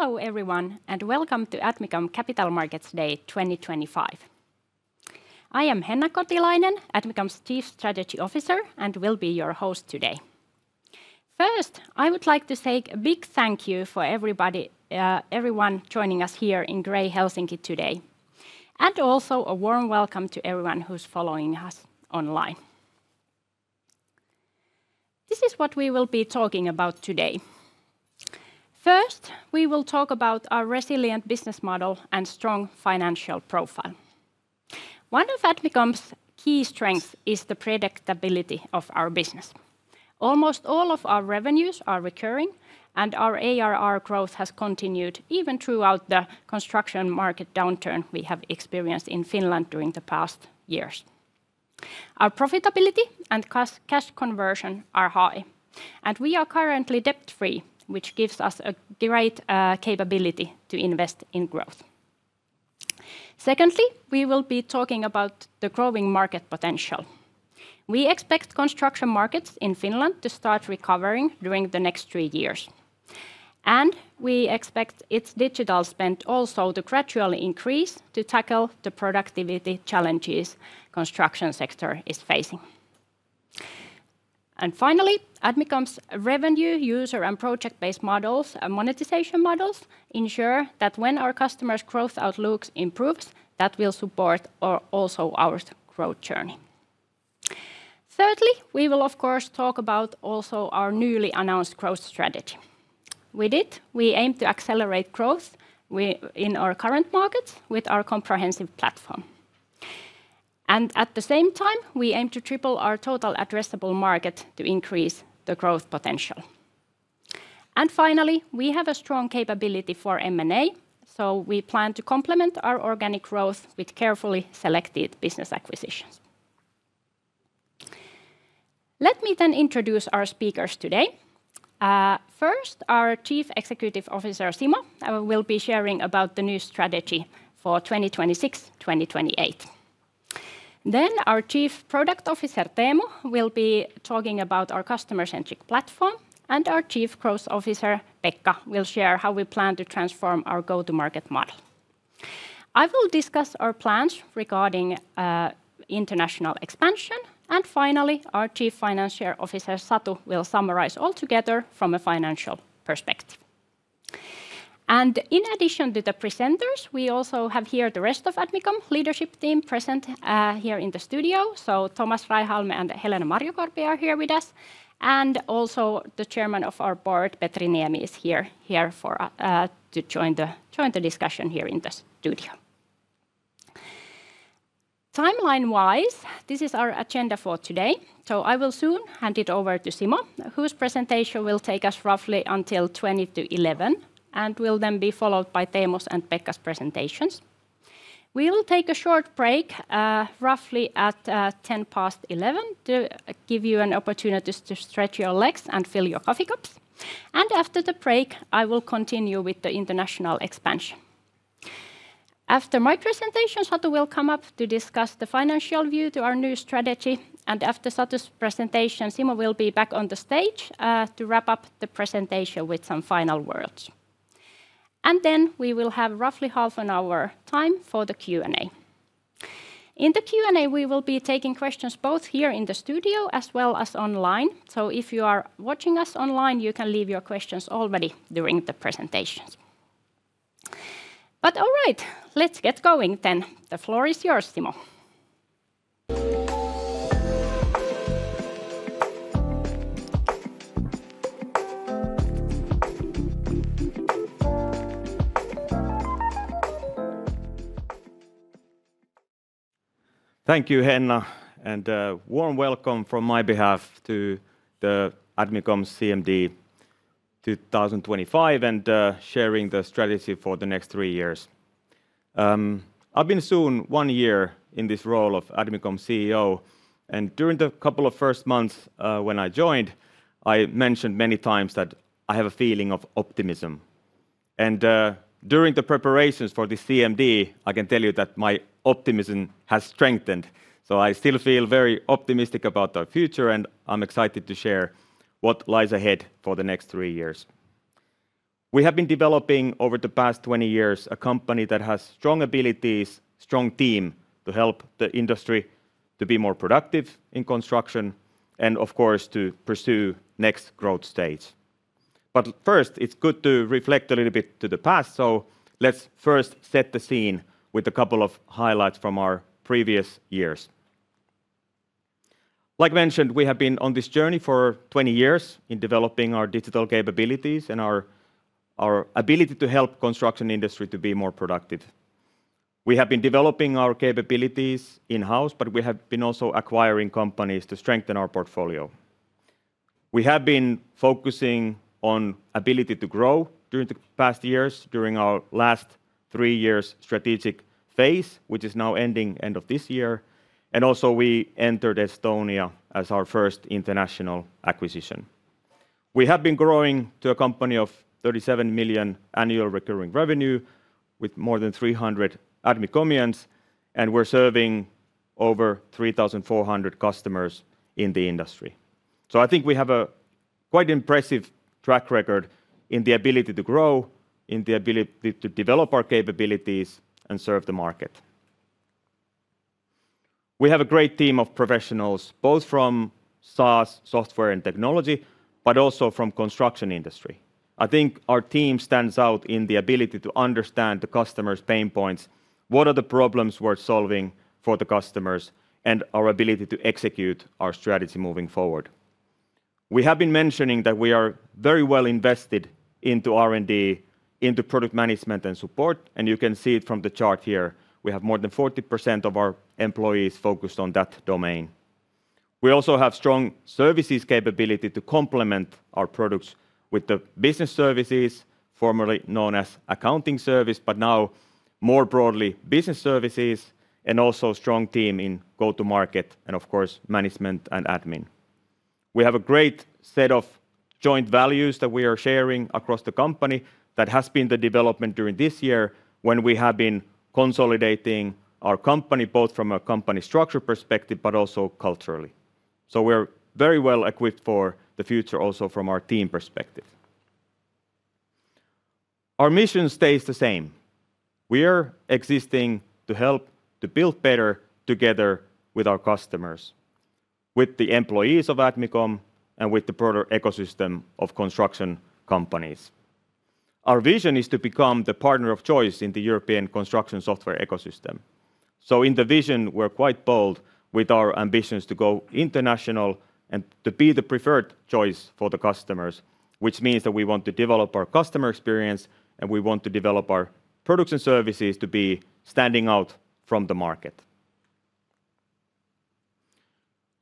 Hello everyone, and welcome to Admicom Capital Markets Day 2025. I am Henna Kotilainen, Admicom's Chief Strategy Officer, and will be your host today. First, I would like to say a big thank you for everyone joining us here in Grey, Helsinki today. Also a warm welcome to everyone who's following us online. This is what we will be talking about today. First, we will talk about our resilient business model and strong financial profile. One of Admicom's key strengths is the predictability of our business. Almost all of our revenues are recurring, and our ARR growth has continued even throughout the construction market downturn we have experienced in Finland during the past years. Our profitability and cash conversion are high, and we are currently debt-free, which gives us a great capability to invest in growth. Secondly, we will be talking about the growing market potential. We expect construction markets in Finland to start recovering during the next three years. We expect its digital spend also to gradually increase to tackle the productivity challenges the construction sector is facing. Finally, Admicom's revenue, user, and project-based monetization models ensure that when our customers' growth outlook improves, that will support also our growth journey. Thirdly, we will, of course, talk about also our newly announced growth strategy. With it, we aim to accelerate growth in our current markets with our comprehensive platform. At the same time, we aim to triple our total addressable market to increase the growth potential. Finally, we have a strong capability for M&A, so we plan to complement our organic growth with carefully selected business acquisitions. Let me then introduce our speakers today. First, our Chief Executive Officer, Simo, will be sharing about the new strategy for 2026-2028. Our Chief Product Officer, Teemu, will be talking about our customer-centric platform, and our Chief Growth Officer, Pekka, will share how we plan to transform our go-to-market model. I will discuss our plans regarding international expansion, and finally, our Chief Financial Officer, Satu, will summarize all together from a financial perspective. In addition to the presenters, we also have here the rest of the Admicom leadership team present here in the studio. Thomas Räihälmi and Helena Marjukorpi are here with us, and also the chairman of our board, Petri Niemi, is here to join the discussion here in the studio. Timeline-wise, this is our agenda for today, so I will soon hand it over to Simo, whose presentation will take us roughly until 20:11 and will then be followed by Teemu's and Pekka's presentations. We will take a short break roughly at 10 past 11 to give you an opportunity to stretch your legs and fill your coffee cups. After the break, I will continue with the international expansion. After my presentation, Satu will come up to discuss the financial view to our new strategy, and after Satu's presentation, Simo will be back on the stage to wrap up the presentation with some final words. We will have roughly half an hour time for the Q&A. In the Q&A, we will be taking questions both here in the studio as well as online, so if you are watching us online, you can leave your questions already during the presentations. All right, let's get going then. The floor is yours, Simo. Thank you, Henna, and a warm welcome from my behalf to the Admicom CMD 2025 and sharing the strategy for the next three years. I've been soon one year in this role of Admicom CEO, and during the couple of first months when I joined, I mentioned many times that I have a feeling of optimism. During the preparations for the CMD, I can tell you that my optimism has strengthened, so I still feel very optimistic about the future, and I'm excited to share what lies ahead for the next three years. We have been developing over the past 20 years a company that has strong abilities, a strong team to help the industry to be more productive in construction, and of course, to pursue the next growth stage. First, it's good to reflect a little bit to the past, so let's first set the scene with a couple of highlights from our previous years. Like mentioned, we have been on this journey for 20 years in developing our digital capabilities and our ability to help the construction industry to be more productive. We have been developing our capabilities in-house, but we have been also acquiring companies to strengthen our portfolio. We have been focusing on the ability to grow during the past years during our last three years' strategic phase, which is now ending at the end of this year, and also we entered Estonia as our first international acquisition. We have been growing to a company of 37 million annual recurring revenue with more than 300 Admicomians, and we're serving over 3,400 customers in the industry. I think we have a quite impressive track record in the ability to grow, in the ability to develop our capabilities, and serve the market. We have a great team of professionals, both from SaaS, software, and technology, but also from the construction industry. I think our team stands out in the ability to understand the customers' pain points, what are the problems worth solving for the customers, and our ability to execute our strategy moving forward. We have been mentioning that we are very well invested into R&D, into product management and support, and you can see it from the chart here. We have more than 40% of our employees focused on that domain. We also have a strong services capability to complement our products with the business services, formerly known as accounting services, but now more broadly business services, and also a strong team in go-to-market and, of course, management and admin. We have a great set of joint values that we are sharing across the company that has been the development during this year when we have been consolidating our company both from a company structure perspective but also culturally. We are very well equipped for the future also from our team perspective. Our mission stays the same. We are existing to help to build better together with our customers, with the employees of Admicom, and with the broader ecosystem of construction companies. Our vision is to become the partner of choice in the European construction software ecosystem. In the vision, we're quite bold with our ambitions to go international and to be the preferred choice for the customers, which means that we want to develop our customer experience, and we want to develop our products and services to be standing out from the market.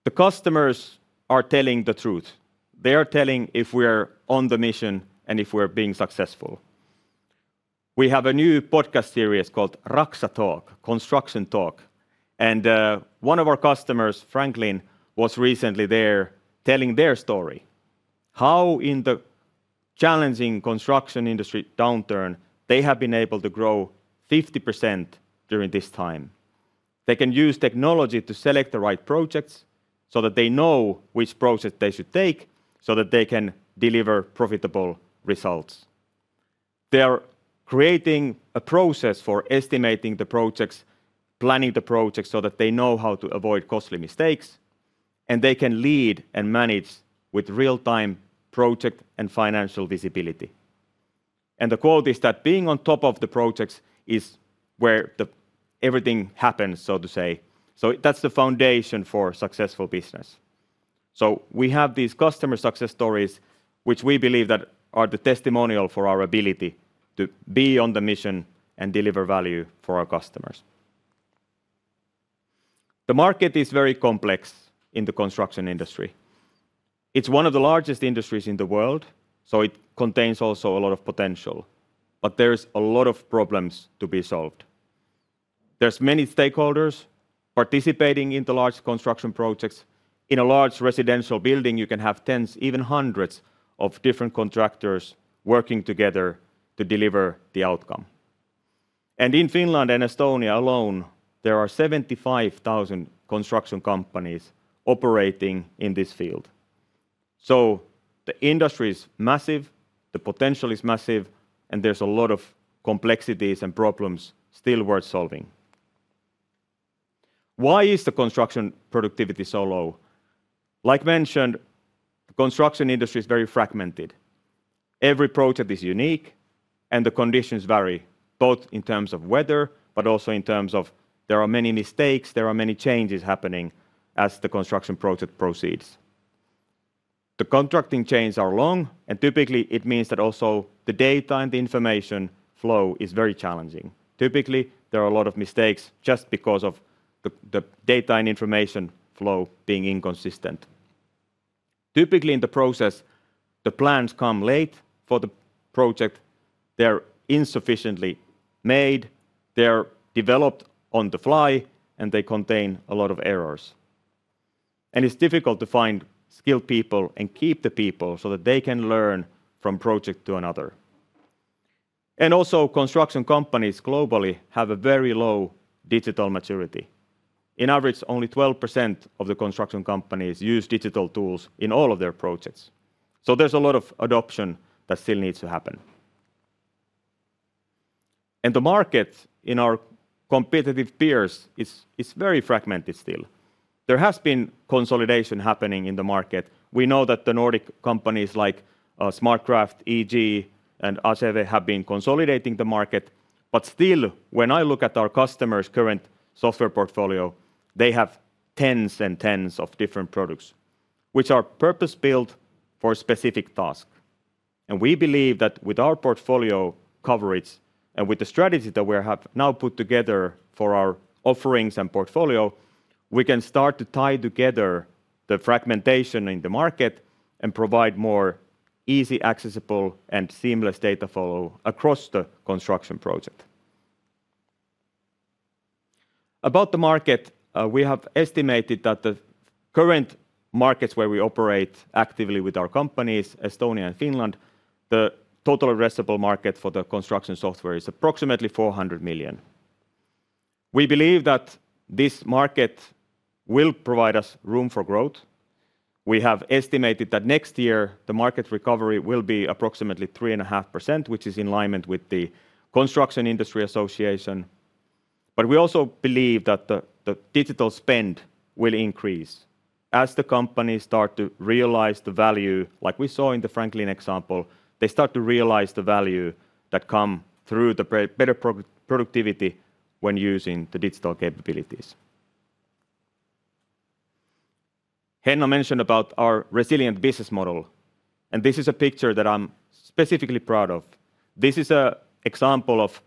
The customers are telling the truth. They are telling if we are on the mission and if we are being successful. We have a new podcast series called Rakhsa Talk, Construction Talk, and one of our customers, Franklin, was recently there telling their story how in the challenging construction industry downturn, they have been able to grow 50% during this time. They can use technology to select the right projects so that they know which process they should take so that they can deliver profitable results. They are creating a process for estimating the projects, planning the projects so that they know how to avoid costly mistakes, and they can lead and manage with real-time project and financial visibility. The quality is that being on top of the projects is where everything happens, so to say. That is the foundation for a successful business. We have these customer success stories, which we believe are the testimonial for our ability to be on the mission and deliver value for our customers. The market is very complex in the construction industry. It is one of the largest industries in the world, so it contains also a lot of potential, but there are a lot of problems to be solved. There are many stakeholders participating in the large construction projects. In a large residential building, you can have tens, even hundreds of different contractors working together to deliver the outcome. In Finland and Estonia alone, there are 75,000 construction companies operating in this field. The industry is massive, the potential is massive, and there are a lot of complexities and problems still worth solving. Why is the construction productivity so low? Like mentioned, the construction industry is very fragmented. Every project is unique, and the conditions vary both in terms of weather, but also in terms of there are many mistakes, there are many changes happening as the construction project proceeds. The contracting chains are long, and typically it means that also the data and the information flow is very challenging. Typically, there are a lot of mistakes just because of the data and information flow being inconsistent. Typically, in the process, the plans come late for the project, they are insufficiently made, they are developed on the fly, and they contain a lot of errors. It is difficult to find skilled people and keep the people so that they can learn from project to another. Also, construction companies globally have a very low digital maturity. On average, only 12% of the construction companies use digital tools in all of their projects. There is a lot of adoption that still needs to happen. The market in our competitive peers is very fragmented still. There has been consolidation happening in the market. We know that the Nordic companies like SmartCraft, EG, and ACV have been consolidating the market, but still, when I look at our customers' current software portfolio, they have tens and tens of different products, which are purpose-built for a specific task. We believe that with our portfolio coverage and with the strategy that we have now put together for our offerings and portfolio, we can start to tie together the fragmentation in the market and provide more easy, accessible, and seamless data flow across the construction project. About the market, we have estimated that the current markets where we operate actively with our companies, Estonia and Finland, the total addressable market for the construction software is approximately 400 million. We believe that this market will provide us room for growth. We have estimated that next year, the market recovery will be approximately 3.5%, which is in alignment with the Construction Industry Association. We also believe that the digital spend will increase as the companies start to realize the value, like we saw in the Franklin example, they start to realize the value that comes through the better productivity when using the digital capabilities. Henna mentioned about our resilient business model, and this is a picture that I'm specifically proud of. This is an example of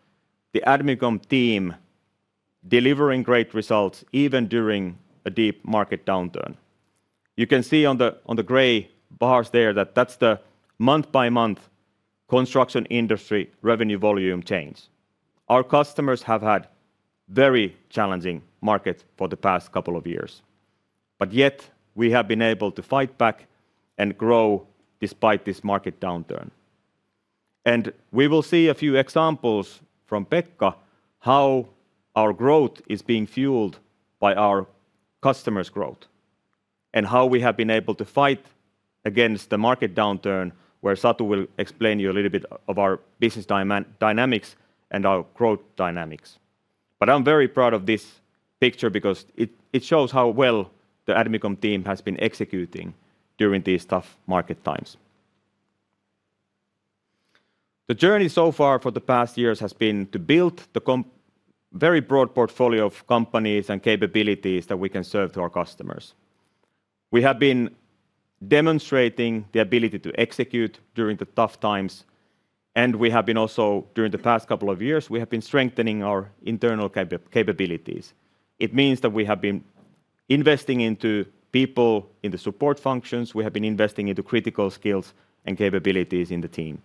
the Admicom team delivering great results even during a deep market downturn. You can see on the gray bars there that that's the month-by-month construction industry revenue volume change. Our customers have had very challenging markets for the past couple of years, but yet we have been able to fight back and grow despite this market downturn. We will see a few examples from Pekka, how our growth is being fueled by our customers' growth and how we have been able to fight against the market downturn, where Satu will explain to you a little bit of our business dynamics and our growth dynamics. I am very proud of this picture because it shows how well the Admicom team has been executing during these tough market times. The journey so far for the past years has been to build the very broad portfolio of companies and capabilities that we can serve to our customers. We have been demonstrating the ability to execute during the tough times, and we have been also, during the past couple of years, we have been strengthening our internal capabilities. It means that we have been investing into people in the support functions. We have been investing into critical skills and capabilities in the team.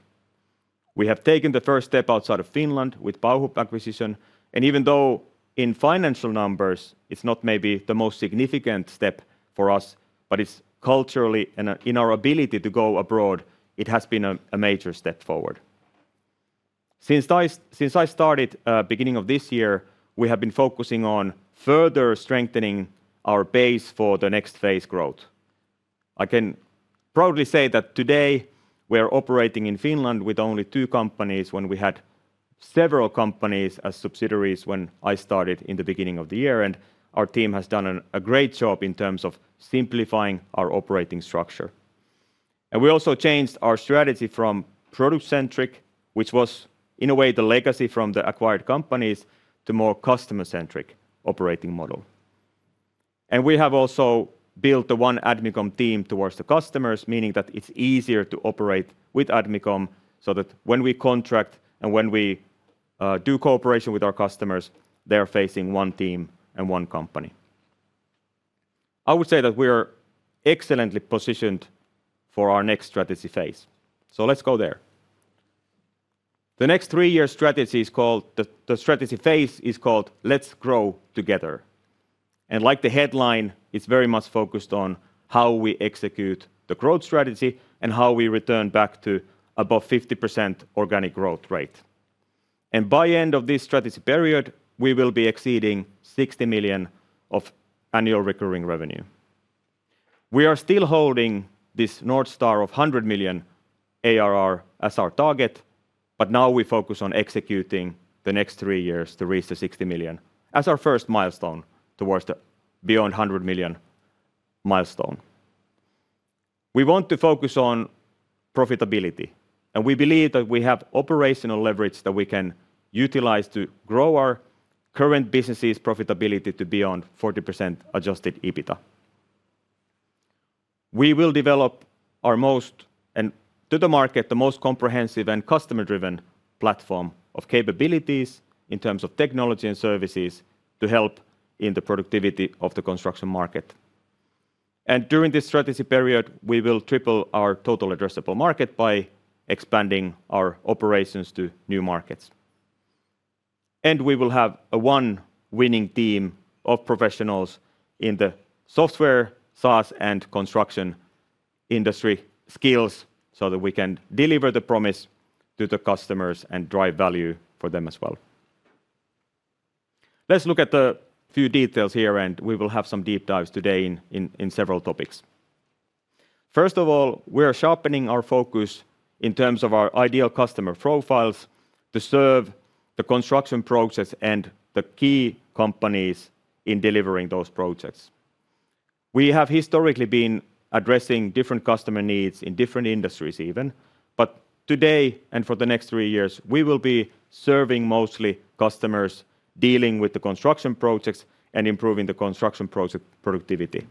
We have taken the first step outside of Finland with Bauhub acquisition, and even though in financial numbers, it's not maybe the most significant step for us, but it's culturally and in our ability to go abroad, it has been a major step forward. Since I started at the beginning of this year, we have been focusing on further strengthening our base for the next phase growth. I can proudly say that today we are operating in Finland with only two companies when we had several companies as subsidiaries when I started in the beginning of the year, and our team has done a great job in terms of simplifying our operating structure. We also changed our strategy from product-centric, which was in a way the legacy from the acquired companies, to a more customer-centric operating model. We have also built the one Admicom team towards the customers, meaning that it's easier to operate with Admicom so that when we contract and when we do cooperation with our customers, they are facing one team and one company. I would say that we are excellently positioned for our next strategy phase. Let's go there. The next three-year strategy is called, the strategy phase is called Let's Grow Together. Like the headline, it's very much focused on how we execute the growth strategy and how we return back to above 50% organic growth rate. By the end of this strategy period, we will be exceeding 60 million of annual recurring revenue. We are still holding this North Star of 100 million ARR as our target, but now we focus on executing the next three years to reach the 60 million as our first milestone towards the beyond 100 million milestone. We want to focus on profitability, and we believe that we have operational leverage that we can utilize to grow our current business's profitability to beyond 40% adjusted EBITDA. We will develop our most, and to the market, the most comprehensive and customer-driven platform of capabilities in terms of technology and services to help in the productivity of the construction market. During this strategy period, we will triple our total addressable market by expanding our operations to new markets. We will have a one-winning team of professionals in the software, SaaS, and construction industry skills so that we can deliver the promise to the customers and drive value for them as well. Let's look at a few details here, and we will have some deep dives today in several topics. First of all, we are sharpening our focus in terms of our ideal customer profiles to serve the construction process and the key companies in delivering those projects. We have historically been addressing different customer needs in different industries even, but today and for the next three years, we will be serving mostly customers dealing with the construction projects and improving the construction project productivity.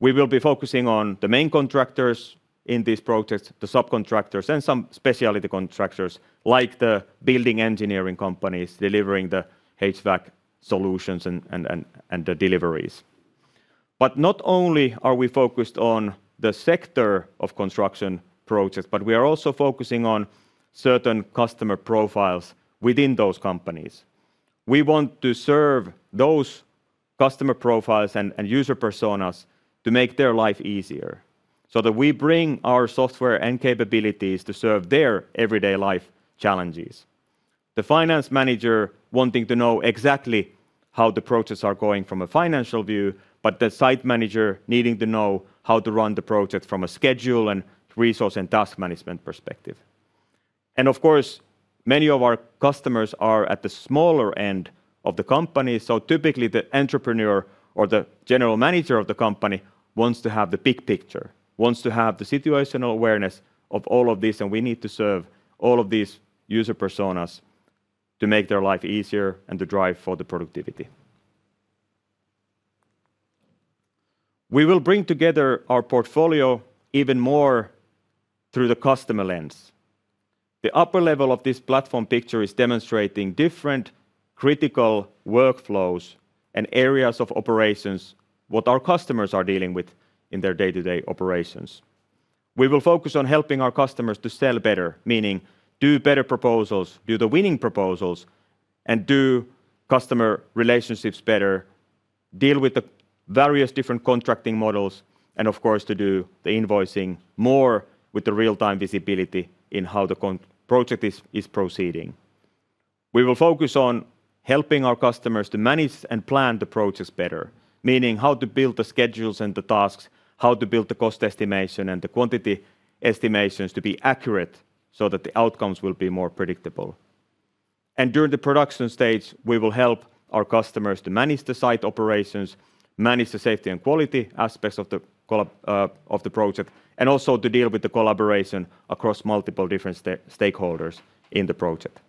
We will be focusing on the main contractors in these projects, the subcontractors, and some specialty contractors like the building engineering companies delivering the HVAC solutions and the deliveries. Not only are we focused on the sector of construction projects, but we are also focusing on certain customer profiles within those companies. We want to serve those customer profiles and user personas to make their life easier so that we bring our software and capabilities to serve their everyday life challenges. The finance manager wanting to know exactly how the processes are going from a financial view, but the site manager needing to know how to run the project from a schedule and resource and task management perspective. Of course, many of our customers are at the smaller end of the company, so typically the entrepreneur or the general manager of the company wants to have the big picture, wants to have the situational awareness of all of these, and we need to serve all of these user personas to make their life easier and to drive for the productivity. We will bring together our portfolio even more through the customer lens. The upper level of this platform picture is demonstrating different critical workflows and areas of operations, what our customers are dealing with in their day-to-day operations. We will focus on helping our customers to sell better, meaning do better proposals, do the winning proposals, and do customer relationships better, deal with the various different contracting models, and of course to do the invoicing more with the real-time visibility in how the project is proceeding. We will focus on helping our customers to manage and plan the projects better, meaning how to build the schedules and the tasks, how to build the cost estimation and the quantity estimations to be accurate so that the outcomes will be more predictable. During the production stage, we will help our customers to manage the site operations, manage the safety and quality aspects of the project, and also to deal with the collaboration across multiple different stakeholders in the project.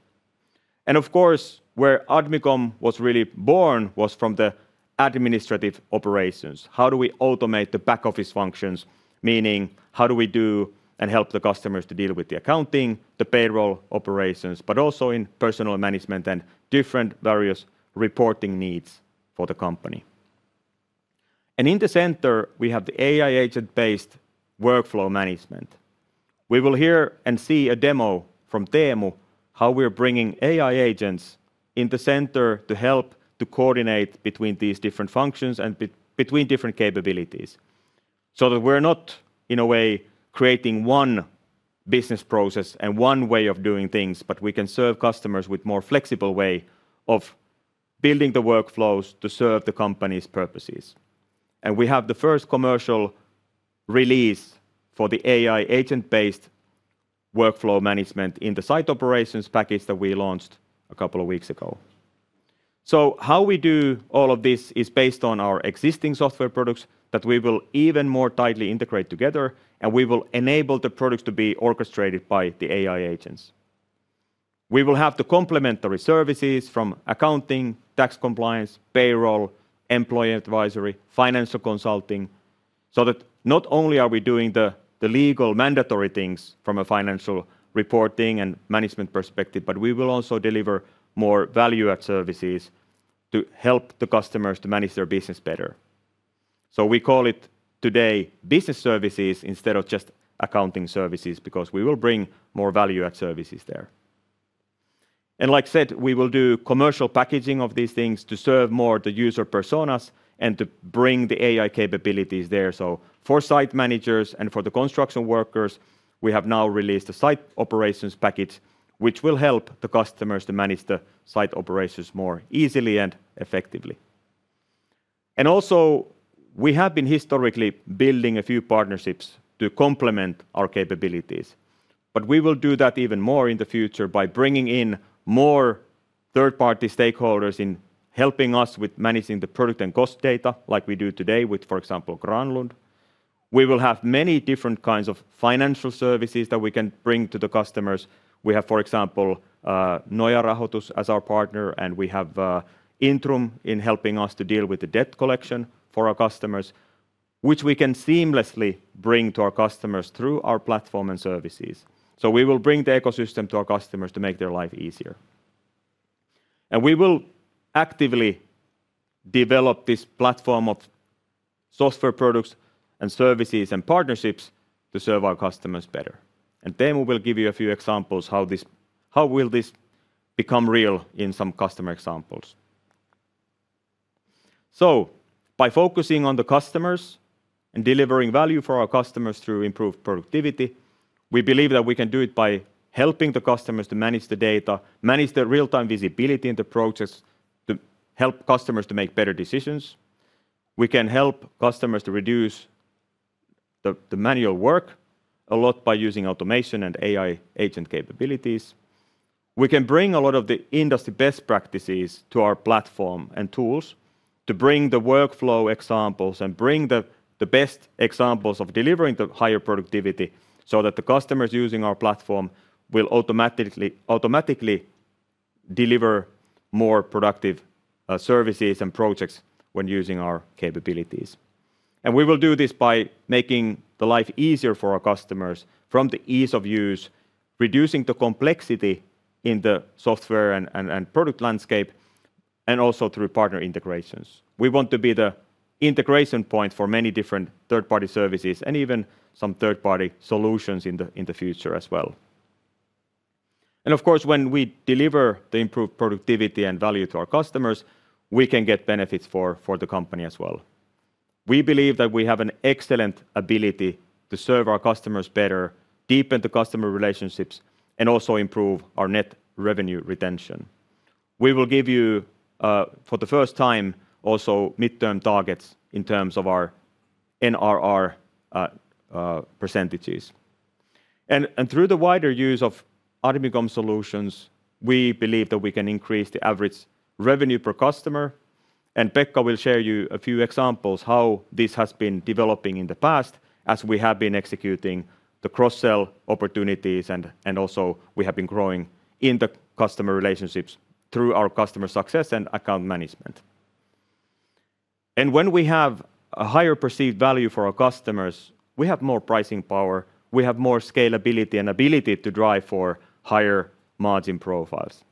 Of course, where Admicom was really born was from the administrative operations. How do we automate the back office functions, meaning how do we do and help the customers to deal with the accounting, the payroll operations, but also in personal management and different various reporting needs for the company. In the center, we have the AI agent-based workflow management. We will hear and see a demo from Teemu, how we are bringing AI agents in the center to help to coordinate between these different functions and between different capabilities so that we're not in a way creating one business process and one way of doing things, but we can serve customers with a more flexible way of building the workflows to serve the company's purposes. We have the first commercial release for the AI agent-based workflow management in the Site Operations Package that we launched a couple of weeks ago. How we do all of this is based on our existing software products that we will even more tightly integrate together, and we will enable the products to be orchestrated by the AI agents. We will have the complementary services from accounting, tax compliance, payroll, employee advisory, financial consulting, so that not only are we doing the legal mandatory things from a financial reporting and management perspective, but we will also deliver more value-add services to help the customers to manage their business better. We call it today business services instead of just accounting services because we will bring more value-add services there. Like said, we will do commercial packaging of these things to serve more the user personas and to bring the AI capabilities there. For site managers and for the construction workers, we have now released a Site Operations Package, which will help the customers to manage the site operations more easily and effectively. We have been historically building a few partnerships to complement our capabilities, but we will do that even more in the future by bringing in more third-party stakeholders in helping us with managing the product and cost data like we do today with, for example, Granlund. We will have many different kinds of financial services that we can bring to the customers. We have, for example, Noja Rahoitus as our partner, and we have Intrum in helping us to deal with the debt collection for our customers, which we can seamlessly bring to our customers through our platform and services. We will bring the ecosystem to our customers to make their life easier. We will actively develop this platform of software products and services and partnerships to serve our customers better. Teemu will give you a few examples how this will become real in some customer examples. By focusing on the customers and delivering value for our customers through improved productivity, we believe that we can do it by helping the customers to manage the data, manage the real-time visibility in the process to help customers to make better decisions. We can help customers to reduce the manual work a lot by using automation and AI agent capabilities. We can bring a lot of the industry best practices to our platform and tools to bring the workflow examples and bring the best examples of delivering the higher productivity so that the customers using our platform will automatically deliver more productive services and projects when using our capabilities. We will do this by making life easier for our customers from the ease of use, reducing the complexity in the software and product landscape, and also through partner integrations. We want to be the integration point for many different third-party services and even some third-party solutions in the future as well. Of course, when we deliver the improved productivity and value to our customers, we can get benefits for the company as well. We believe that we have an excellent ability to serve our customers better, deepen the customer relationships, and also improve our net revenue retention. We will give you for the first time also midterm targets in terms of our NRR percentages. Through the wider use of Admicom Solutions, we believe that we can increase the average revenue per customer. Pekka will share you a few examples of how this has been developing in the past as we have been executing the cross-sell opportunities, and also we have been growing in the customer relationships through our customer success and account management. When we have a higher perceived value for our customers, we have more pricing power, we have more scalability and ability to drive for higher margin profiles.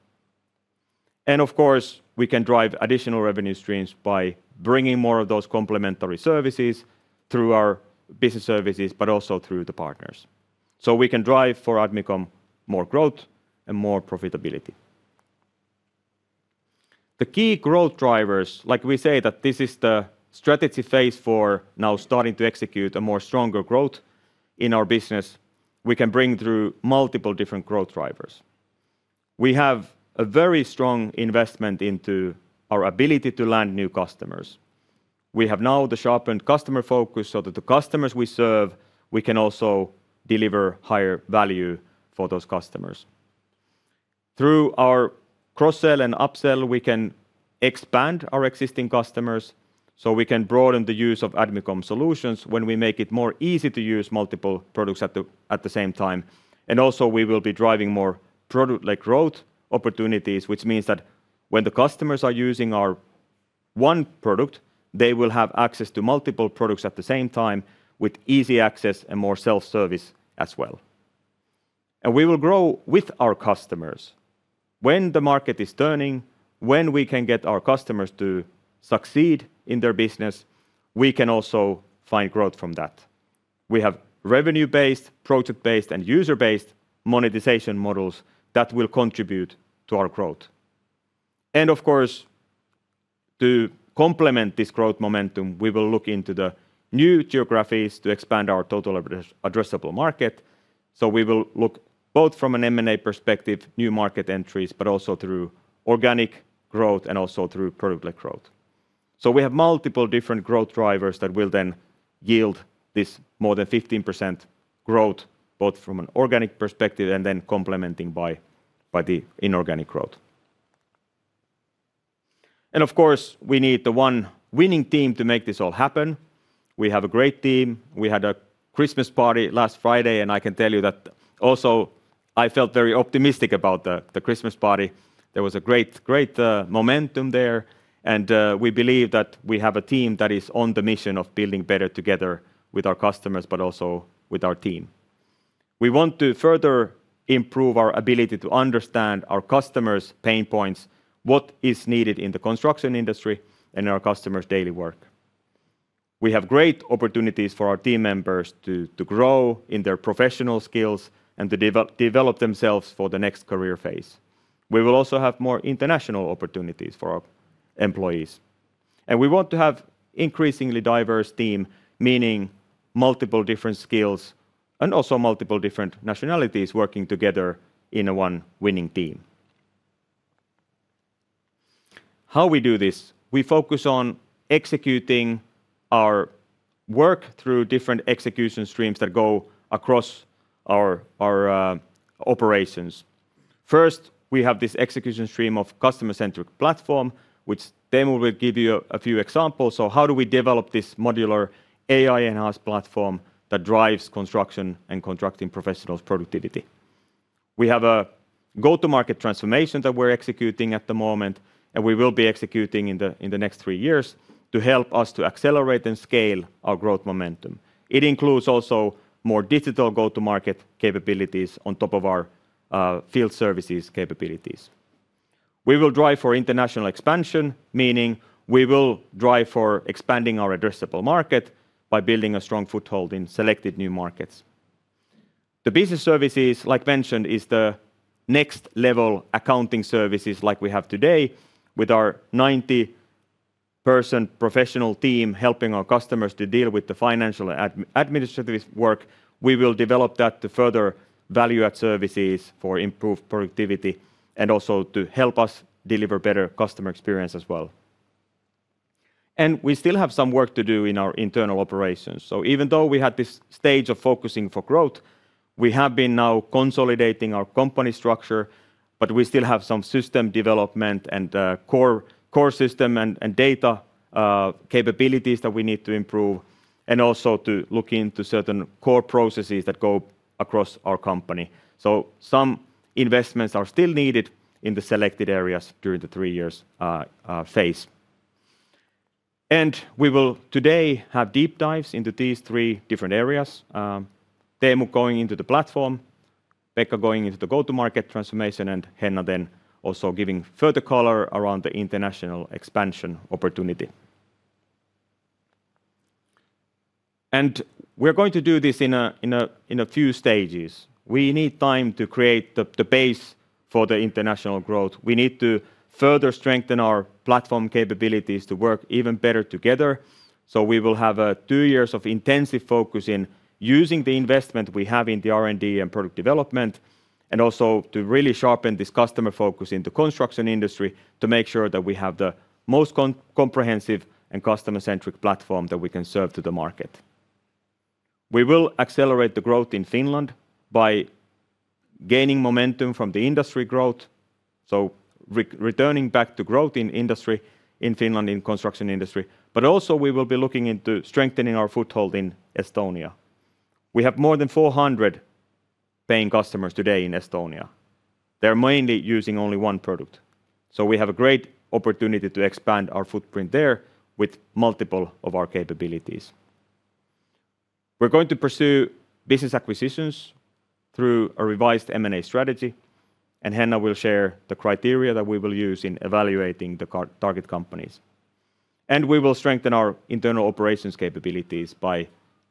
Of course, we can drive additional revenue streams by bringing more of those complementary services through our business services, but also through the partners. We can drive for Admicom more growth and more profitability. The key growth drivers, like we say that this is the strategy phase for now starting to execute a more stronger growth in our business, we can bring through multiple different growth drivers. We have a very strong investment into our ability to land new customers. We have now the sharpened customer focus so that the customers we serve, we can also deliver higher value for those customers. Through our cross-sell and upsell, we can expand our existing customers so we can broaden the use of Admicom Solutions when we make it more easy to use multiple products at the same time. We will be driving more product-like growth opportunities, which means that when the customers are using our one product, they will have access to multiple products at the same time with easy access and more self-service as well. We will grow with our customers. When the market is turning, when we can get our customers to succeed in their business, we can also find growth from that. We have revenue-based, project-based, and user-based monetization models that will contribute to our growth. To complement this growth momentum, we will look into the new geographies to expand our total addressable market. We will look both from an M&A perspective, new market entries, but also through organic growth and also through product-like growth. We have multiple different growth drivers that will then yield this more than 15% growth both from an organic perspective and then complementing by the inorganic growth. Of course, we need the one winning team to make this all happen. We have a great team. We had a Christmas party last Friday, and I can tell you that also I felt very optimistic about the Christmas party. There was a great momentum there, and we believe that we have a team that is on the mission of building better together with our customers, but also with our team. We want to further improve our ability to understand our customers' pain points, what is needed in the construction industry and in our customers' daily work. We have great opportunities for our team members to grow in their professional skills and to develop themselves for the next career phase. We will also have more international opportunities for our employees. We want to have an increasingly diverse team, meaning multiple different skills and also multiple different nationalities working together in one winning team. How do we do this? We focus on executing our work through different execution streams that go across our operations. First, we have this execution stream of customer-centric platform, which Teemu will give you a few examples of how do we develop this modular AI enhanced platform that drives construction and contracting professionals' productivity. We have a go-to-market transformation that we're executing at the moment, and we will be executing in the next three years to help us to accelerate and scale our growth momentum. It includes also more digital go-to-market capabilities on top of our field services capabilities. We will drive for international expansion, meaning we will drive for expanding our addressable market by building a strong foothold in selected new markets. The business services, like mentioned, is the next level accounting services like we have today with our 90-person professional team helping our customers to deal with the financial and administrative work. We will develop that to further value-add services for improved productivity and also to help us deliver better customer experience as well. We still have some work to do in our internal operations. Even though we had this stage of focusing for growth, we have been now consolidating our company structure, but we still have some system development and core system and data capabilities that we need to improve and also to look into certain core processes that go across our company. Some investments are still needed in the selected areas during the three years phase. We will today have deep dives into these three different areas. Teemu going into the platform, Pekka going into the go-to-market transformation, and Henna then also giving further color around the international expansion opportunity. We are going to do this in a few stages. We need time to create the base for the international growth. We need to further strengthen our platform capabilities to work even better together. We will have two years of intensive focus in using the investment we have in the R&D and product development and also to really sharpen this customer focus in the construction industry to make sure that we have the most comprehensive and customer-centric platform that we can serve to the market. We will accelerate the growth in Finland by gaining momentum from the industry growth, returning back to growth in industry in Finland in the construction industry, but also we will be looking into strengthening our foothold in Estonia. We have more than 400 paying customers today in Estonia. They are mainly using only one product. We have a great opportunity to expand our footprint there with multiple of our capabilities. We're going to pursue business acquisitions through a revised M&A strategy, and Henna will share the criteria that we will use in evaluating the target companies. We will strengthen our internal operations capabilities by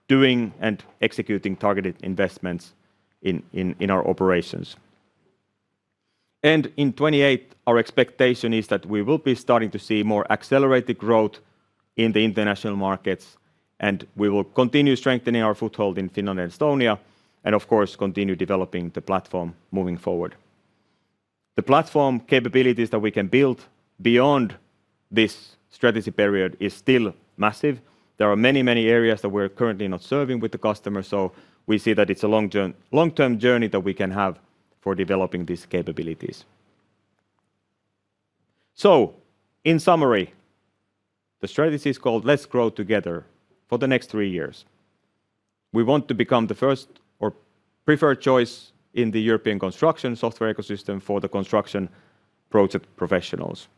doing and executing targeted investments in our operations. In 2028, our expectation is that we will be starting to see more accelerated growth in the international markets, and we will continue strengthening our foothold in Finland and Estonia, and of course, continue developing the platform moving forward. The platform capabilities that we can build beyond this strategy period is still massive. There are many, many areas that we're currently not serving with the customers, so we see that it's a long-term journey that we can have for developing these capabilities. In summary, the strategy is called Let's Grow Together for the next three years. We want to become the first or preferred choice in the European construction software ecosystem for the construction project professionals.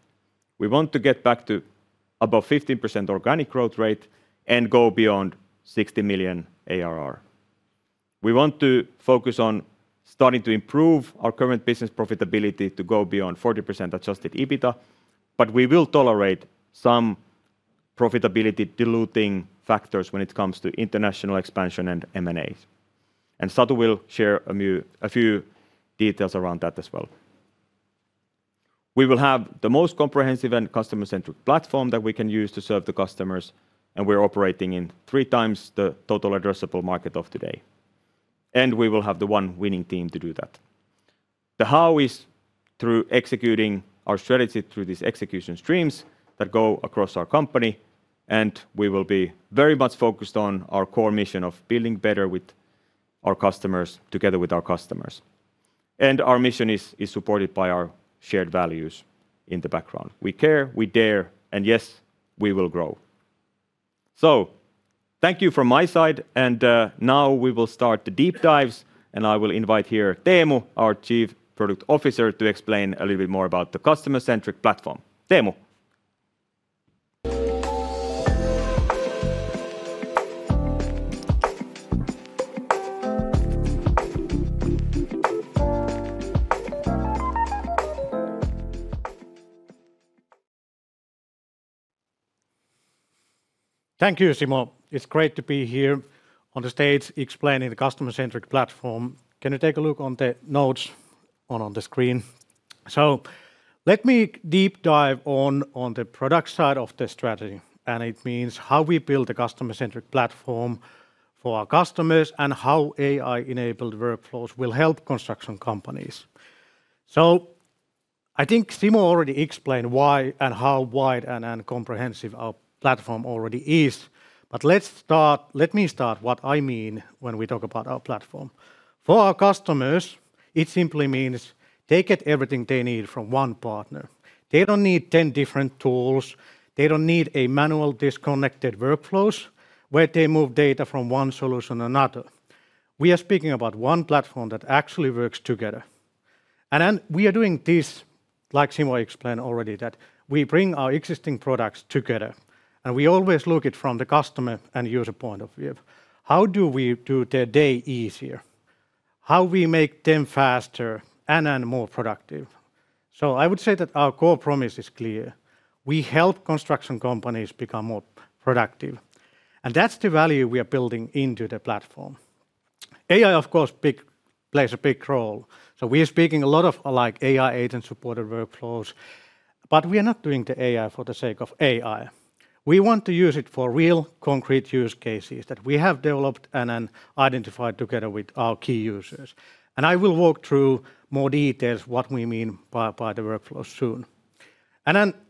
We want to get back to above 15% organic growth rate and go beyond 60 million ARR. We want to focus on starting to improve our current business profitability to go beyond 40% adjusted EBITDA, but we will tolerate some profitability diluting factors when it comes to international expansion and M&As. Satu will share a few details around that as well. We will have the most comprehensive and customer-centric platform that we can use to serve the customers, and we're operating in three times the total addressable market of today. We will have the one winning team to do that. The how is through executing our strategy through these execution streams that go across our company, and we will be very much focused on our core mission of building better with our customers together with our customers. Our mission is supported by our shared values in the background. We care, we dare, and yes, we will grow. Thank you from my side, and now we will start the deep dives, and I will invite here Teemu, our Chief Product Officer, to explain a little bit more about the customer-centric platform. Teemu. Thank you, Simo. It's great to be here on the stage explaining the customer-centric platform. Can you take a look on the notes on the screen? Let me deep dive on the product side of the strategy, and it means how we build a customer-centric platform for our customers and how AI-enabled workflows will help construction companies. I think Simo already explained why and how wide and comprehensive our platform already is, but let me start what I mean when we talk about our platform. For our customers, it simply means they get everything they need from one partner. They do not need 10 different tools. They do not need manual disconnected workflows where they move data from one solution to another. We are speaking about one platform that actually works together. We are doing this, like Simo explained already, that we bring our existing products together, and we always look at it from the customer and user point of view. How do we do their day easier? How do we make them faster and more productive? I would say that our core promise is clear. We help construction companies become more productive. That is the value we are building into the platform. AI, of course, plays a big role. We are speaking a lot of AI agent-supported workflows, but we are not doing the AI for the sake of AI. We want to use it for real concrete use cases that we have developed and identified together with our key users. I will walk through more details of what we mean by the workflows soon.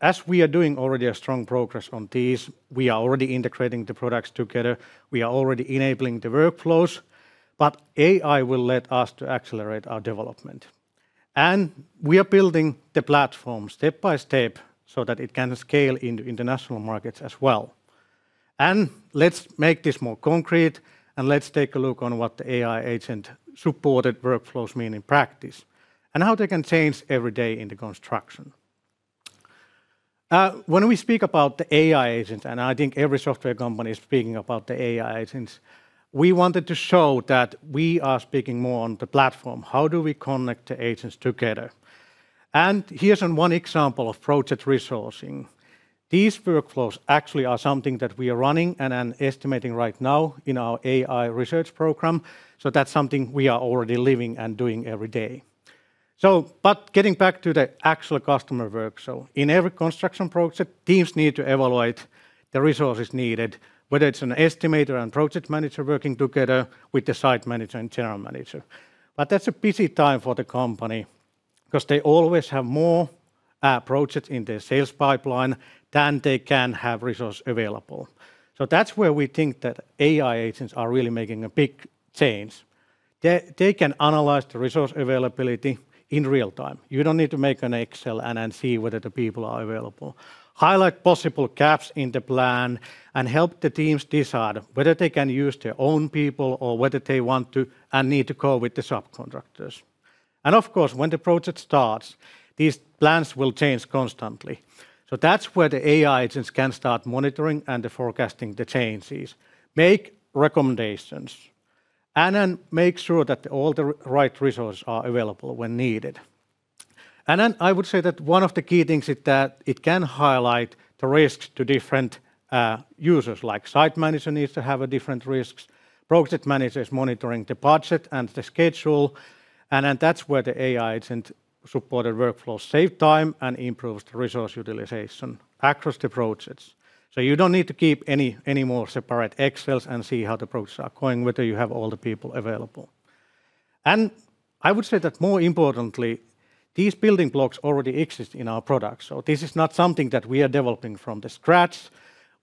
As we are doing already a strong progress on these, we are already integrating the products together. We are already enabling the workflows, but AI will let us accelerate our development. We are building the platform step by step so that it can scale into international markets as well. Let's make this more concrete, and let's take a look on what the AI agent-supported workflows mean in practice and how they can change every day in the construction. When we speak about the AI agents, and I think every software company is speaking about the AI agents, we wanted to show that we are speaking more on the platform. How do we connect the agents together? Here's one example of project resourcing. These workflows actually are something that we are running and estimating right now in our AI research program. That's something we are already living and doing every day. Getting back to the actual customer workflow, in every construction project, teams need to evaluate the resources needed, whether it's an estimator and project manager working together with the site manager and general manager. That is a busy time for the company because they always have more projects in their sales pipeline than they can have resources available. That is where we think that AI agents are really making a big change. They can analyze the resource availability in real time. You do not need to make an Excel and see whether the people are available. Highlight possible gaps in the plan and help the teams decide whether they can use their own people or whether they want to and need to go with the subcontractors. Of course, when the project starts, these plans will change constantly. That is where the AI agents can start monitoring and forecasting the changes, make recommendations, and make sure that all the right resources are available when needed. I would say that one of the key things is that it can highlight the risks to different users, like site manager needs to have different risks, project managers monitoring the budget and the schedule. That is where the AI agent-supported workflows save time and improve the resource utilization across the projects. You do not need to keep any more separate Excels and see how the projects are going, whether you have all the people available. I would say that more importantly, these building blocks already exist in our products. This is not something that we are developing from scratch.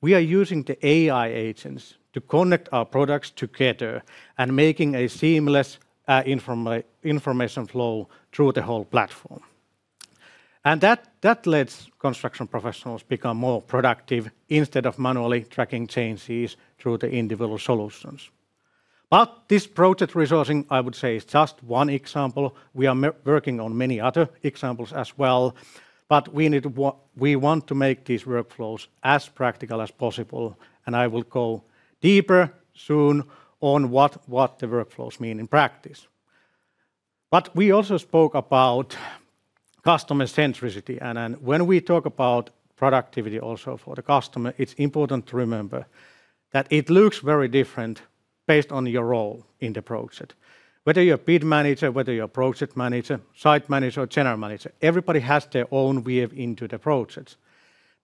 We are using the AI agents to connect our products together and making a seamless information flow through the whole platform. That lets construction professionals become more productive instead of manually tracking changes through the individual solutions. This project resourcing, I would say, is just one example. We are working on many other examples as well, but we want to make these workflows as practical as possible. I will go deeper soon on what the workflows mean in practice. We also spoke about customer-centricity. When we talk about productivity also for the customer, it's important to remember that it looks very different based on your role in the project. Whether you're a bid manager, whether you're a project manager, site manager, or general manager, everybody has their own view into the projects.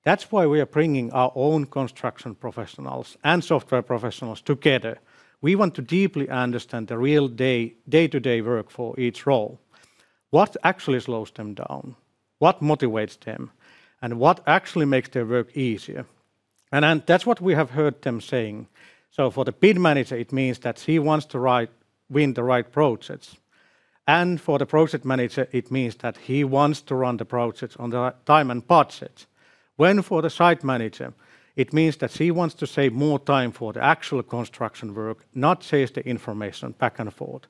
That's why we are bringing our own construction professionals and software professionals together. We want to deeply understand the real day-to-day work for each role. What actually slows them down? What motivates them? What actually makes their work easier? That is what we have heard them saying. For the bid manager, it means that he wants to win the right projects. For the project manager, it means that he wants to run the projects on time and budget. For the site manager, it means that he wants to save more time for the actual construction work, not chase the information back and forth.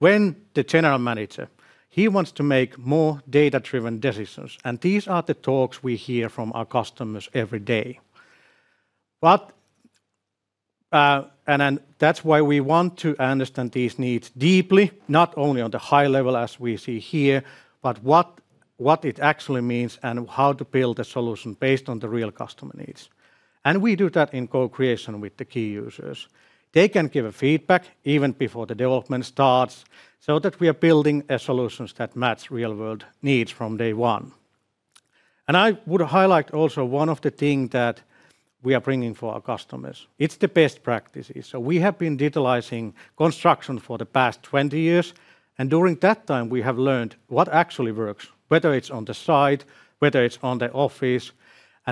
The general manager wants to make more data-driven decisions. These are the talks we hear from our customers every day. That is why we want to understand these needs deeply, not only on the high level as we see here, but what it actually means and how to build a solution based on the real customer needs. We do that in co-creation with the key users. They can give feedback even before the development starts so that we are building solutions that match real-world needs from day one. I would highlight also one of the things that we are bringing for our customers. It is the best practices. We have been digitalizing construction for the past 20 years. During that time, we have learned what actually works, whether it is on the site or in the office.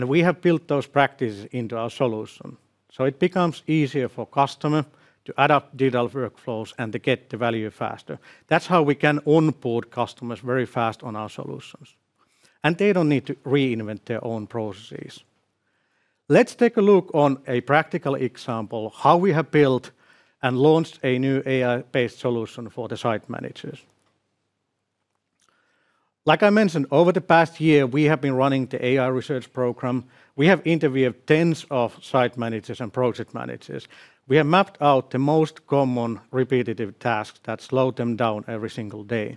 We have built those practices into our solution. It becomes easier for customers to adopt digital workflows and to get the value faster. That's how we can onboard customers very fast on our solutions. They don't need to reinvent their own processes. Let's take a look on a practical example of how we have built and launched a new AI-based solution for the site managers. Like I mentioned, over the past year, we have been running the AI research program. We have interviewed tens of site managers and project managers. We have mapped out the most common repetitive tasks that slow them down every single day.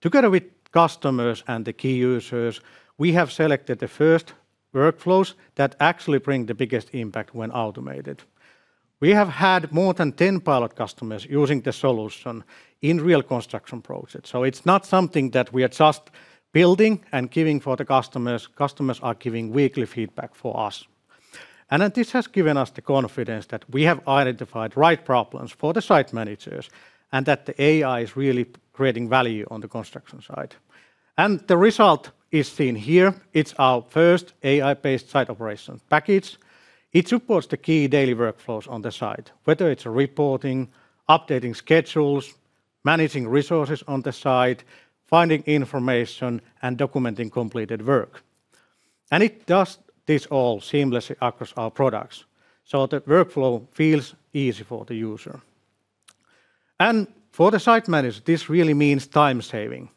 Together with customers and the key users, we have selected the first workflows that actually bring the biggest impact when automated. We have had more than 10 pilot customers using the solution in real construction projects. It is not something that we are just building and giving for the customers. Customers are giving weekly feedback for us. This has given us the confidence that we have identified the right problems for the site managers and that the AI is really creating value on the construction side. The result is seen here. It's our first AI-based Site Operations Package. It supports the key daily workflows on the site, whether it's reporting, updating schedules, managing resources on the site, finding information, and documenting completed work. It does this all seamlessly across our products. The workflow feels easy for the user. For the site managers, this really means time saving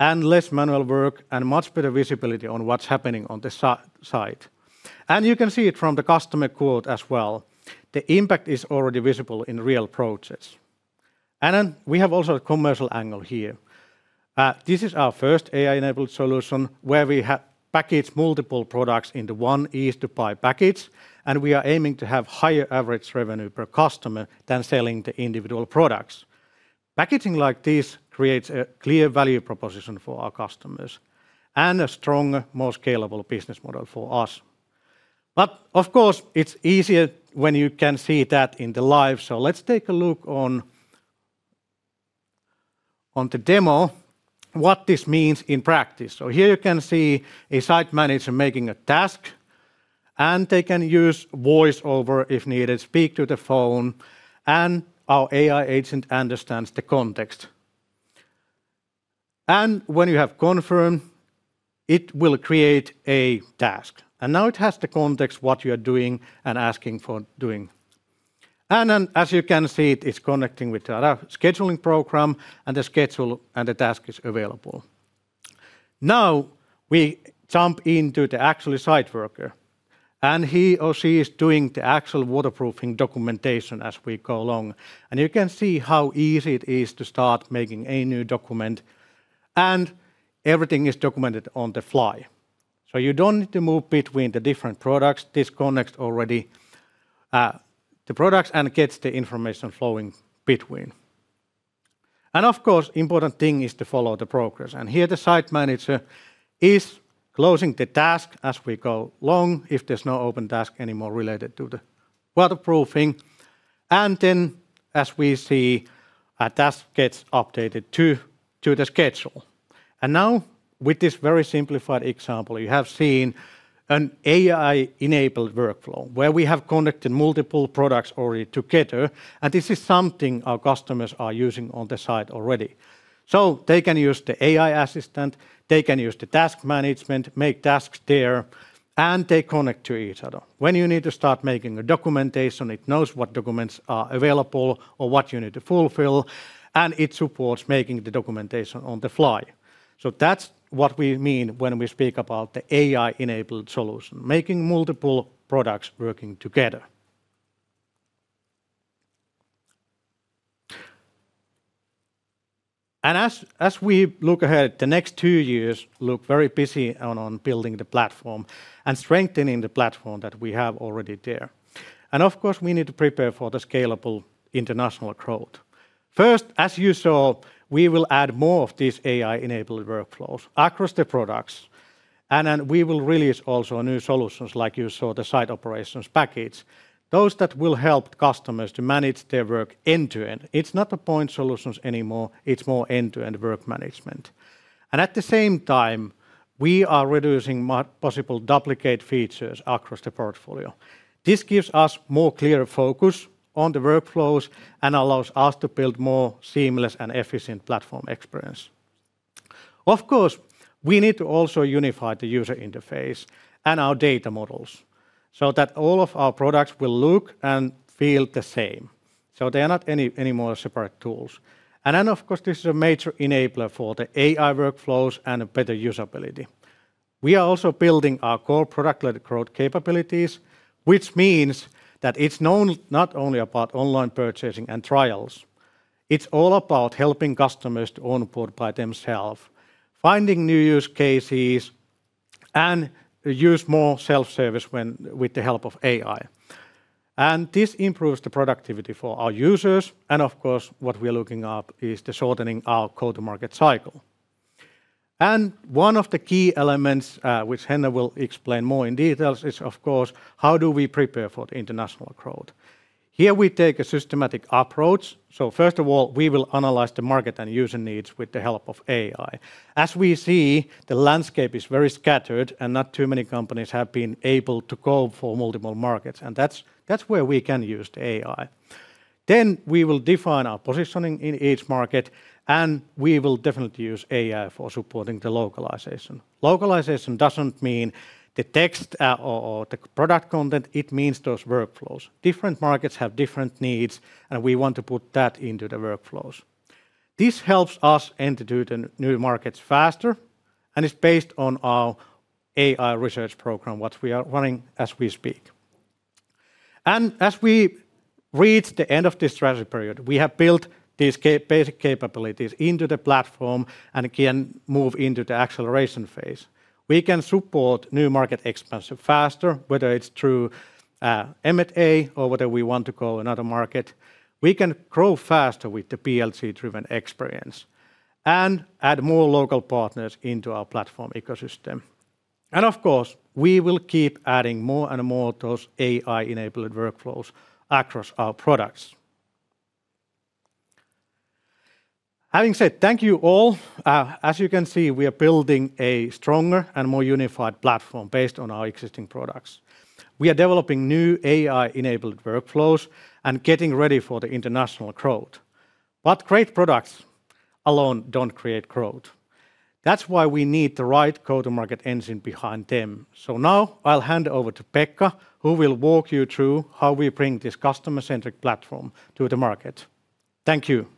and less manual work and much better visibility on what's happening on the site. You can see it from the customer quote as well. The impact is already visible in real projects. We have also a commercial angle here. This is our first AI-enabled solution where we package multiple products into one easy-to-buy package. We are aiming to have higher average revenue per customer than selling the individual products. Packaging like this creates a clear value proposition for our customers and a strong, more scalable business model for us. Of course, it is easier when you can see that in the live. Let us take a look on the demo what this means in practice. Here you can see a site manager making a task, and they can use voiceover if needed, speak to the phone, and our AI agent understands the context. When you have confirmed, it will create a task. Now it has the context of what you are doing and asking for doing. As you can see, it is connecting with our scheduling program, and the schedule and the task is available. Now we jump into the actual site worker, and he or she is doing the actual waterproofing documentation as we go along. You can see how easy it is to start making a new document, and everything is documented on the fly. You do not need to move between the different products. This connects already the products and gets the information flowing between. Of course, the important thing is to follow the progress. Here the site manager is closing the task as we go along if there is no open task anymore related to the waterproofing. As we see, a task gets updated to the schedule. Now with this very simplified example, you have seen an AI-enabled workflow where we have connected multiple products already together. This is something our customers are using on the site already. They can use the AI assistant, they can use the task management, make tasks there, and they connect to each other. When you need to start making a documentation, it knows what documents are available or what you need to fulfill, and it supports making the documentation on the fly. That is what we mean when we speak about the AI-enabled solution, making multiple products working together. As we look ahead, the next two years look very busy on building the platform and strengthening the platform that we have already there. Of course, we need to prepare for the scalable international growth. First, as you saw, we will add more of these AI-enabled workflows across the products. We will release also new solutions like you saw, the Site Operations Package, those that will help customers to manage their work end-to-end. It's not a point solution anymore. It's more end-to-end work management. At the same time, we are reducing possible duplicate features across the portfolio. This gives us more clear focus on the workflows and allows us to build more seamless and efficient platform experience. Of course, we need to also unify the user interface and our data models so that all of our products will look and feel the same. They are not any more separate tools. Of course, this is a major enabler for the AI workflows and better usability. We are also building our core product-led growth capabilities, which means that it's not only about online purchasing and trials. It's all about helping customers to onboard by themselves, finding new use cases, and use more self-service with the help of AI. This improves the productivity for our users. Of course, what we're looking at is the shortening of our go-to-market cycle. One of the key elements, which Henna will explain more in detail, is, of course, how do we prepare for the international growth? Here we take a systematic approach. First of all, we will analyze the market and user needs with the help of AI. As we see, the landscape is very scattered and not too many companies have been able to go for multiple markets. That's where we can use the AI. We will define our positioning in each market, and we will definitely use AI for supporting the localization. Localization does not mean the text or the product content. It means those workflows. Different markets have different needs, and we want to put that into the workflows. This helps us enter into the new markets faster and is based on our AI research program, what we are running as we speak. As we reach the end of the strategy period, we have built these basic capabilities into the platform and can move into the acceleration phase. We can support new market expansion faster, whether it is through M&A or whether we want to go another market. We can grow faster with the PLC-driven experience and add more local partners into our platform ecosystem. Of course, we will keep adding more and more of those AI-enabled workflows across our products. Having said, thank you all. As you can see, we are building a stronger and more unified platform based on our existing products. We are developing new AI-enabled workflows and getting ready for the international growth. Great products alone do not create growth. That is why we need the right go-to-market engine behind them. Now I will hand over to Pekka, who will walk you through how we bring this customer-centric platform to the market. Thank you.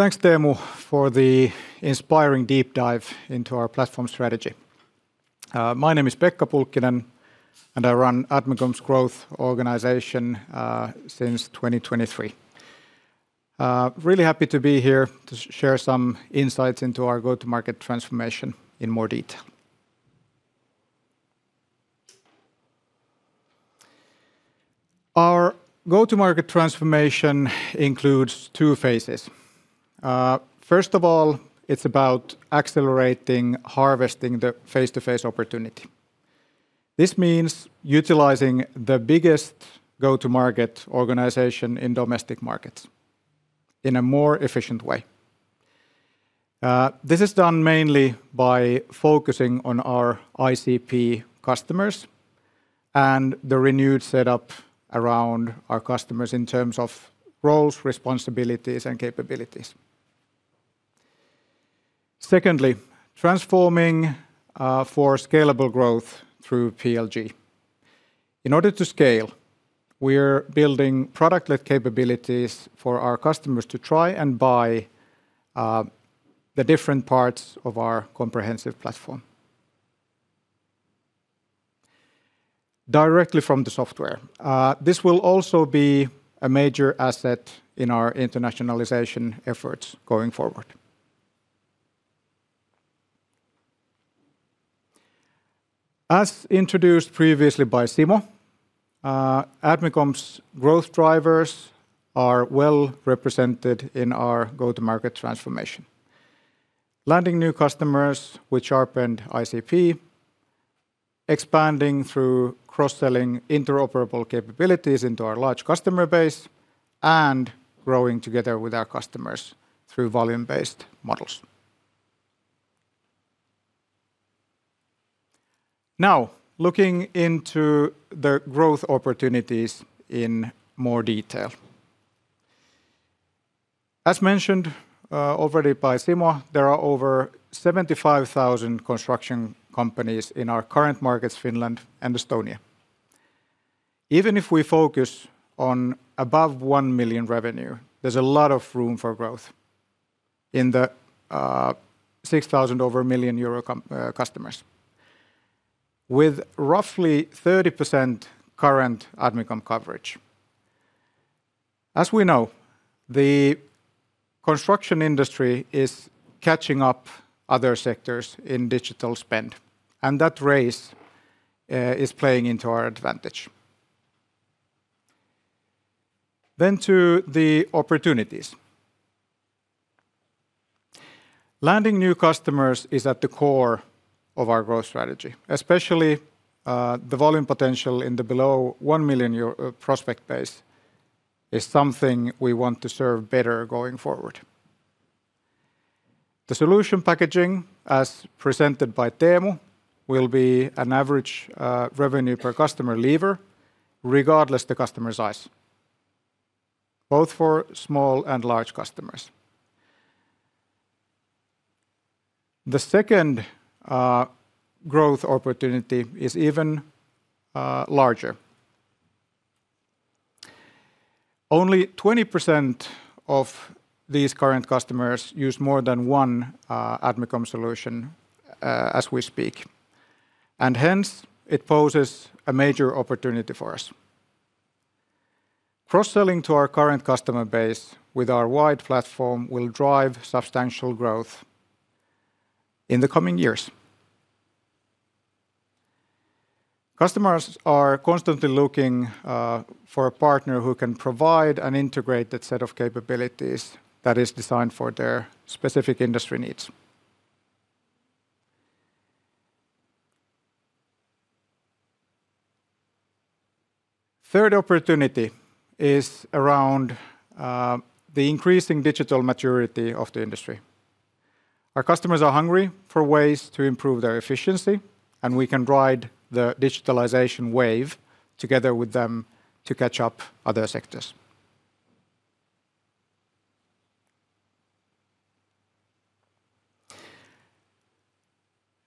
Thanks, Teemu, for the inspiring deep dive into our platform strategy. My name is Pekka Pulkkinen, and I run Admicom's growth organization since 2023. Really happy to be here to share some insights into our go-to-market transformation in more detail. Our go-to-market transformation includes two phases. First of all, it is about accelerating harvesting the face-to-face opportunity. This means utilizing the biggest go-to-market organization in domestic markets in a more efficient way. This is done mainly by focusing on our ICP customers and the renewed setup around our customers in terms of roles, responsibilities, and capabilities. Secondly, transforming for scalable growth through PLG. In order to scale, we are building product-led capabilities for our customers to try and buy the different parts of our comprehensive platform directly from the software. This will also be a major asset in our internationalization efforts going forward. As introduced previously by Simo, Admicom's growth drivers are well represented in our go-to-market transformation. Landing new customers with sharpened ICP, expanding through cross-selling interoperable capabilities into our large customer base, and growing together with our customers through volume-based models. Now, looking into the growth opportunities in more detail. As mentioned already by Simo, there are over 75,000 construction companies in our current markets, Finland and Estonia. Even if we focus on above 1 million revenue, there's a lot of room for growth in the 6,000 over 1 million euro customers with roughly 30% current Admicom coverage. As we know, the construction industry is catching up to other sectors in digital spend, and that race is playing into our advantage. To the opportunities. Landing new customers is at the core of our growth strategy, especially the volume potential in the below 1 million euro prospect base is something we want to serve better going forward. The solution packaging, as presented by Teemu, will be an average revenue per customer lever regardless of the customer's size, both for small and large customers. The second growth opportunity is even larger. Only 20% of these current customers use more than one Admicom solution as we speak, and hence it poses a major opportunity for us. Cross-selling to our current customer base with our wide platform will drive substantial growth in the coming years. Customers are constantly looking for a partner who can provide an integrated set of capabilities that is designed for their specific industry needs. Third opportunity is around the increasing digital maturity of the industry. Our customers are hungry for ways to improve their efficiency, and we can ride the digitalization wave together with them to catch up to other sectors.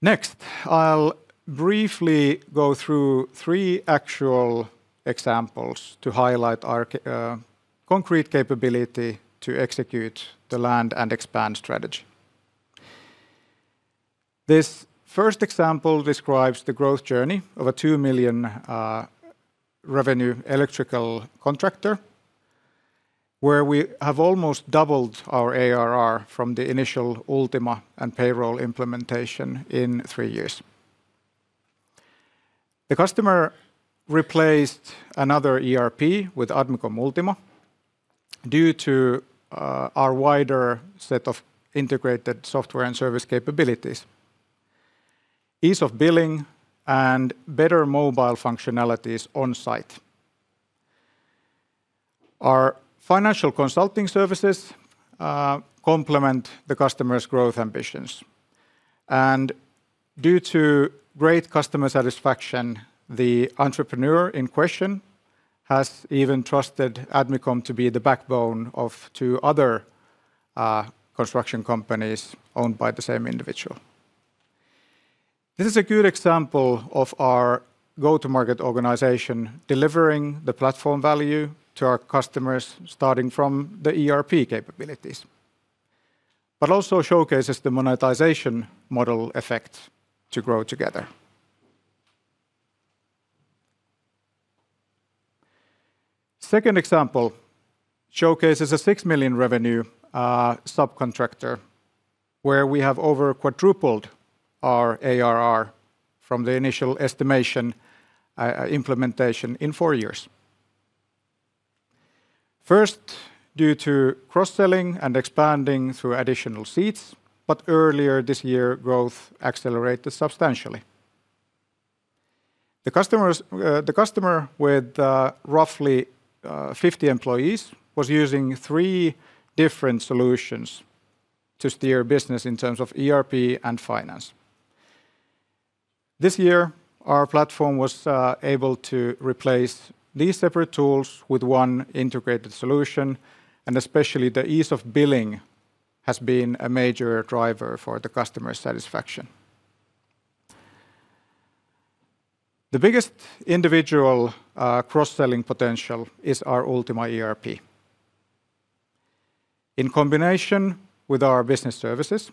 Next, I'll briefly go through three actual examples to highlight our concrete capability to execute the land and expand strategy. This first example describes the growth journey of a 2 million revenue electrical contractor, where we have almost doubled our ARR from the initial Ultima and payroll implementation in three years. The customer replaced another ERP with Admicom Ultima due to our wider set of integrated software and service capabilities, ease of billing, and better mobile functionalities on site. Our financial consulting services complement the customer's growth ambitions. Due to great customer satisfaction, the entrepreneur in question has even trusted Admicom to be the backbone of two other construction companies owned by the same individual. This is a good example of our go-to-market organization delivering the platform value to our customers starting from the ERP capabilities, but also showcases the monetization model effect to grow together. The second example showcases a 6 million revenue subcontractor where we have over quadrupled our ARR from the initial estimation implementation in four years. First, due to cross-selling and expanding through additional seats, but earlier this year, growth accelerated substantially. The customer with roughly 50 employees was using three different solutions to steer business in terms of ERP and finance. This year, our platform was able to replace these separate tools with one integrated solution, and especially the ease of billing has been a major driver for the customer satisfaction. The biggest individual cross-selling potential is our Ultima ERP. In combination with our business services,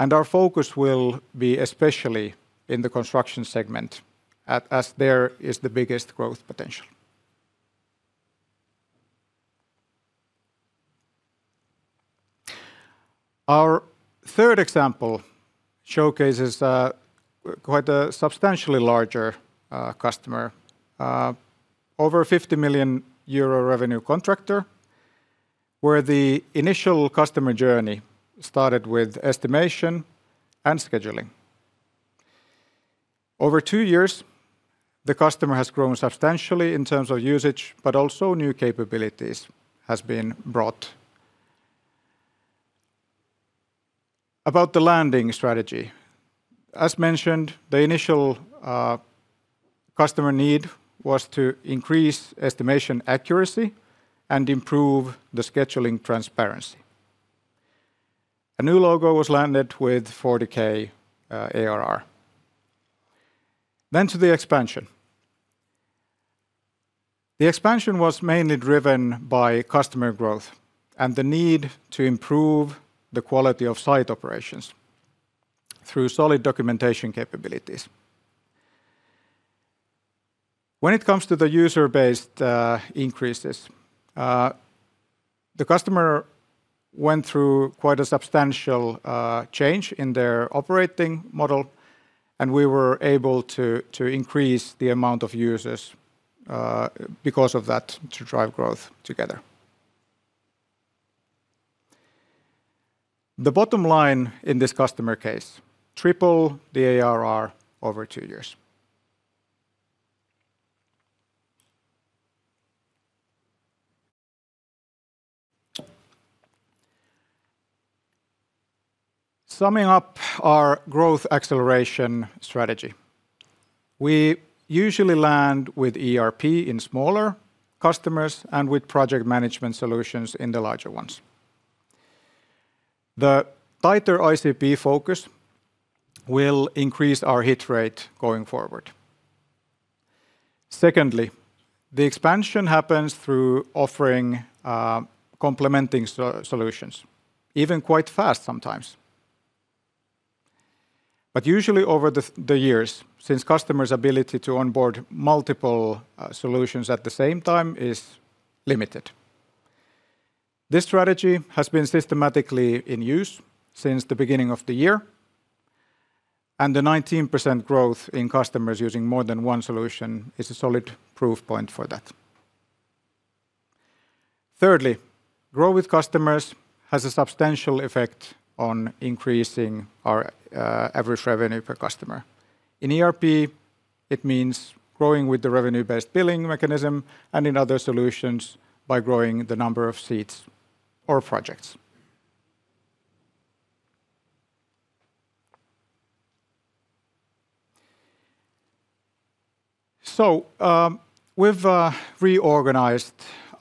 our focus will be especially in the construction segment, as there is the biggest growth potential. Our third example showcases quite a substantially larger customer, over 50 million euro revenue contractor, where the initial customer journey started with estimation and scheduling. Over two years, the customer has grown substantially in terms of usage, but also new capabilities have been brought. About the landing strategy, as mentioned, the initial customer need was to increase estimation accuracy and improve the scheduling transparency. A new logo was landed with 40,000 ARR. The expansion was mainly driven by customer growth and the need to improve the quality of site operations through solid documentation capabilities. When it comes to the user-based increases, the customer went through quite a substantial change in their operating model, and we were able to increase the amount of users because of that to drive growth together. The bottom line in this customer case: triple the ARR over two years. Summing up our growth acceleration strategy, we usually land with ERP in smaller customers and with project management solutions in the larger ones. The tighter ICP focus will increase our hit rate going forward. The expansion happens through offering complementing solutions, even quite fast sometimes. Usually over the years, since customers' ability to onboard multiple solutions at the same time is limited. This strategy has been systematically in use since the beginning of the year, and the 19% growth in customers using more than one solution is a solid proof point for that. Thirdly, grow with customers has a substantial effect on increasing our average revenue per customer. In ERP, it means growing with the revenue-based billing mechanism and in other solutions by growing the number of seats or projects. We have reorganized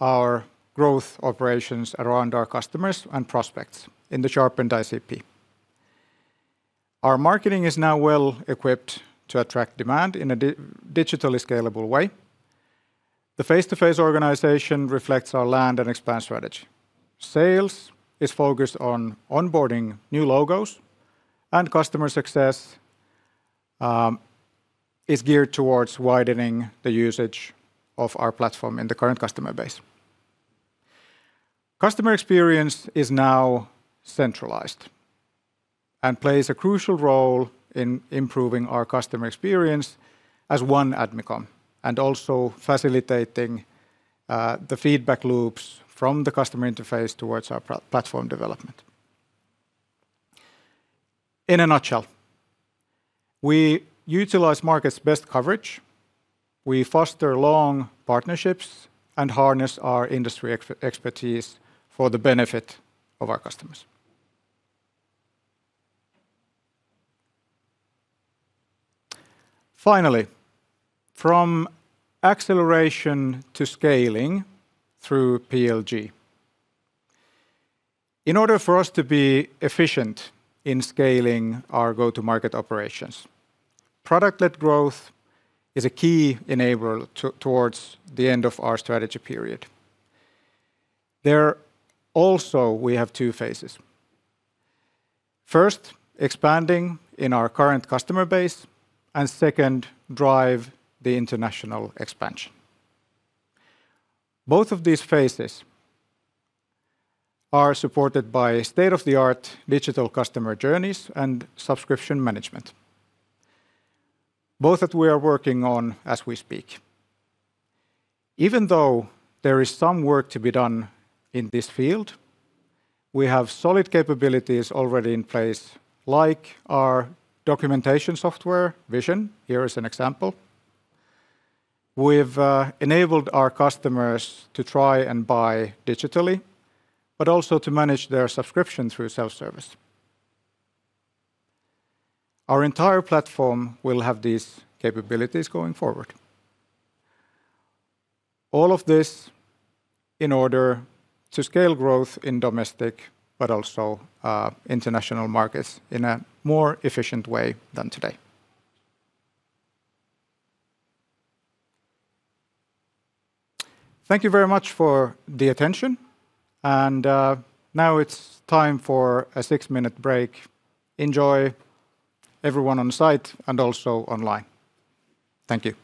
our growth operations around our customers and prospects in the sharpened ICP. Our marketing is now well equipped to attract demand in a digitally scalable way. The face-to-face organization reflects our land and expand strategy. Sales is focused on onboarding new logos, and customer success is geared towards widening the usage of our platform in the current customer base. Customer experience is now centralized and plays a crucial role in improving our customer experience as one Admicom and also facilitating the feedback loops from the customer interface towards our platform development. In a nutshell, we utilize markets' best coverage. We foster long partnerships and harness our industry expertise for the benefit of our customers. Finally, from acceleration to scaling through PLG. In order for us to be efficient in scaling our go-to-market operations, product-led growth is a key enabler towards the end of our strategy period. There also, we have two phases. First, expanding in our current customer base, and second, drive the international expansion. Both of these phases are supported by state-of-the-art digital customer journeys and subscription management, both that we are working on as we speak. Even though there is some work to be done in this field, we have solid capabilities already in place, like our documentation software Vision. Here is an example. We've enabled our customers to try and buy digitally, but also to manage their subscription through self-service. Our entire platform will have these capabilities going forward. All of this in order to scale growth in domestic, but also international markets in a more efficient way than today. Thank you very much for the attention, and now it's time for a six-minute break. Enjoy, everyone on site and also online. Thank you.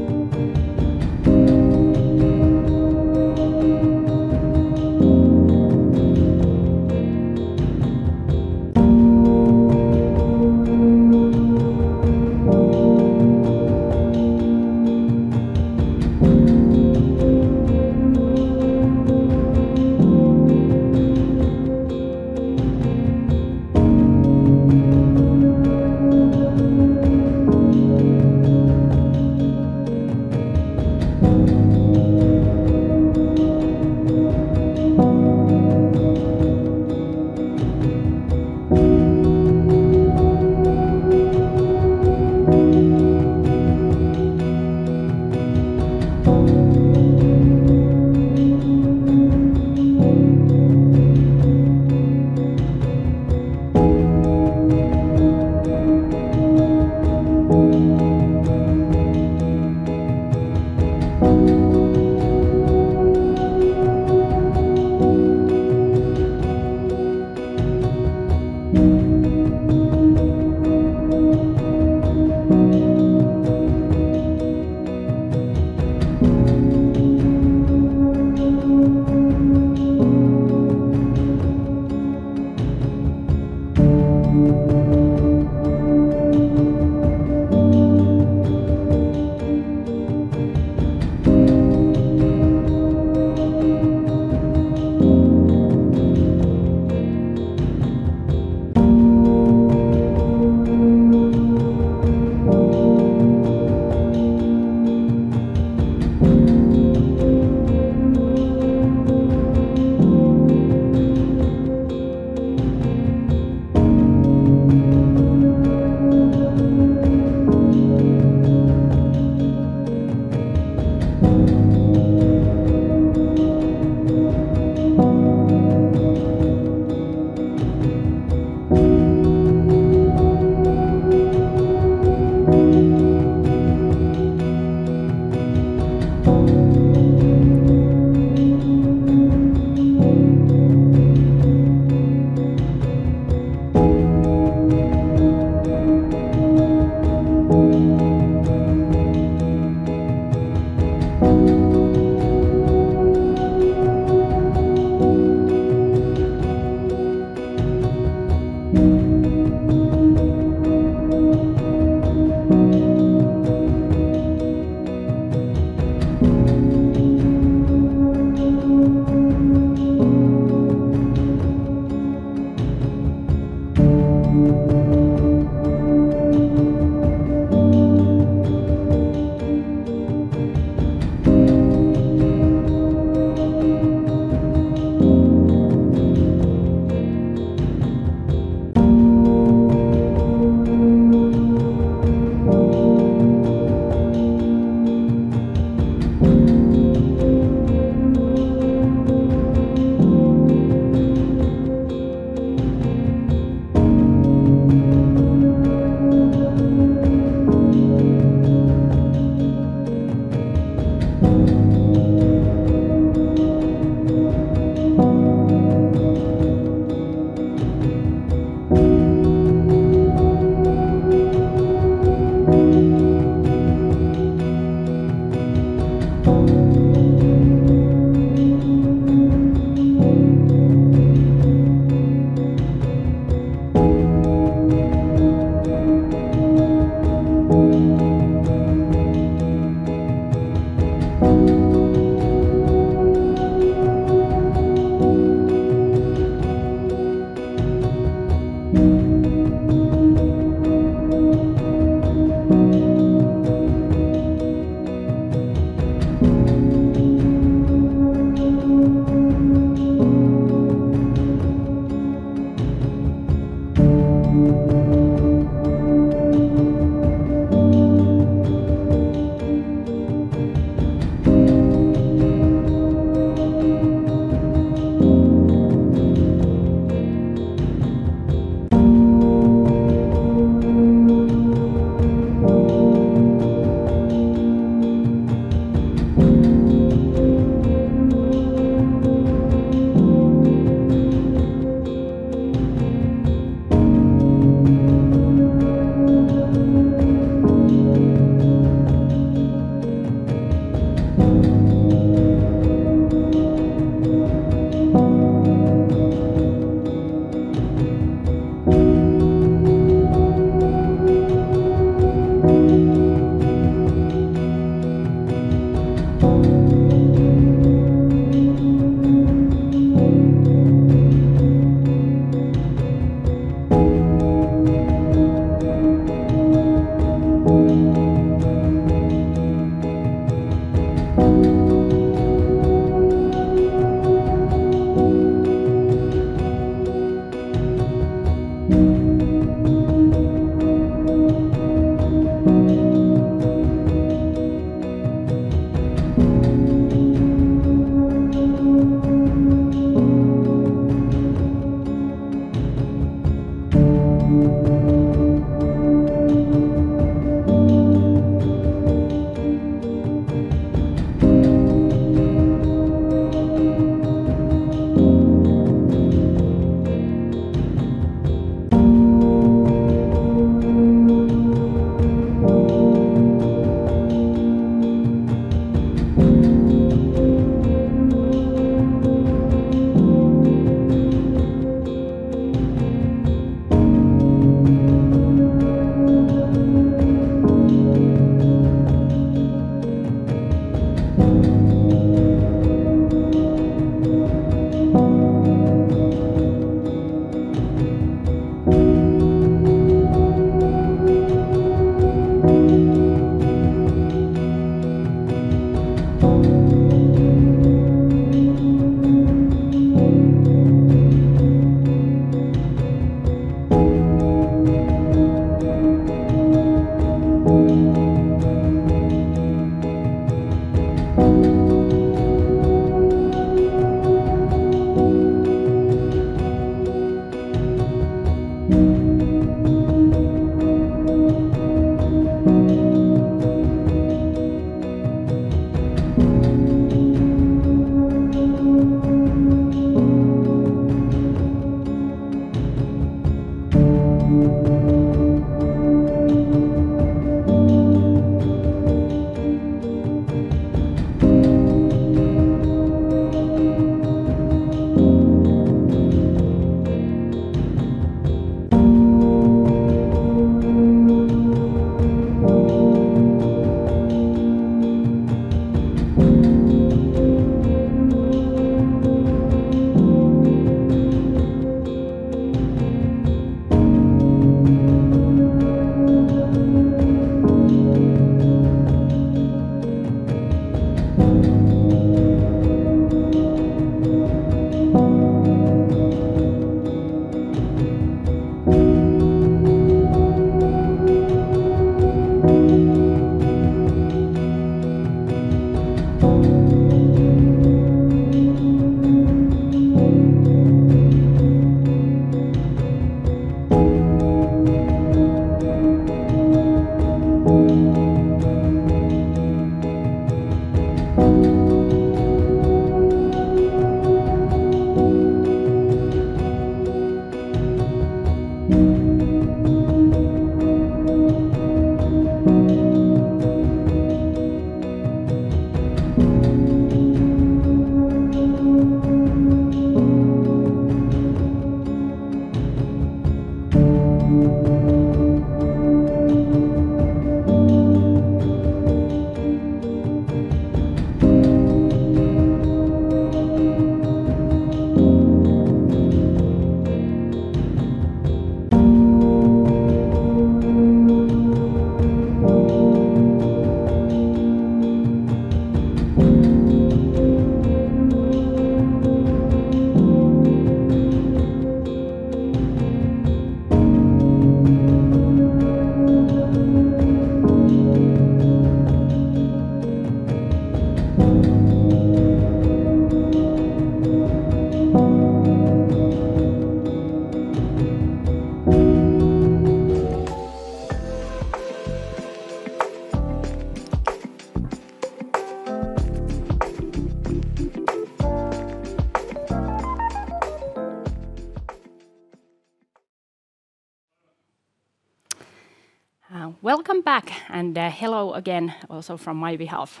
Welcome back, and hello again also from my behalf.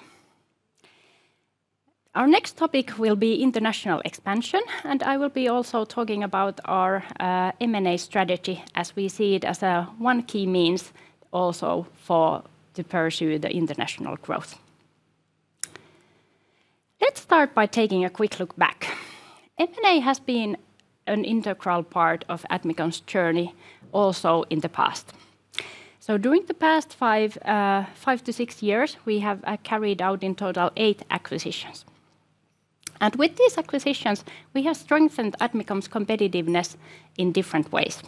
Our next topic will be international expansion, and I will be also talking about our M&A strategy as we see it as one key means also for pursuing international growth. Let's start by taking a quick look back. M&A has been an integral part of Admicom's journey also in the past. During the past five to six years, we have carried out in total eight acquisitions. With these acquisitions, we have strengthened Admicom's competitiveness in different ways.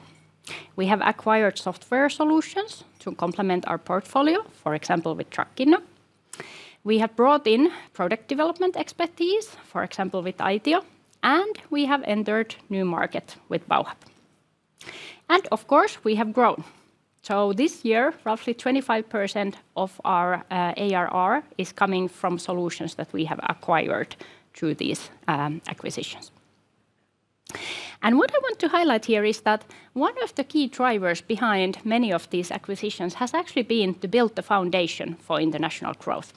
We have acquired software solutions to complement our portfolio, for example, with Trakkino. We have brought in product development expertise, for example, with Aitio, and we have entered new markets with Bauhub. Of course, we have grown. This year, roughly 25% of our ARR is coming from solutions that we have acquired through these acquisitions. What I want to highlight here is that one of the key drivers behind many of these acquisitions has actually been to build the foundation for international growth.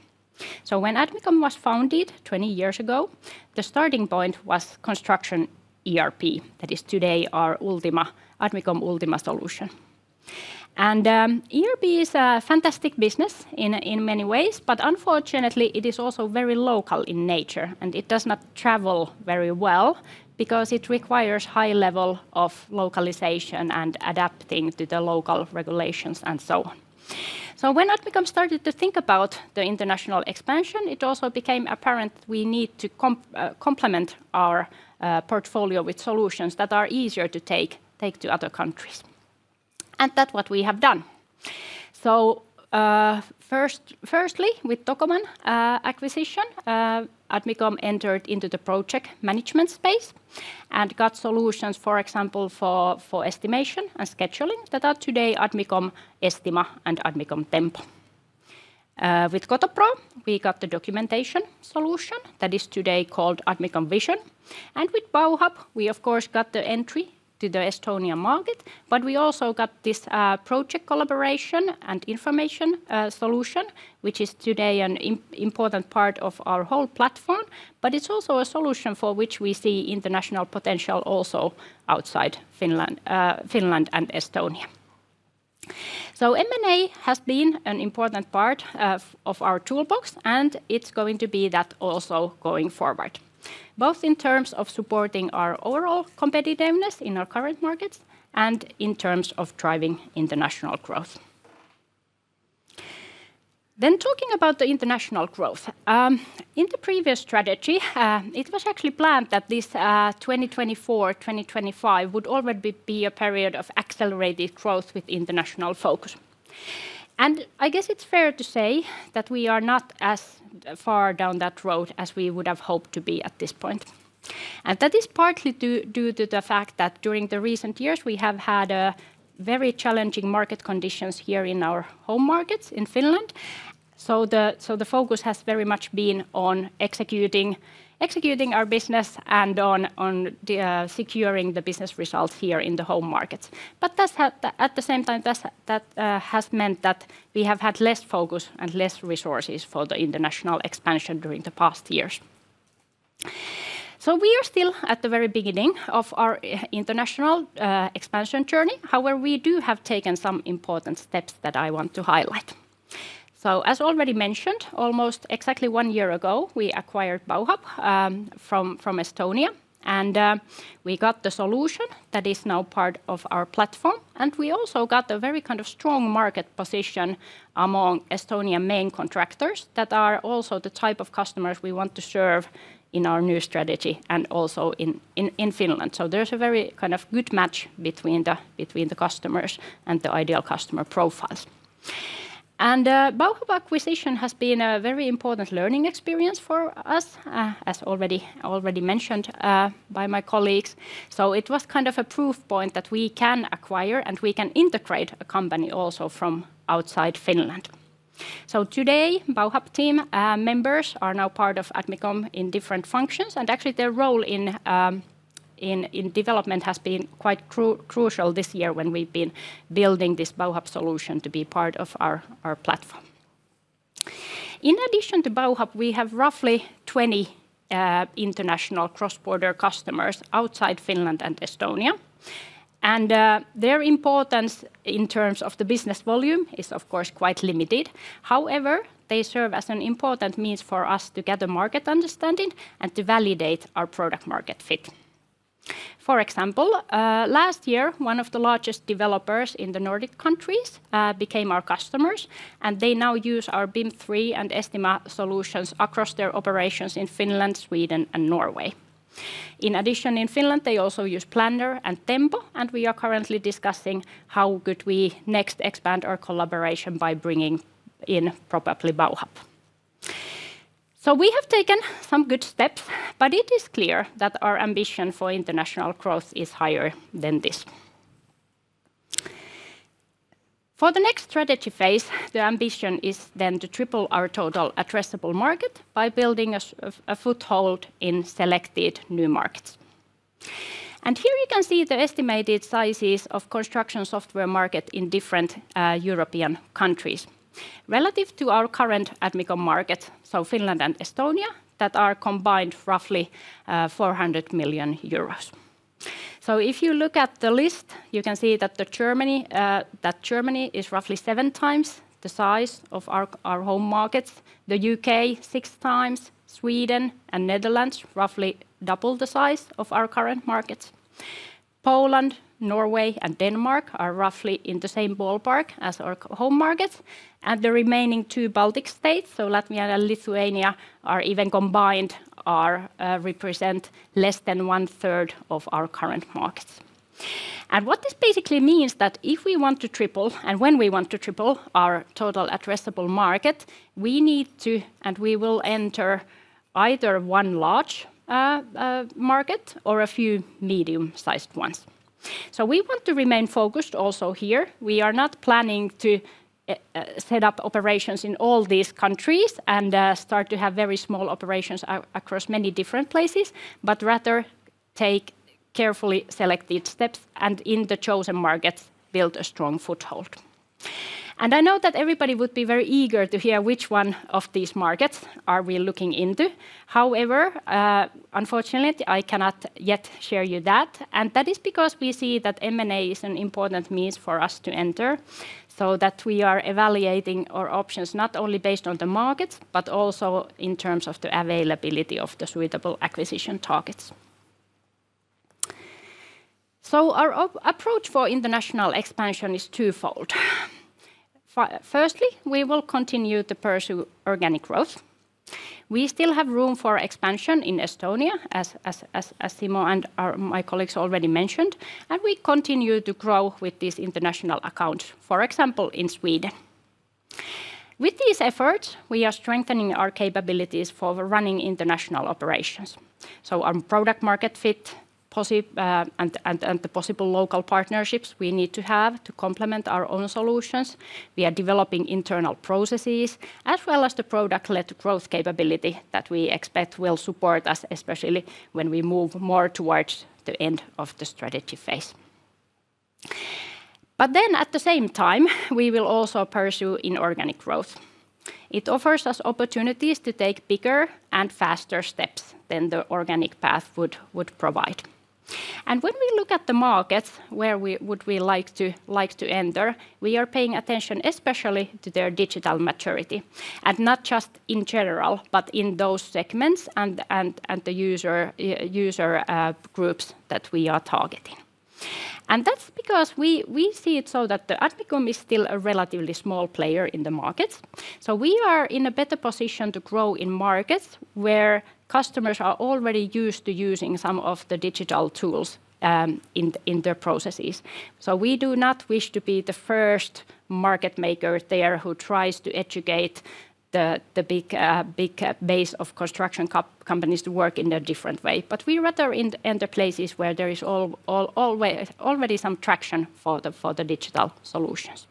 When Admicom was founded 20 years ago, the starting point was construction ERP, that is today our Ultima, Admicom Ultima solution. ERP is a fantastic business in many ways, but unfortunately, it is also very local in nature, and it does not travel very well because it requires a high level of localization and adapting to the local regulations and so on. When Admicom started to think about the international expansion, it also became apparent that we need to complement our portfolio with solutions that are easier to take to other countries. That is what we have done. Firstly, with the Tokoman acquisition, Admicom entered into the project management space and got solutions, for example, for estimation and scheduling that are today Admicom Estima and Admicom Tempo. With Kotopro, we got the documentation solution that is today called Admicom Vision. With Bauhub, we, of course, got the entry to the Estonian market, but we also got this project collaboration and information solution, which is today an important part of our whole platform, but it's also a solution for which we see international potential also outside Finland and Estonia. M&A has been an important part of our toolbox, and it's going to be that also going forward, both in terms of supporting our overall competitiveness in our current markets and in terms of driving international growth. Talking about the international growth, in the previous strategy, it was actually planned that this 2024-2025 would already be a period of accelerated growth with international focus. I guess it's fair to say that we are not as far down that road as we would have hoped to be at this point. That is partly due to the fact that during the recent years, we have had very challenging market conditions here in our home markets in Finland. The focus has very much been on executing our business and on securing the business results here in the home markets. At the same time, that has meant that we have had less focus and less resources for the international expansion during the past years. We are still at the very beginning of our international expansion journey. However, we do have taken some important steps that I want to highlight. As already mentioned, almost exactly one year ago, we acquired Bauhub from Estonia, and we got the solution that is now part of our platform. We also got a very kind of strong market position among Estonia main contractors that are also the type of customers we want to serve in our new strategy and also in Finland. There is a very kind of good match between the customers and the ideal customer profiles. Bauhub acquisition has been a very important learning experience for us, as already mentioned by my colleagues. It was kind of a proof point that we can acquire and we can integrate a company also from outside Finland. Today, Bauhub team members are now part of Admicom in different functions, and actually their role in development has been quite crucial this year when we've been building this Bauhub solution to be part of our platform. In addition to Bauhub, we have roughly 20 international cross-border customers outside Finland and Estonia. Their importance in terms of the business volume is, of course, quite limited. However, they serve as an important means for us to get a market understanding and to validate our product market fit. For example, last year, one of the largest developers in the Nordic countries became our customers, and they now use our BIM 3 and Estima Solutions across their operations in Finland, Sweden, and Norway. In addition, in Finland, they also use Planner and Tempo, and we are currently discussing how we could next expand our collaboration by bringing in probably Bauhub. We have taken some good steps, but it is clear that our ambition for international growth is higher than this. For the next strategy phase, the ambition is then to triple our total addressable market by building a foothold in selected new markets. Here you can see the estimated sizes of construction software market in different European countries. Relative to our current Admicom market, so Finland and Estonia, that are combined roughly 400 million euros. If you look at the list, you can see that Germany is roughly seven times the size of our home markets. The U.K., six times. Sweden and Netherlands, roughly double the size of our current markets. Poland, Norway, and Denmark are roughly in the same ballpark as our home markets. The remaining two Baltic states, so Latvia and Lithuania, even combined, represent less than one third of our current markets. What this basically means is that if we want to triple, and when we want to triple our total addressable market, we need to, and we will enter either one large market or a few medium-sized ones. We want to remain focused also here. We are not planning to set up operations in all these countries and start to have very small operations across many different places, but rather take carefully selected steps and in the chosen markets build a strong foothold. I know that everybody would be very eager to hear which one of these markets are we looking into. However, unfortunately, I cannot yet share you that. That is because we see that M&A is an important means for us to enter, so that we are evaluating our options not only based on the markets, but also in terms of the availability of the suitable acquisition targets. Our approach for international expansion is twofold. Firstly, we will continue to pursue organic growth. We still have room for expansion in Estonia, as Simo and my colleagues already mentioned, and we continue to grow with these international accounts, for example, in Sweden. With these efforts, we are strengthening our capabilities for running international operations. Our product market fit and the possible local partnerships we need to have to complement our own solutions. We are developing internal processes as well as the product-led growth capability that we expect will support us, especially when we move more towards the end of the strategy phase. At the same time, we will also pursue inorganic growth. It offers us opportunities to take bigger and faster steps than the organic path would provide. When we look at the markets where we would like to enter, we are paying attention especially to their digital maturity, and not just in general, but in those segments and the user groups that we are targeting. That is because we see it so that Admicom is still a relatively small player in the markets. We are in a better position to grow in markets where customers are already used to using some of the digital tools in their processes. We do not wish to be the first market maker there who tries to educate the big base of construction companies to work in a different way. We rather enter places where there is already some traction for the digital solutions.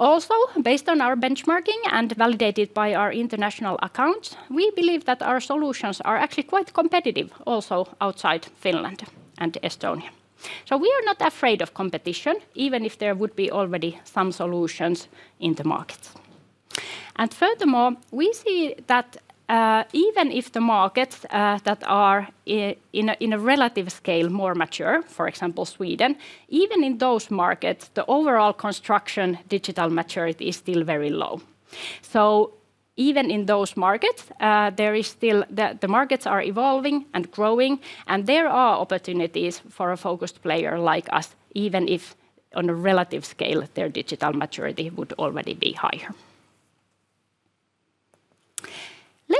Also, based on our benchmarking and validated by our international accounts, we believe that our solutions are actually quite competitive also outside Finland and Estonia. We are not afraid of competition, even if there would be already some solutions in the markets. Furthermore, we see that even if the markets that are in a relative scale more mature, for example, Sweden, even in those markets, the overall construction digital maturity is still very low. Even in those markets, the markets are evolving and growing, and there are opportunities for a focused player like us, even if on a relative scale, their digital maturity would already be higher.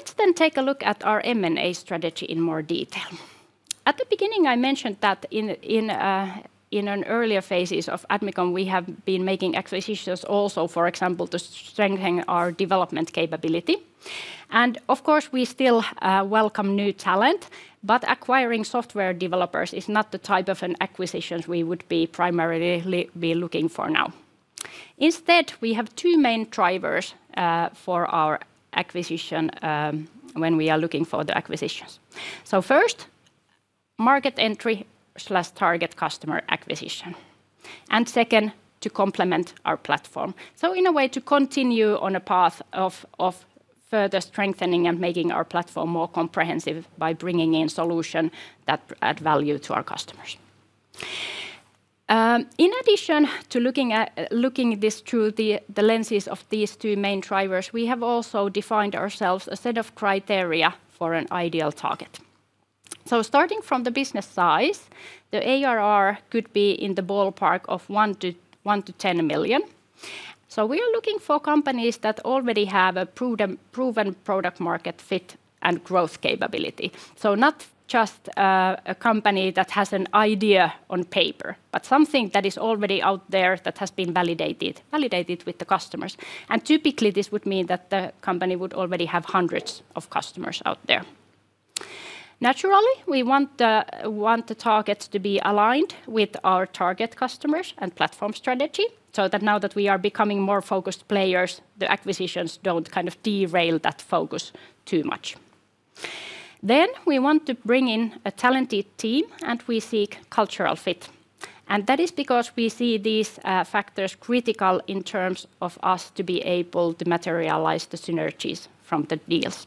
Let's then take a look at our M&A strategy in more detail. At the beginning, I mentioned that in earlier phases of Admicom, we have been making acquisitions also, for example, to strengthen our development capability. Of course, we still welcome new talent, but acquiring software developers is not the type of acquisitions we would primarily be looking for now. Instead, we have two main drivers for our acquisition when we are looking for the acquisitions. First, market entry/target customer acquisition. Second, to complement our platform. In a way, to continue on a path of further strengthening and making our platform more comprehensive by bringing in solutions that add value to our customers. In addition to looking at this through the lenses of these two main drivers, we have also defined ourselves a set of criteria for an ideal target. Starting from the business size, the ARR could be in the ballpark of 1 million-10 million. We are looking for companies that already have a proven product market fit and growth capability. Not just a company that has an idea on paper, but something that is already out there that has been validated with the customers. Typically, this would mean that the company would already have hundreds of customers out there. Naturally, we want the targets to be aligned with our target customers and platform strategy, so that now that we are becoming more focused players, the acquisitions do not kind of derail that focus too much. We want to bring in a talented team, and we seek cultural fit. That is because we see these factors as critical in terms of us being able to materialize the synergies from the deals.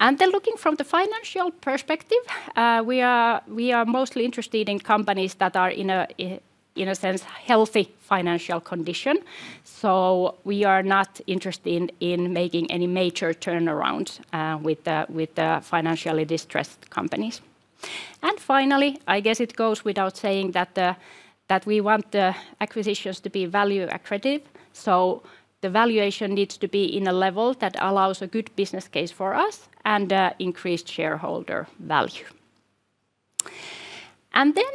Looking from the financial perspective, we are mostly interested in companies that are in a sense healthy financial condition. We are not interested in making any major turnarounds with financially distressed companies. Finally, I guess it goes without saying that we want the acquisitions to be value-accretive. The valuation needs to be at a level that allows a good business case for us and increased shareholder value.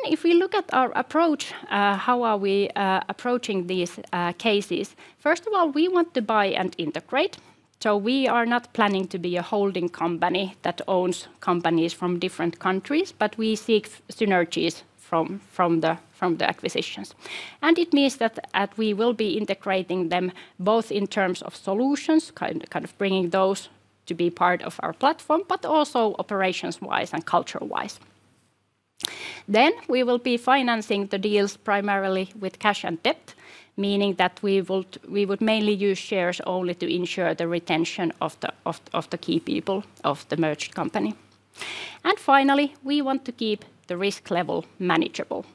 If we look at our approach, how are we approaching these cases? First of all, we want to buy and integrate. We are not planning to be a holding company that owns companies from different countries, but we seek synergies from the acquisitions. It means that we will be integrating them both in terms of solutions, kind of bringing those to be part of our platform, but also operations-wise and culture-wise. We will be financing the deals primarily with cash and debt, meaning that we would mainly use shares only to ensure the retention of the key people of the merged company. Finally, we want to keep the risk level manageable.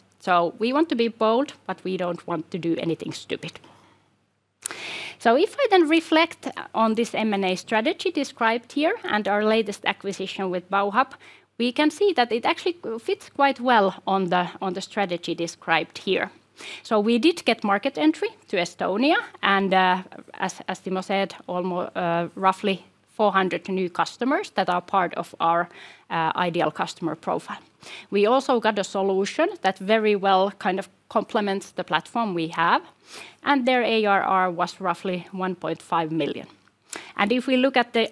We want to be bold, but we do not want to do anything stupid. If I then reflect on this M&A strategy described here and our latest acquisition with Bauhub, we can see that it actually fits quite well on the strategy described here. We did get market entry to Estonia, and as Simo said, roughly 400 new customers that are part of our ideal customer profile. We also got a solution that very well kind of complements the platform we have, and their ARR was roughly 1.5 million. If we look at the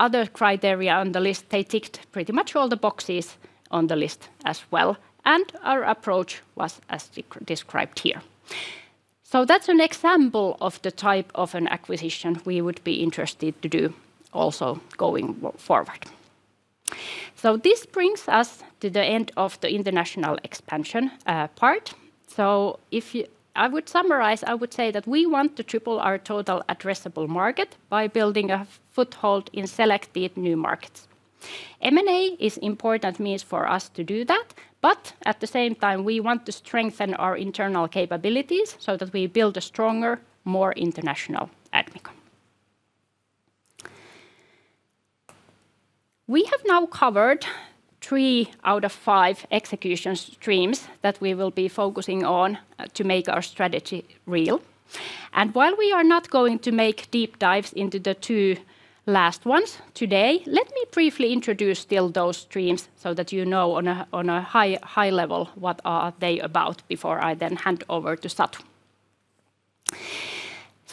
other criteria on the list, they ticked pretty much all the boxes on the list as well, and our approach was as described here. That is an example of the type of an acquisition we would be interested to do also going forward. This brings us to the end of the international expansion part. If I would summarize, I would say that we want to triple our total addressable market by building a foothold in selected new markets. M&A is an important means for us to do that, but at the same time, we want to strengthen our internal capabilities so that we build a stronger, more international Admicom. We have now covered three out of five execution streams that we will be focusing on to make our strategy real. While we are not going to make deep dives into the two last ones today, let me briefly introduce still those streams so that you know on a high level what they are about before I then hand over to Satu.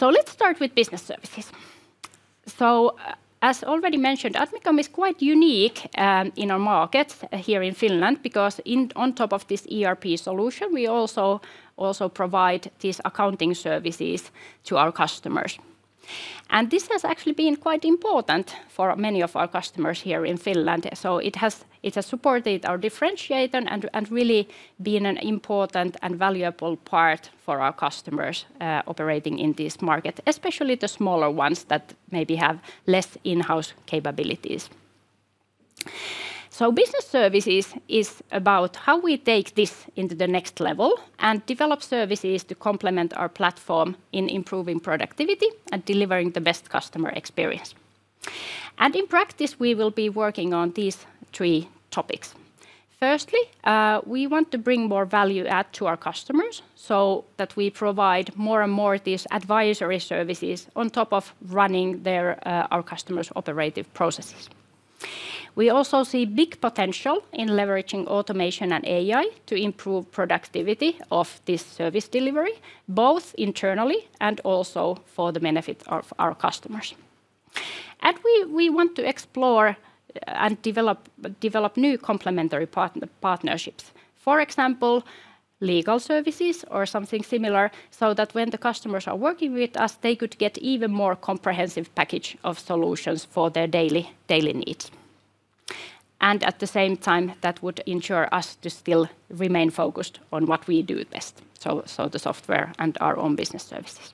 Let's start with business services. As already mentioned, Admicom is quite unique in our markets here in Finland because on top of this ERP solution, we also provide these accounting services to our customers. This has actually been quite important for many of our customers here in Finland. It has supported our differentiation and really been an important and valuable part for our customers operating in this market, especially the smaller ones that maybe have less in-house capabilities. Business services is about how we take this into the next level and develop services to complement our platform in improving productivity and delivering the best customer experience. In practice, we will be working on these three topics. Firstly, we want to bring more value add to our customers so that we provide more and more of these advisory services on top of running our customers' operative processes. We also see big potential in leveraging automation and AI to improve productivity of this service delivery, both internally and also for the benefit of our customers. We want to explore and develop new complementary partnerships, for example, legal services or something similar, so that when the customers are working with us, they could get an even more comprehensive package of solutions for their daily needs. At the same time, that would ensure us to still remain focused on what we do best, so the software and our own business services.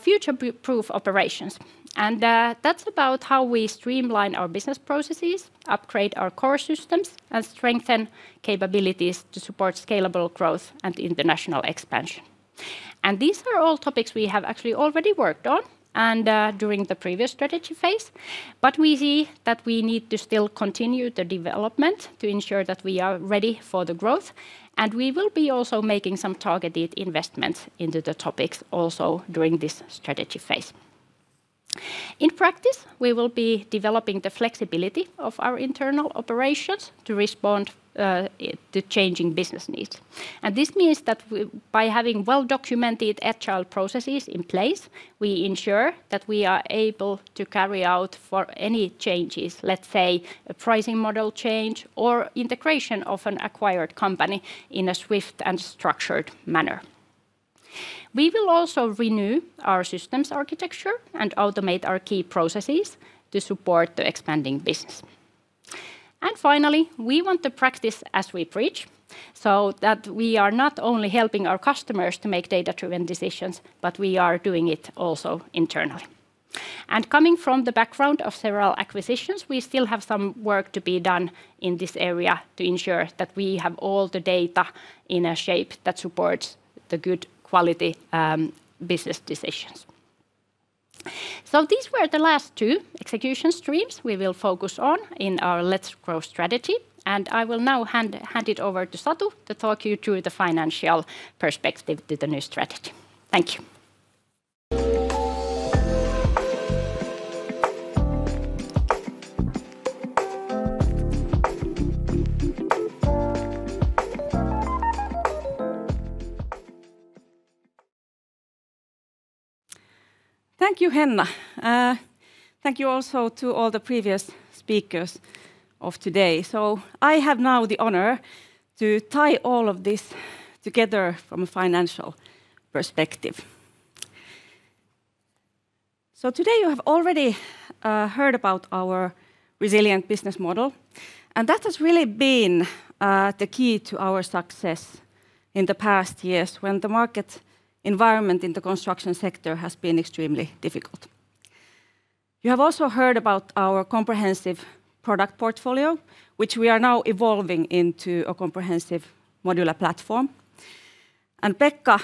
Future-proof operations is about how we streamline our business processes, upgrade our core systems, and strengthen capabilities to support scalable growth and international expansion. These are all topics we have actually already worked on during the previous strategy phase, but we see that we need to still continue the development to ensure that we are ready for the growth. We will be also making some targeted investments into the topics also during this strategy phase. In practice, we will be developing the flexibility of our internal operations to respond to changing business needs. This means that by having well-documented agile processes in place, we ensure that we are able to carry out for any changes, let's say a pricing model change or integration of an acquired company in a swift and structured manner. We will also renew our systems architecture and automate our key processes to support the expanding business. Finally, we want to practice as we preach, so that we are not only helping our customers to make data-driven decisions, but we are doing it also internally. Coming from the background of several acquisitions, we still have some work to be done in this area to ensure that we have all the data in a shape that supports the good quality business decisions. These were the last two execution streams we will focus on in our Let's Grow strategy. I will now hand it over to Satu to talk you through the financial perspective to the new strategy. Thank you. Thank you, Henna. Thank you also to all the previous speakers of today. I have now the honor to tie all of this together from a financial perspective. Today you have already heard about our resilient business model. That has really been the key to our success in the past years when the market environment in the construction sector has been extremely difficult. You have also heard about our comprehensive product portfolio, which we are now evolving into a comprehensive modular platform. Pekka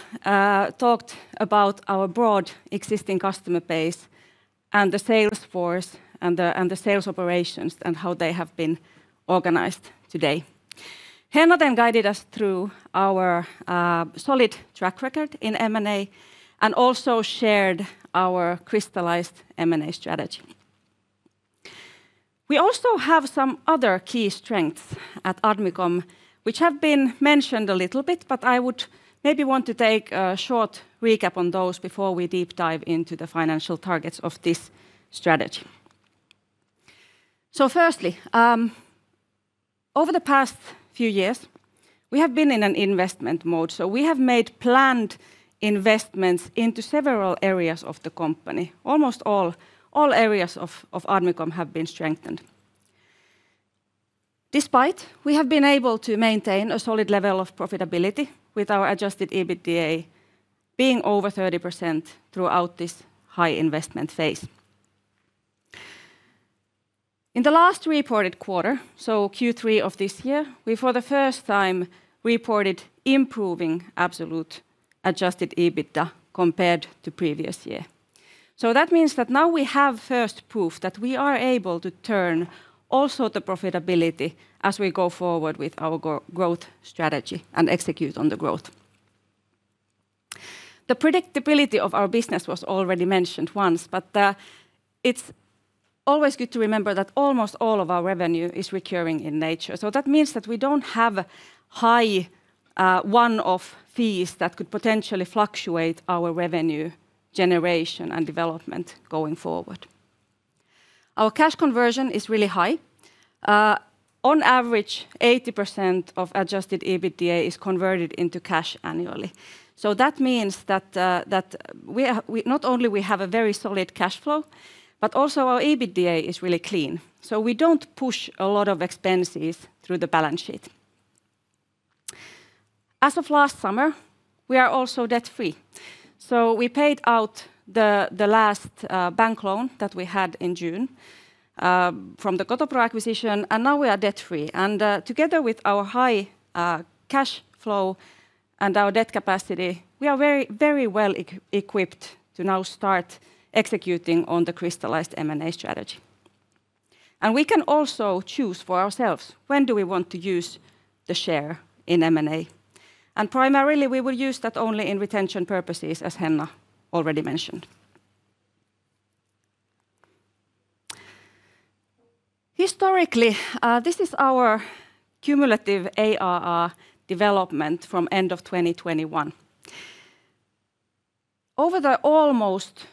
talked about our broad existing customer base and the sales force and the sales operations and how they have been organized today. Henna then guided us through our solid track record in M&A and also shared our crystallized M&A strategy. We also have some other key strengths at Admicom, which have been mentioned a little bit, but I would maybe want to take a short recap on those before we deep dive into the financial targets of this strategy. Firstly, over the past few years, we have been in an investment mode. We have made planned investments into several areas of the company. Almost all areas of Admicom have been strengthened. Despite this, we have been able to maintain a solid level of profitability with our adjusted EBITDA being over 30% throughout this high investment phase. In the last reported quarter, Q3 of this year, we for the first time reported improving absolute adjusted EBITDA compared to the previous year. That means that now we have first proof that we are able to turn also the profitability as we go forward with our growth strategy and execute on the growth. The predictability of our business was already mentioned once, but it is always good to remember that almost all of our revenue is recurring in nature. That means that we do not have high one-off fees that could potentially fluctuate our revenue generation and development going forward. Our cash conversion is really high. On average, 80% of adjusted EBITDA is converted into cash annually. That means that not only do we have a very solid cash flow, but also our EBITDA is really clean. We do not push a lot of expenses through the balance sheet. As of last summer, we are also debt-free. We paid out the last bank loan that we had in June from the Kotopro acquisition, and now we are debt-free. Together with our high cash flow and our debt capacity, we are very well equipped to now start executing on the crystallized M&A strategy. We can also choose for ourselves when we want to use the share in M&A. Primarily, we will use that only in retention purposes, as Henna already mentioned. Historically, this is our cumulative ARR development from the end of 2021. Over the almost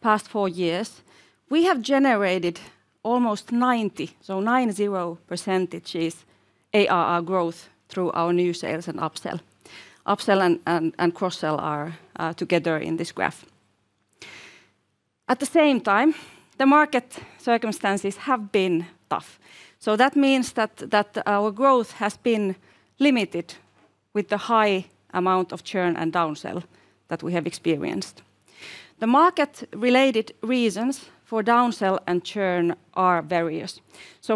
past four years, we have generated almost 90, so 90% ARR growth through our new sales and upsell. Upsell and cross-sell are together in this graph. At the same time, the market circumstances have been tough. That means that our growth has been limited with the high amount of churn and downsell that we have experienced. The market-related reasons for downsell and churn are various.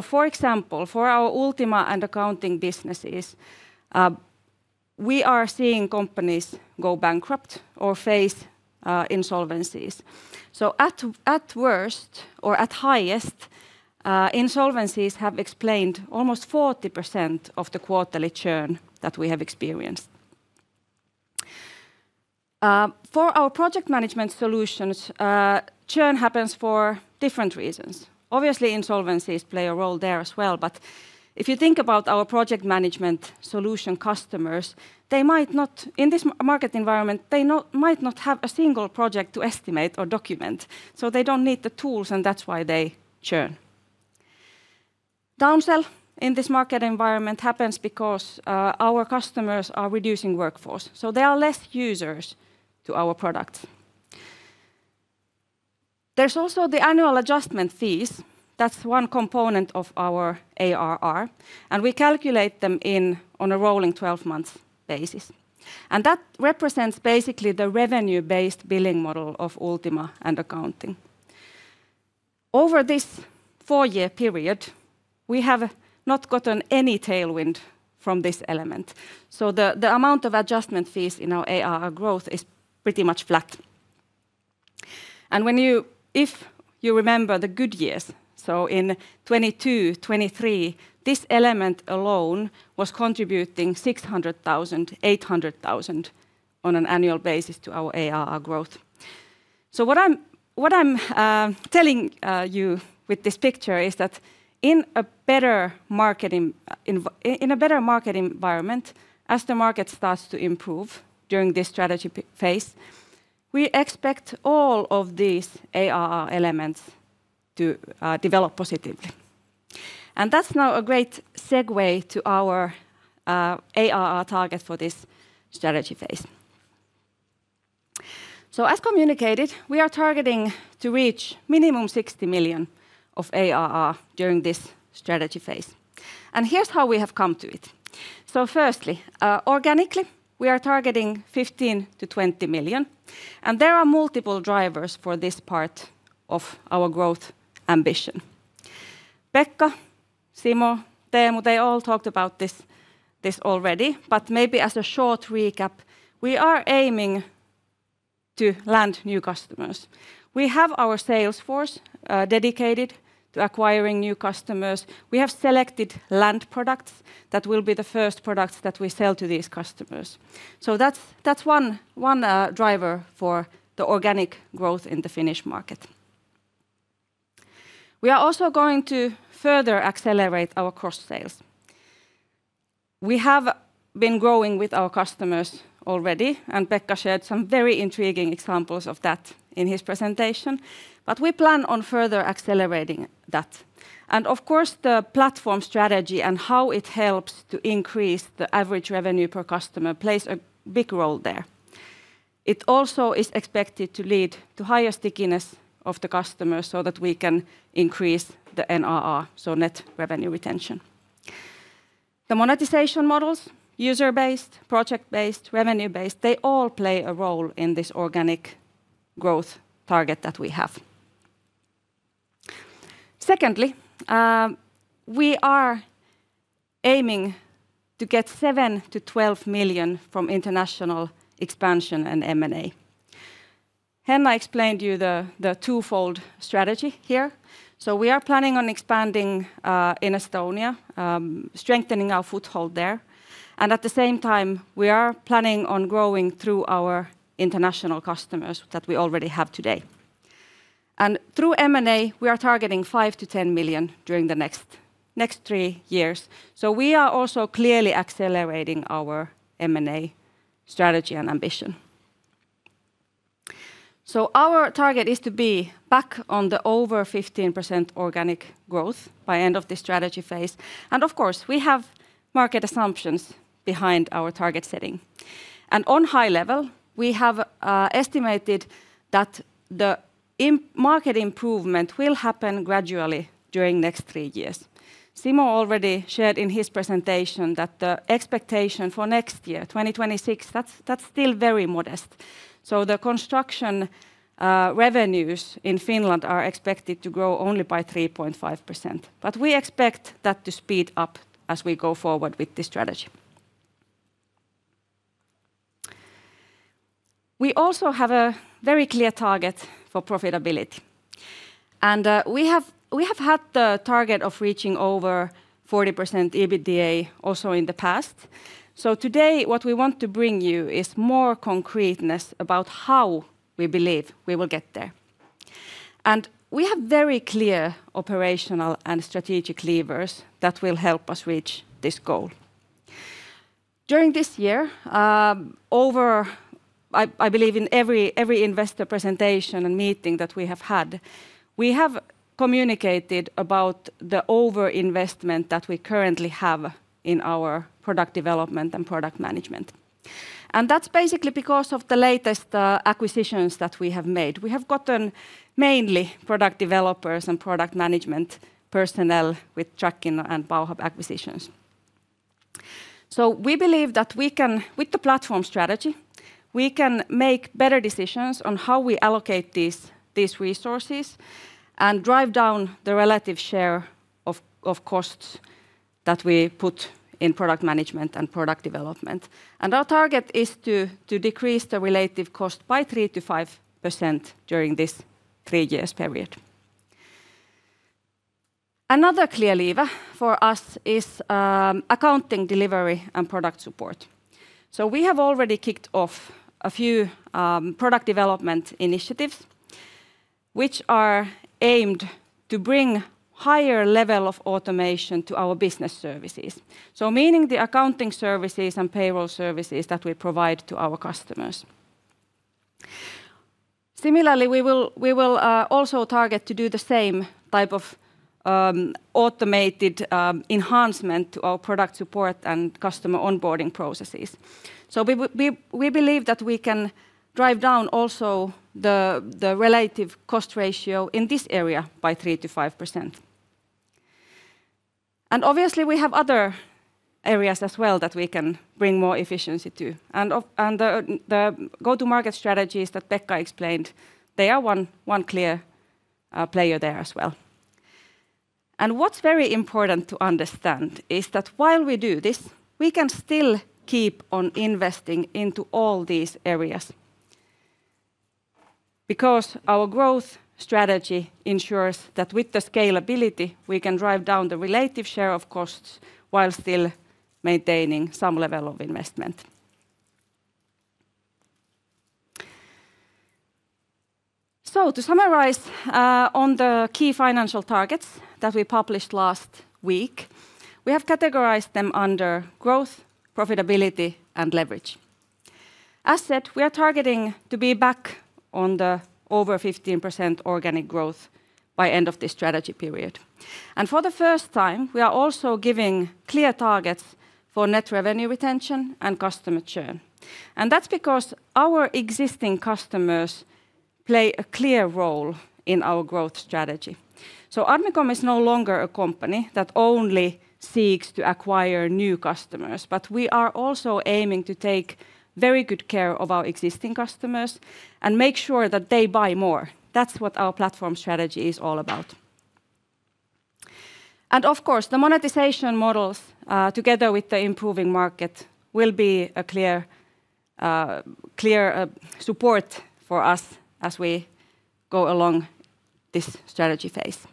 For example, for our Ultima and accounting businesses, we are seeing companies go bankrupt or face insolvencies. At worst or at highest, insolvencies have explained almost 40% of the quarterly churn that we have experienced. For our project management solutions, churn happens for different reasons. Obviously, insolvencies play a role there as well, but if you think about our project management solution customers, they might not, in this market environment, they might not have a single project to estimate or document. They do not need the tools, and that's why they churn. Downsell in this market environment happens because our customers are reducing workforce. There are fewer users to our products. There is also the annual adjustment fees. That is one component of our ARR, and we calculate them on a rolling 12-month basis. That represents basically the revenue-based billing model of Ultima and accounting. Over this four-year period, we have not gotten any tailwind from this element. The amount of adjustment fees in our ARR growth is pretty much flat. If you remember the good years, in 2022, 2023, this element alone was contributing 600,000-800,000 on an annual basis to our ARR growth. What I am telling you with this picture is that in a better market environment, as the market starts to improve during this strategy phase, we expect all of these ARR elements to develop positively. That is now a great segue to our ARR target for this strategy phase. As communicated, we are targeting to reach a minimum of 60 million of ARR during this strategy phase. Here is how we have come to it. Firstly, organically, we are targeting 15 million-20 million. There are multiple drivers for this part of our growth ambition. Pekka, Simo, Teemu, they all talked about this already, but maybe as a short recap, we are aiming to land new customers. We have our sales force dedicated to acquiring new customers. We have selected land products that will be the first products that we sell to these customers. That is one driver for the organic growth in the Finnish market. We are also going to further accelerate our cross-sales. We have been growing with our customers already, and Pekka shared some very intriguing examples of that in his presentation. We plan on further accelerating that. Of course, the platform strategy and how it helps to increase the average revenue per customer plays a big role there. It also is expected to lead to higher stickiness of the customers so that we can increase the NRR, so net revenue retention. The monetization models, user-based, project-based, revenue-based, they all play a role in this organic growth target that we have. Secondly, we are aiming to get 7 million-12 million from international expansion and M&A. Henna explained to you the twofold strategy here. We are planning on expanding in Estonia, strengthening our foothold there. At the same time, we are planning on growing through our international customers that we already have today. Through M&A, we are targeting 5 million-10 million during the next three years. We are also clearly accelerating our M&A strategy and ambition. Our target is to be back on the over 15% organic growth by the end of the strategy phase. Of course, we have market assumptions behind our target setting. On high level, we have estimated that the market improvement will happen gradually during the next three years. Simo already shared in his presentation that the expectation for next year, 2026, is still very modest. The construction revenues in Finland are expected to grow only by 3.5%. We expect that to speed up as we go forward with this strategy. We also have a very clear target for profitability. We have had the target of reaching over 40% EBITDA also in the past. Today, what we want to bring you is more concreteness about how we believe we will get there. We have very clear operational and strategic levers that will help us reach this goal. During this year, I believe in every investor presentation and meeting that we have had, we have communicated about the over-investment that we currently have in our product development and product management. That is basically because of the latest acquisitions that we have made. We have gotten mainly product developers and product management personnel with Trahkino and Power acquisitions. We believe that with the platform strategy, we can make better decisions on how we allocate these resources and drive down the relative share of costs that we put in product management and product development. Our target is to decrease the relative cost by 3%-5% during this three-year period. Another clear lever for us is accounting delivery and product support. We have already kicked off a few product development initiatives, which are aimed to bring a higher level of automation to our business services, meaning the accounting services and payroll services that we provide to our customers. Similarly, we will also target to do the same type of automated enhancement to our product support and customer onboarding processes. We believe that we can drive down also the relative cost ratio in this area by 3%-5%. Obviously, we have other areas as well that we can bring more efficiency to. The go-to-market strategies that Pekka explained, they are one clear player there as well. What's very important to understand is that while we do this, we can still keep on investing into all these areas. Our growth strategy ensures that with the scalability, we can drive down the relative share of costs while still maintaining some level of investment. To summarize on the key financial targets that we published last week, we have categorized them under growth, profitability, and leverage. As said, we are targeting to be back on the over 15% organic growth by the end of this strategy period. For the first time, we are also giving clear targets for net revenue retention and customer churn. That is because our existing customers play a clear role in our growth strategy. Admicom is no longer a company that only seeks to acquire new customers, but we are also aiming to take very good care of our existing customers and make sure that they buy more. That is what our platform strategy is all about. Of course, the monetization models, together with the improving market, will be a clear support for us as we go along this strategy phase.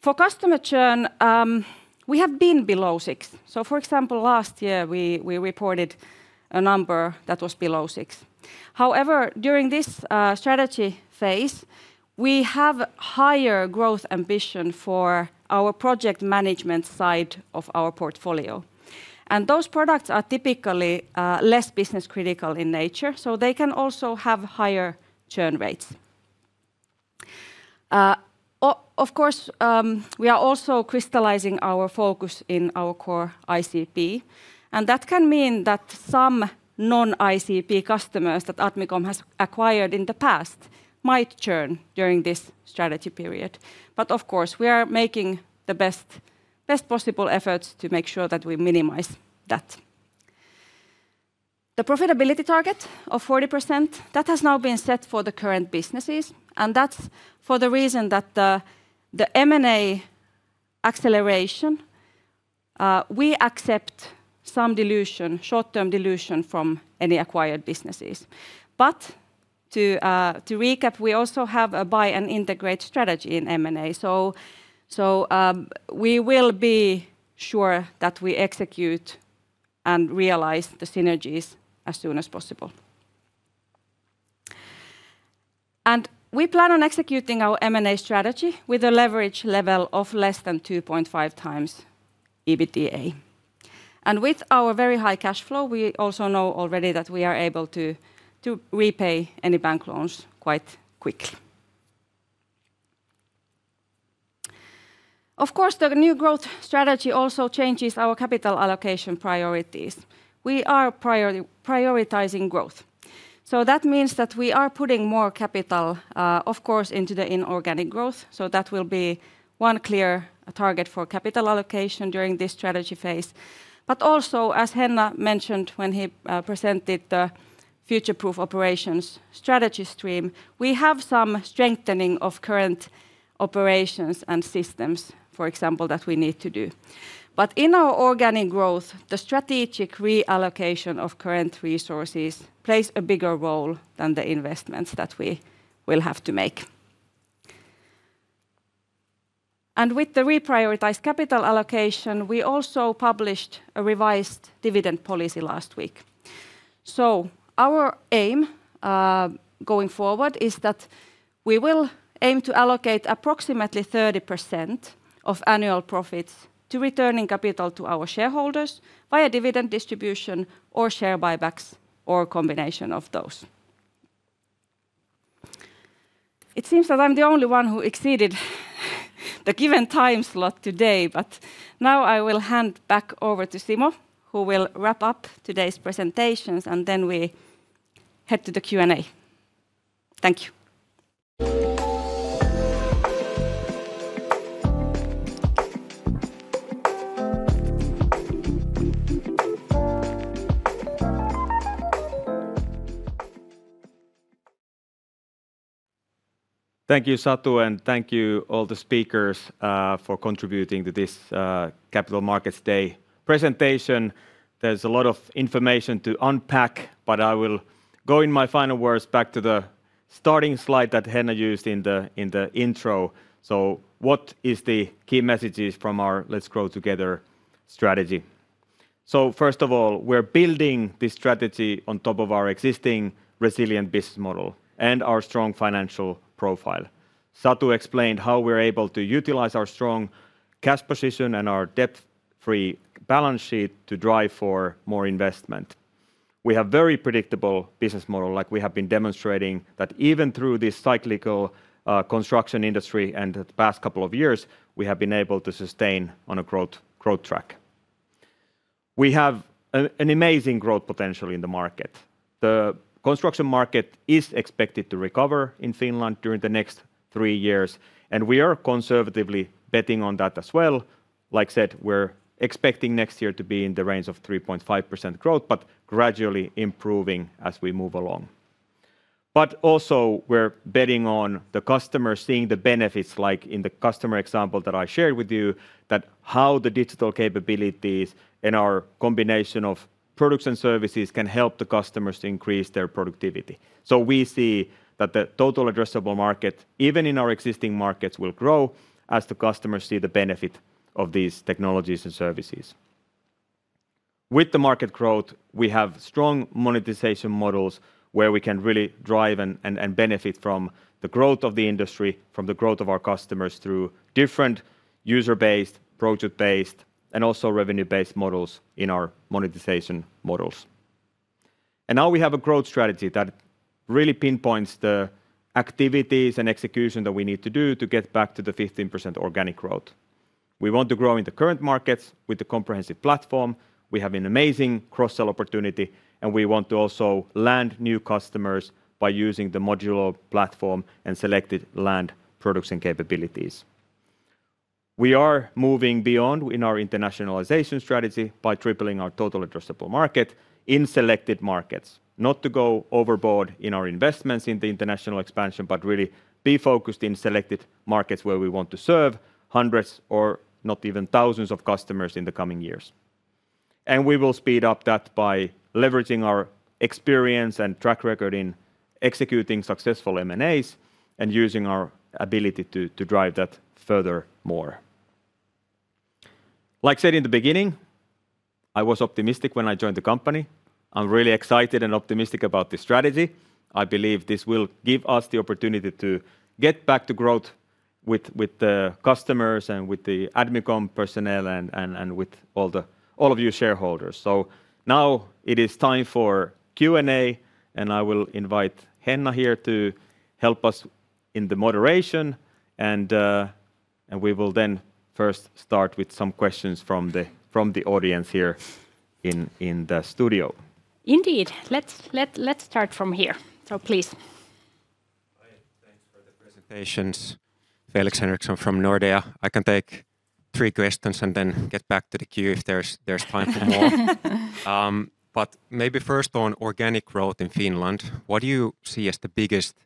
For customer churn, we have been below 6%. For example, last year, we reported a number that was below 6%. However, during this strategy phase, we have a higher growth ambition for our project management side of our portfolio. Those products are typically less business-critical in nature, so they can also have higher churn rates. Of course, we are also crystallizing our focus in our core ICP. That can mean that some non-ICP customers that Admicom has acquired in the past might churn during this strategy period. Of course, we are making the best possible efforts to make sure that we minimize that. The profitability target of 40% has now been set for the current businesses. That is for the reason that the M&A acceleration, we accept some short-term dilution from any acquired businesses. To recap, we also have a buy and integrate strategy in M&A. We will be sure that we execute and realize the synergies as soon as possible. We plan on executing our M&A strategy with a leverage level of less than 2.5x EBITDA. With our very high cash flow, we also know already that we are able to repay any bank loans quite quickly. Of course, the new growth strategy also changes our capital allocation priorities. We are prioritizing growth. That means that we are putting more capital, of course, into the inorganic growth. That will be one clear target for capital allocation during this strategy phase. Also, as Henna mentioned when he presented the future-proof operations strategy stream, we have some strengthening of current operations and systems, for example, that we need to do. In our organic growth, the strategic reallocation of current resources plays a bigger role than the investments that we will have to make. With the reprioritized capital allocation, we also published a revised dividend policy last week. Our aim going forward is that we will aim to allocate approximately 30% of annual profits to returning capital to our shareholders via dividend distribution or share buybacks or a combination of those. It seems that I'm the only one who exceeded the given time slot today, but now I will hand back over to Simo, who will wrap up today's presentations, and then we head to the Q&A. Thank you. Thank you, Satu, and thank you to all the speakers for contributing to this Capital Markets Day presentation. There's a lot of information to unpack, but I will go in my final words back to the starting slide that Henna used in the intro. What are the key messages from our Let's Grow Together strategy? First of all, we're building this strategy on top of our existing resilient business model and our strong financial profile. Satu explained how we're able to utilize our strong cash position and our debt-free balance sheet to drive for more investment. We have a very predictable business model, like we have been demonstrating, that even through this cyclical construction industry and the past couple of years, we have been able to sustain on a growth track. We have an amazing growth potential in the market. The construction market is expected to recover in Finland during the next three years, and we are conservatively betting on that as well. Like said, we're expecting next year to be in the range of 3.5% growth, but gradually improving as we move along. We are also betting on the customers seeing the benefits, like in the customer example that I shared with you, that how the digital capabilities and our combination of products and services can help the customers to increase their productivity. We see that the total addressable market, even in our existing markets, will grow as the customers see the benefit of these technologies and services. With the market growth, we have strong monetization models where we can really drive and benefit from the growth of the industry, from the growth of our customers through different user-based, project-based, and also revenue-based models in our monetization models. Now we have a growth strategy that really pinpoints the activities and execution that we need to do to get back to the 15% organic growth. We want to grow in the current markets with the comprehensive platform. We have an amazing cross-sell opportunity, and we want to also land new customers by using the modular platform and selected land products and capabilities. We are moving beyond in our internationalization strategy by tripling our total addressable market in selected markets. Not to go overboard in our investments in the international expansion, but really be focused in selected markets where we want to serve hundreds or not even thousands of customers in the coming years. We will speed up that by leveraging our experience and track record in executing successful M&As and using our ability to drive that furthermore. Like said in the beginning, I was optimistic when I joined the company. I'm really excited and optimistic about this strategy. I believe this will give us the opportunity to get back to growth with the customers and with the Admicom personnel and with all of you shareholders. Now it is time for Q&A, and I will invite Henna here to help us in the moderation. We will then first start with some questions from the audience here in the studio. Indeed. Let's start from here. Please. Thanks for the presentations. Felix Henriksson from Nordea. I can take three questions and then get back to the queue if there's time for more. Maybe first on organic growth in Finland. What do you see as the biggest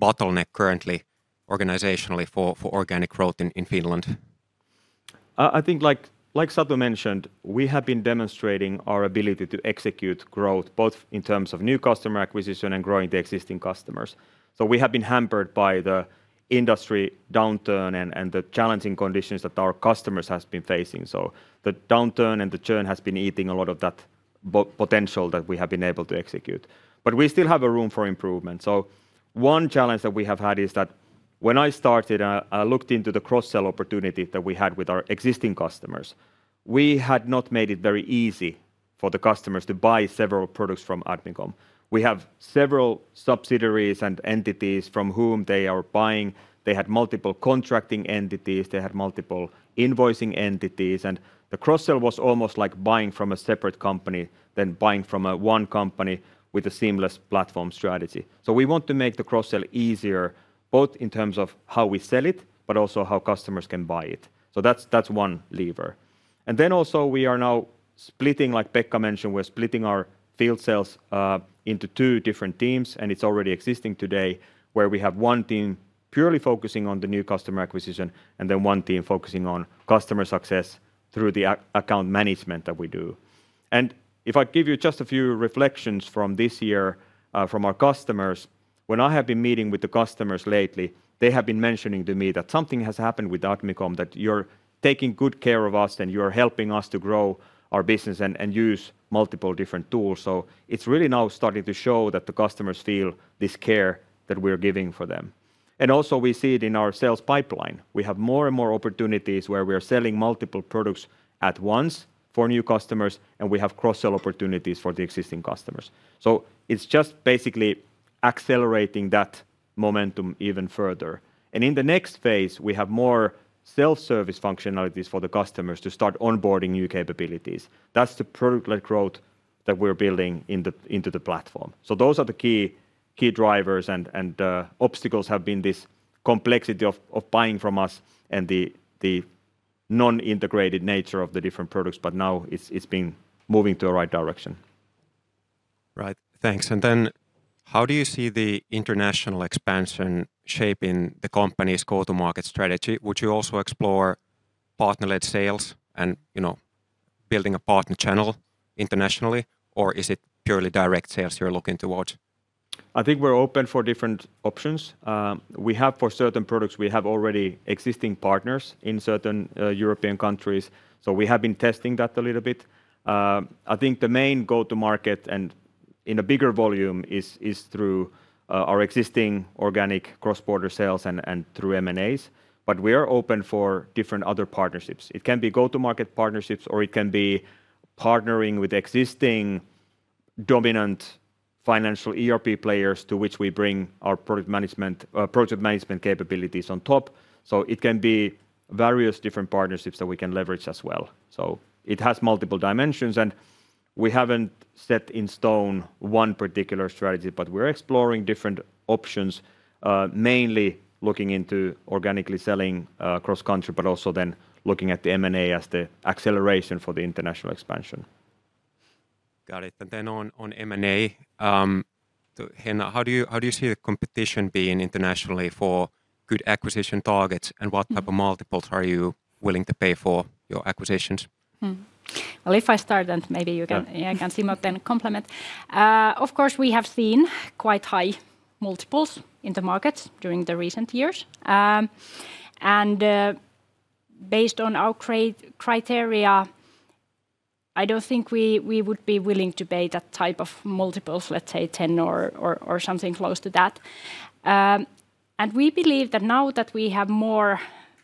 bottleneck currently organizationally for organic growth in Finland? I think, like Satu mentioned, we have been demonstrating our ability to execute growth both in terms of new customer acquisition and growing the existing customers. We have been hampered by the industry downturn and the challenging conditions that our customers have been facing. The downturn and the churn have been eating a lot of that potential that we have been able to execute. We still have room for improvement. One challenge that we have had is that when I started and I looked into the cross-sell opportunity that we had with our existing customers, we had not made it very easy for the customers to buy several products from Admicom. We have several subsidiaries and entities from whom they are buying. They had multiple contracting entities. They had multiple invoicing entities. The cross-sell was almost like buying from a separate company than buying from one company with a seamless platform strategy. We want to make the cross-sell easier both in terms of how we sell it, but also how customers can buy it. That is one lever. Also, we are now splitting, like Pekka mentioned, we are splitting our field sales into two different teams. It is already existing today where we have one team purely focusing on the new customer acquisition and then one team focusing on customer success through the account management that we do. If I give you just a few reflections from this year from our customers, when I have been meeting with the customers lately, they have been mentioning to me that something has happened with Admicom, that you are taking good care of us and you are helping us to grow our business and use multiple different tools. It is really now starting to show that the customers feel this care that we are giving for them. We also see it in our sales pipeline. We have more and more opportunities where we are selling multiple products at once for new customers, and we have cross-sell opportunities for the existing customers. It is just basically accelerating that momentum even further. In the next phase, we have more self-service functionalities for the customers to start onboarding new capabilities. That is the product-led growth that we are building into the platform. Those are the key drivers, and the obstacles have been this complexity of buying from us and the non-integrated nature of the different products, but now it has been moving to the right d irection. Right, thanks. How do you see the international expansion shaping the company's go-to-market strategy? Would you also explore partner-led sales and building a partner channel internationally, or is it purely direct sales you are looking towards? I think we are open for different options. For certain products, we have already existing partners in certain European countries. We have been testing that a little bit. I think the main go-to-market and in a bigger volume is through our existing organic cross-border sales and through M&As, but we are open for different other partnerships. It can be go-to-market partnerships, or it can be partnering with existing dominant financial ERP players to which we bring our project management capabilities on top. It can be various different partnerships that we can leverage as well. It has multiple dimensions, and we have not set in stone one particular strategy, but we are exploring different options, mainly looking into organically selling cross-country, but also then looking at the M&A as the acceleration for the international expansion. Got it. On M&A, Henna, how do you see the competition being internationally for good acquisition targets, and what type of multiples are you willing to pay for your acquisitions? If I start, then maybe you can see me, then complement. Of course, we have seen quite high multiples in the markets during the recent years. Based on our criteria, I don't think we would be willing to pay that type of multiples, let's say 10 or something close to that. We believe that now that we have a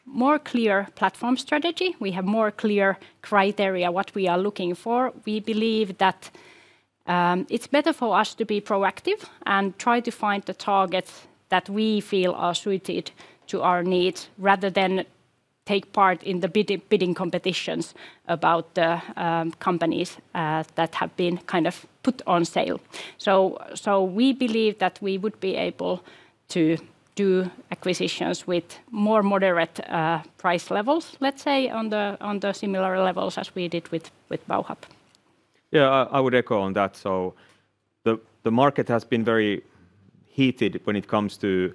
more clear platform strategy, we have more clear criteria what we are looking for, we believe that it's better for us to be proactive and try to find the targets that we feel are suited to our needs rather than take part in the bidding competitions about the companies that have been kind of put on sale. We believe that we would be able to do acquisitions with more moderate price levels, let's say, on the similar levels as we did with Bauhub. Yeah, I would echo on that. The market has been very heated when it comes to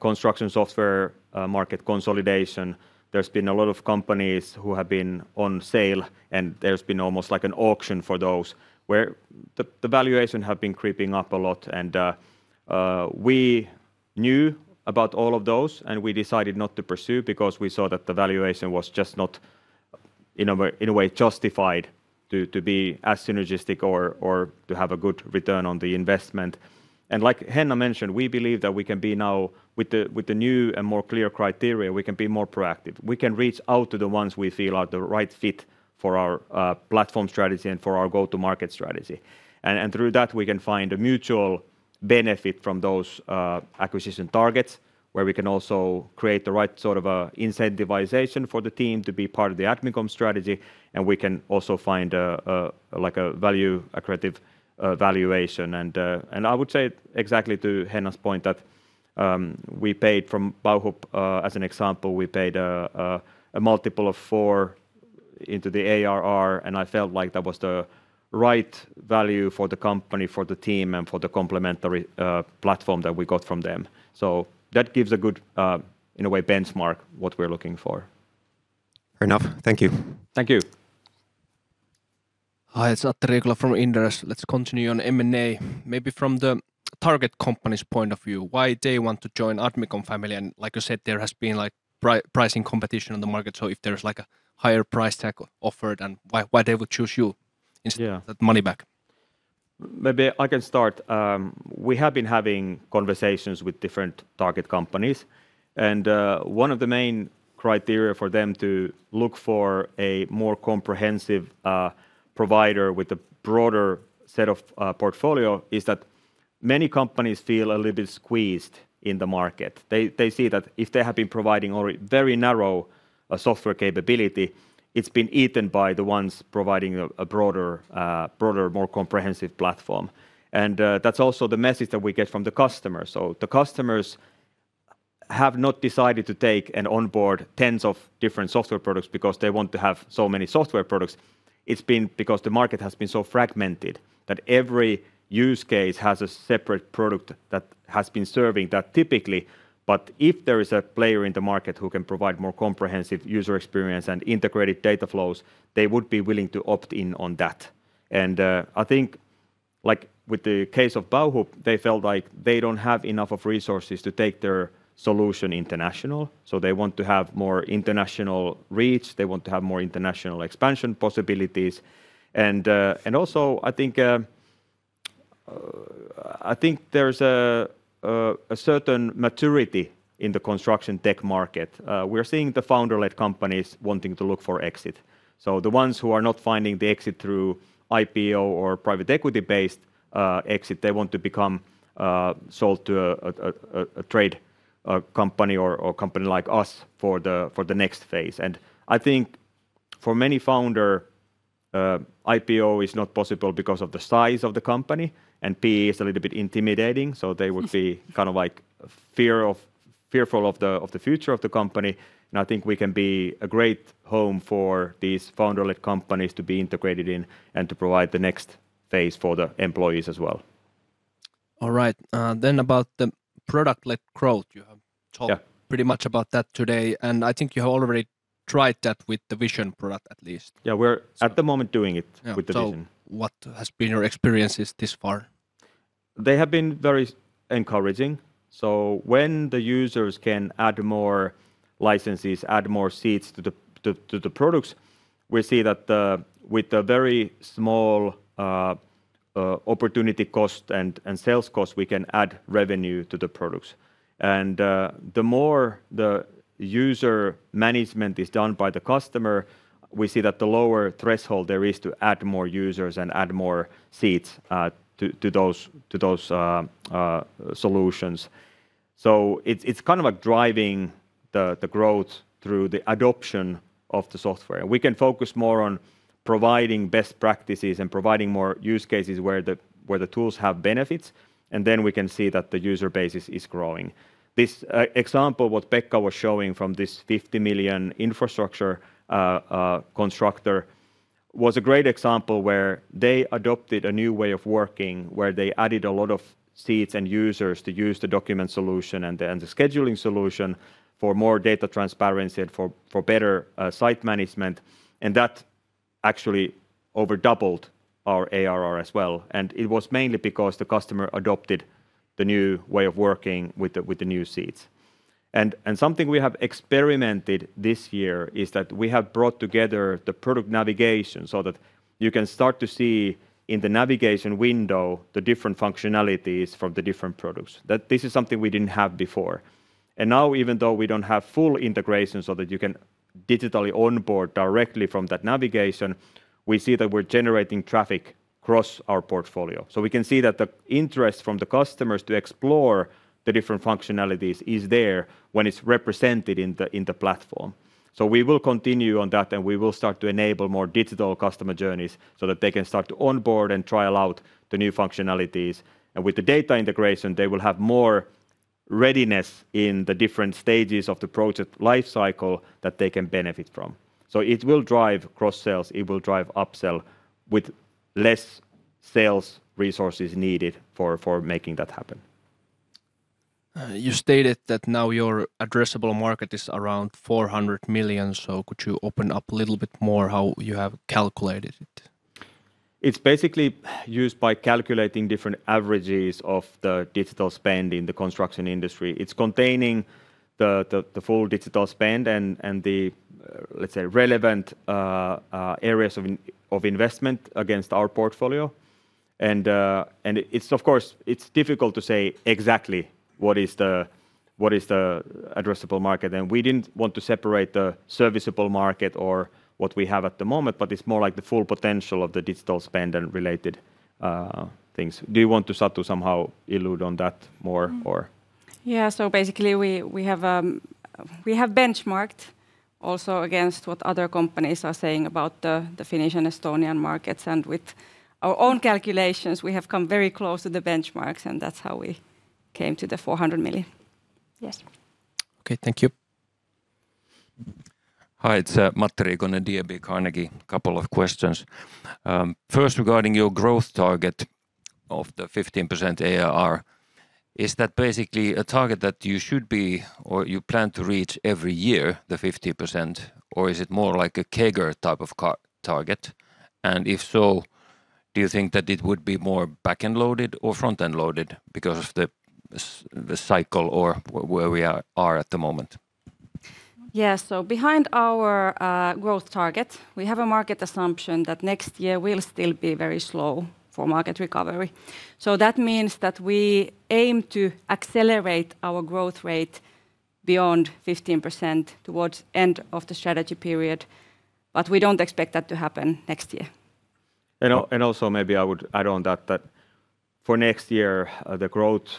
construction software market consolidation. There's been a lot of companies who have been on sale, and there's been almost like an auction for those where the valuation has been creeping up a lot. We knew about all of those, and we decided not to pursue because we saw that the valuation was just not, in a way, justified to be as synergistic or to have a good return on the investment. Like Henna mentioned, we believe that we can be now, with the new and more clear criteria, we can be more proactive. We can reach out to the ones we feel are the right fit for our platform strategy and for our go-to-market strategy. Through that, we can find a mutual benefit from those acquisition targets where we can also create the right sort of incentivization for the team to be part of the Admicom strategy. We can also find a value-accretive valuation. I would say exactly to Henna's point that we paid for Bauhub, as an example, we paid a multiple of four into the ARR, and I felt like that was the right value for the company, for the team, and for the complementary platform that we got from them. That gives a good, in a way, benchmark what we're looking for. Fair enough. Thankyou. Thank you. Hi, it's Atte Riikola from Inderes. Let's continue on M&A. Maybe from the target company's point of view, why they want to join Admicom family? Like you said, there has been pricing competition on the market. If there's a higher price tag offered, why would they choose you instead of that money back? Maybe I can start. We have been having conversations with different target companies. One of the main criteria for them to look for a more comprehensive provider with a broader set of portfolio is that many companies feel a little bit squeezed in the market. They see that if they have been providing a very narrow software capability, it's been eaten by the ones providing a broader, more comprehensive platform. That's also the message that we get from the customers. The customers have not decided to take and onboard tens of different software products because they want to have so many software products. It's been because the market has been so fragmented that every use case has a separate product that has been serving that typically. If there is a player in the market who can provide more comprehensive user experience and integrated data flows, they would be willing to opt in on that. I think, like with the case of Bauhub, they felt like they do not have enough resources to take their solution international. They want to have more international reach. They want to have more international expansion possibilities. I think there is a certain maturity in the construction tech market. We are seeing the founder-led companies wanting to look for exit. The ones who are not finding the exit through IPO or private equity-based exit want to become sold to a trade company or a company like us for the next phase. I think for many founders, IPO is not possible because of the size of the company. PE is a little bit intimidating. They would be kind of fearful of the future of the company. I think we can be a great home for these founder-led companies to be integrated in and to provide the next phase for the employees as well. All right. About the product-led growth. You have talked pretty much about that today. I think you have already tried that with the Vision product at least. Yeah, we are at the moment doing it with the Vision. What have been your experiences this far? They have been very encouraging. When the users can add more licenses, add more seats to the products, we see that with a very small opportunity cost and sales cost, we can add revenue to the products. The more the user management is done by the customer, we see that the lower threshold there is to add more users and add more seats to those solutions. It is kind of like driving the growth through the adoption of the software. We can focus more on providing best practices and providing more use cases where the tools have benefits. We can see that the user base is growing. This example, what Pekka was showing from this 50 million infrastructure constructor, was a great example where they adopted a new way of working where they added a lot of seats and users to use the document solution and the scheduling solution for more data transparency and for better site management. That actually over-doubled our ARR as well. It was mainly because the customer adopted the new way of working with the new seats. Something we have experimented this year is that we have brought together the product navigation so that you can start to see in the navigation window the different functionalities from the different products. This is something we did not have before. Now, even though we do not have full integration so that you can digitally onboard directly from that navigation, we see that we are generating traffic across our portfolio. We can see that the interest from the customers to explore the different functionalities is there when it is represented in the platform. We will continue on that, and we will start to enable more digital customer journeys so that they can start to onboard and trial out the new functionalities. With the data integration, they will have more readiness in the different stages of the project lifecycle that they can benefit from. It will drive cross-sells. It will drive upsell with less sales resources needed for making that happen. You stated that now your addressable market is around 400 million. Could you open up a little bit more how you have calculated it? It's basically used by calculating different averages of the digital spend in the construction industry. It's containing the full digital spend and the, let's say, relevant areas of investment against our portfolio. It's, of course, difficult to say exactly what is the addressable market. We did not want to separate the serviceable market or what we have at the moment, but it's more like the full potential of the digital spend and related things. Do you want to somehow elude on that more? Yeah, basically we have benchmarked also against what other companies are saying about the Finnish and Estonian markets. With our own calculations, we have come very close to the benchmarks, and that's how we came to the 400 million. Yes. Okay, thank you. Hi, it's Matti Konetie, Carnegie, a couple of questions. First, regarding your growth target of the 15% ARR, is that basically a target that you should be or you plan to reach every year, the 15%, or is it more like a CAGR type of target? If so, do you think that it would be more back-end loaded or front-end loaded because of the cycle or where we are at the moment? Yeah, behind our growth target, we have a market assumption that next year will still be very slow for market recovery. That means that we aim to accelerate our growth rate beyond 15% towards the end of the strategy period, but we don't expect that to happen next year. Also, maybe I would add on that for next year, the growth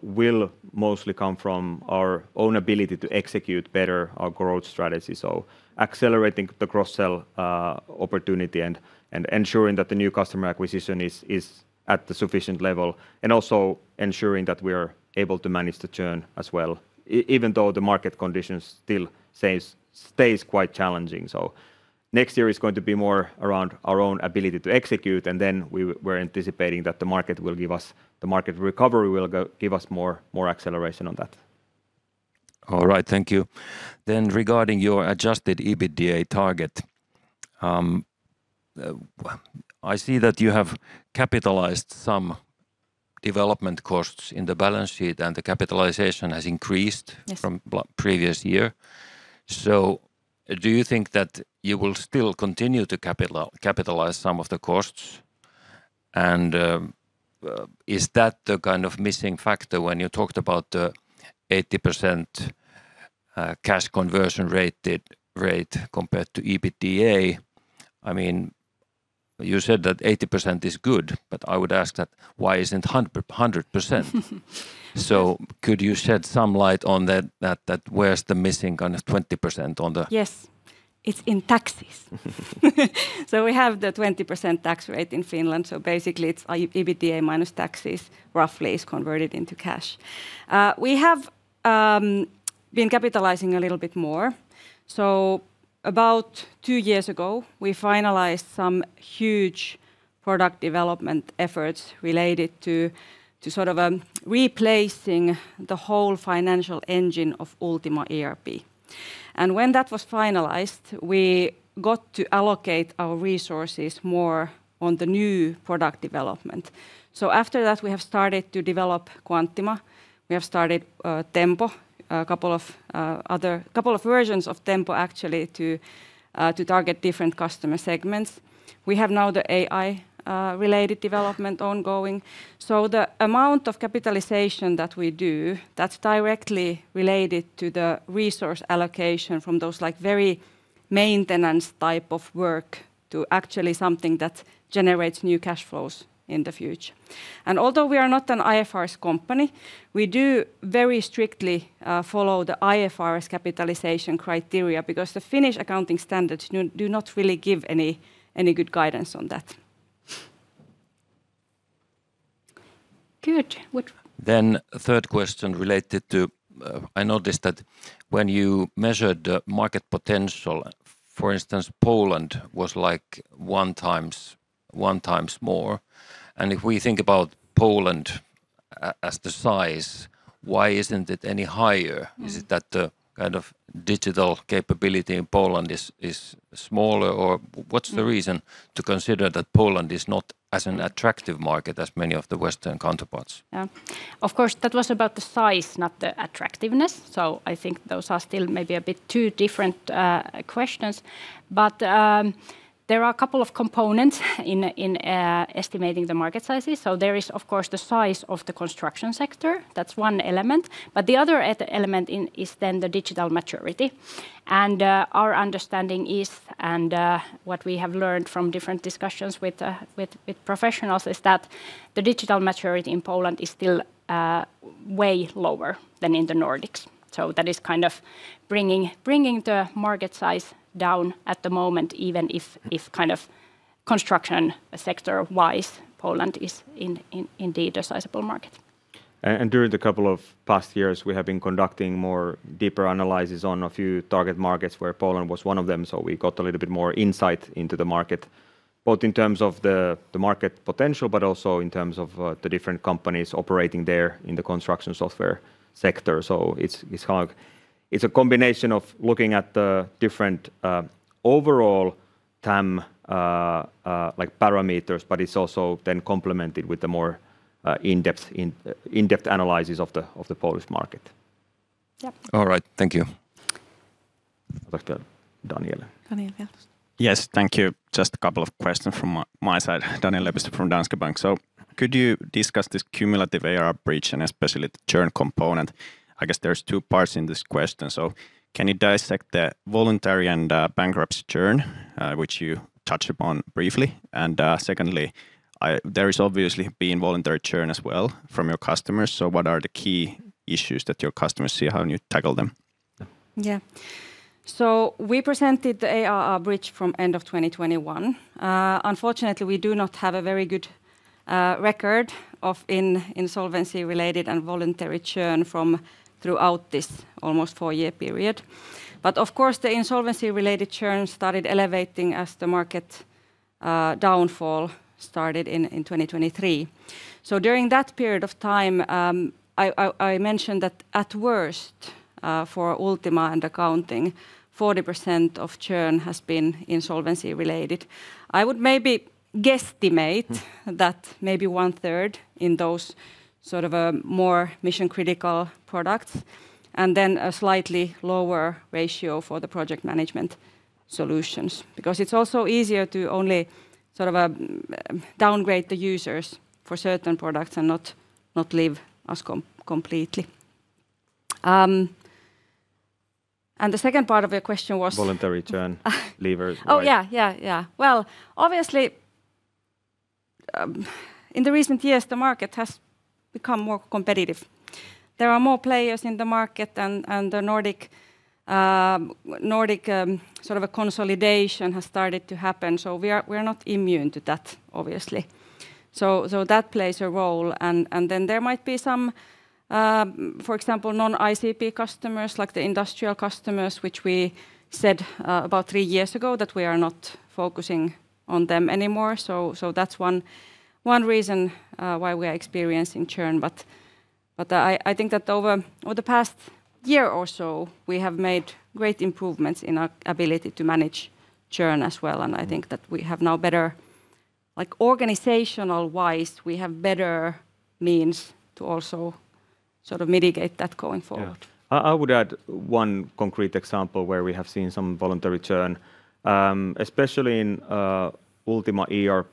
will mostly come from our own ability to execute better our growth strategy. Accelerating the cross-sell opportunity and ensuring that the new customer acquisition is at the sufficient level and also ensuring that we are able to manage the churn as well, even though the market condition still stays quite challenging. Next year is going to be more around our own ability to execute, and then we're anticipating that the market will give us, the market recovery will give us more acceleration on that. All right, thank you. Regarding your adjusted EBITDA target, I see that you have capitalized some development costs in the balance sheet, and the capitalization has increased from previous year. Do you think that you will still continue to capitalize some of the costs? Is that the kind of missing factor when you talked about the 80% cash conversion rate compared to EBITDA? I mean, you said that 80% is good, but I would ask why isn't it 100%? Could you shed some light on that? Where's the missing kind of 20%? Yes, it's in taxes. We have the 20% tax rate in Finland. Basically, it's EBITDA minus taxes, roughly, is converted into cash. We have been capitalizing a little bit more. About two years ago, we finalized some huge product development efforts related to sort of replacing the whole financial engine of Ultima ERP. When that was finalized, we got to allocate our resources more on the new product development. After that, we have started to develop Quantima. We have started Tempo, a couple of versions of Tempo, actually, to target different customer segments. We have now the AI-related development ongoing. The amount of capitalization that we do, that's directly related to the resource allocation from those very maintenance type of work to actually something that generates new cash flows in the future. Although we are not an IFRS company, we do very strictly follow the IFRS capitalization criteria because the Finnish accounting standards do not really give any good guidance on that. Good. Third question related to, I noticed that when you measured the market potential, for instance, Poland was like one times more. If we think about Poland as the size, why isn't it any higher? Is it that the kind of digital capability in Poland is smaller, or what's the reason to consider that Poland is not as an attractive market as many of the Western counterparts? Of course, that was about the size, not the attractiveness. I think those are still maybe a bit two different questions. There are a couple of components in estimating the market sizes. There is, of course, the size of the construction sector. That is one element. The other element is then the digital maturity. Our understanding is, and what we have learned from different discussions with professionals, is that the digital maturity in Poland is still way lower than in the Nordics. That is kind of bringing the market size down at the moment, even if kind of construction sector-wise, Poland is indeed a sizable market. During the couple of past years, we have been conducting more deeper analysis on a few target markets where Poland was one of them. We got a little bit more insight into the market, both in terms of the market potential, but also in terms of the different companies operating there in the construction software sector. It is a combination of looking at the different overall TAM parameters, but it is also then complemented with the more in-depth analysis of the Polish market. All right, thank you. Daniel. Daniel, yes. Thank you. Just a couple of questions from my side. Daniel Lepistö from Danske Bank. Could you discuss this cumulative ARR breach and especially the churn component? I guess there are two parts in this question. Can you dissect the voluntary and bankruptcy churn, which you touched upon briefly? Secondly, there has obviously been voluntary churn as well from your customers. What are the key issues that your customers see? How do you tackle them? Yeah. We presented the ARR breach from the end of 2021. Unfortunately, we do not have a very good record of insolvency-related and voluntary churn throughout this almost four-year period. Of course, the insolvency-related churn started elevating as the market downfall started in 2023. During that period of time, I mentioned that at worst for Ultima and accounting, 40% of churn has been insolvency-related. I would maybe guesstimate that maybe one-third in those sort of more mission-critical products and then a slightly lower ratio for the project management solutions. Because it is also easier to only sort of downgrade the users for certain products and not leave us completely. The second part of your question was voluntary churn levers. Oh yeah, yeah, yeah. Obviously, in the recent years, the market has become more competitive. There are more players in the market, and the Nordic sort of consolidation has started to happen. We are not immune to that, obviously. That plays a role. There might be some, for example, non-ICP customers, like the industrial customers, which we said about three years ago that we are not focusing on them anymore. That is one reason why we are experiencing churn. I think that over the past year or so, we have made great improvements in our ability to manage churn as well. I think that we have now better, organizational-wise, we have better means to also sort of mitigate that going forward. I would add one concrete example where we have seen some voluntary churn, especially in Ultima ERP.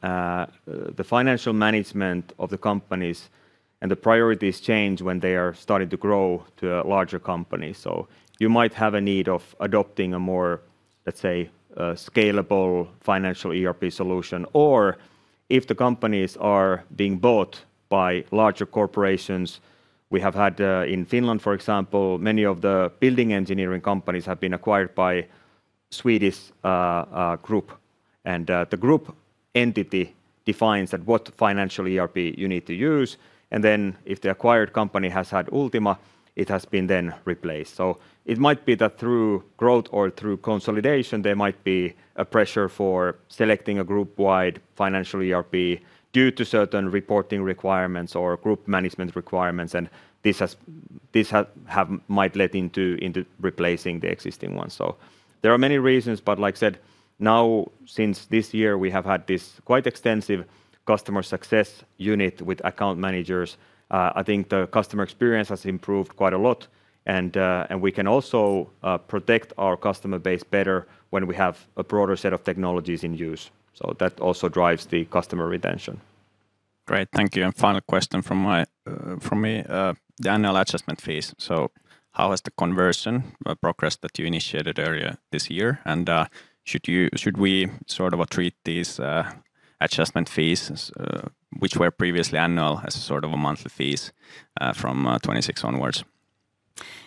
The financial management of the companies and the priorities change when they are starting to grow to a larger company. You might have a need of adopting a more, let's say, scalable financial ERP solution. If the companies are being bought by larger corporations, we have had in Finland, for example, many of the building engineering companies have been acquired by a Swedish group. The group entity defines what financial ERP you need to use. If the acquired company has had Ultima, it has been then replaced. It might be that through growth or through consolidation, there might be a pressure for selecting a group-wide financial ERP due to certain reporting requirements or group management requirements. This might lead into replacing the existing one. There are many reasons. Like I said, now since this year, we have had this quite extensive customer success unit with account managers. I think the customer experience has improved quite a lot. We can also protect our customer base better when we have a broader set of technologies in use. That also drives the customer retention. Great. Thank you. Final question from me, the annual adjustment fees. How has the conversion progressed that you initiated earlier this year? Should we sort of treat these adjustment fees, which were previously annual, as sort of monthly fees from 2026 onwards?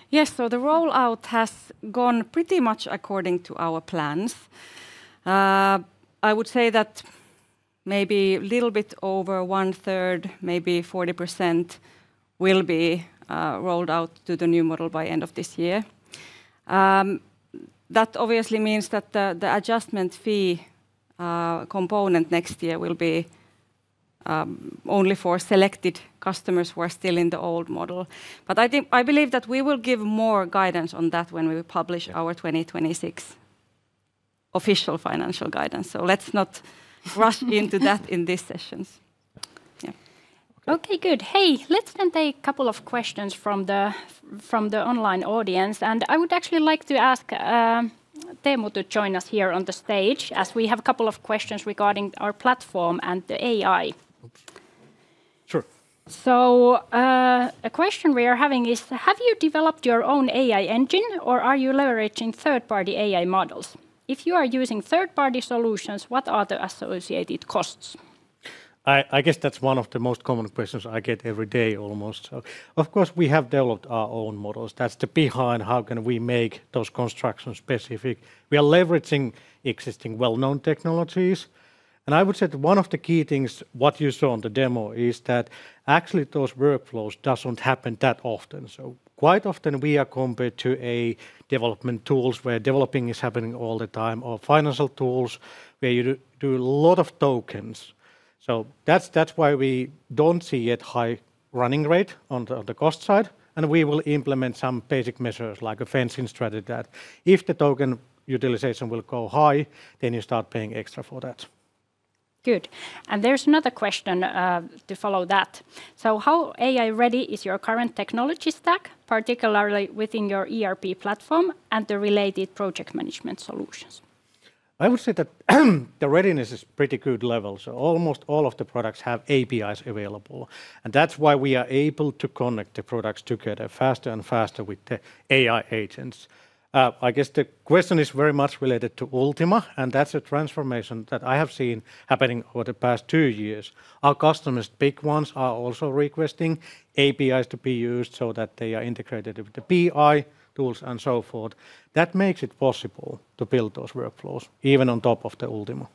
Yes. The rollout has gone pretty much according to our plans. I would say that maybe a little bit over one-third, maybe 40%, will be rolled out to the new model by the end of this year. That obviously means that the adjustment fee component next year will be only for selected customers who are still in the old model. I believe that we will give more guidance on that when we publish our 2026 official financial guidance. Let's not rush into that in these sessions. Yeah. Okay, good. Hey, let's then take a couple of questions from the online audience. I would actually like to ask Teemu to join us here on the stage as we have a couple of questions regarding our platform and the AI. Sure. A question we are having is, have you developed your own AI engine or are you leveraging third-party AI models? If you are using third-party solutions, what are the associated costs? I guess that's one of the most common questions I get every day almost. Of course, we have developed our own models. That's the behind how can we make those construction specific. We are leveraging existing well-known technologies. I would say that one of the key things what you saw on the demo is that actually those workflows do not happen that often. Quite often we are compared to development tools where developing is happening all the time or financial tools where you do a lot of tokens. That is why we do not see yet high running rate on the cost side. We will implement some basic measures like a fencing strategy that if the token utilization will go high, then you start paying extra for that. Good. There is another question to follow that. How AI-ready is your current technology stack, particularly within your ERP platform and the related project management solutions? I would say that the readiness is pretty good level. Almost all of the products have APIs available. That is why we are able to connect the products together faster and faster with the AI agents. I guess the question is very much related to Ultima, and that is a transformation that I have seen happening over the past two years. Our customers, big ones, are also requesting APIs to be used so that they are integrated with the BI tools and so forth. That makes it possible to build those workflows even on top of the Ultima.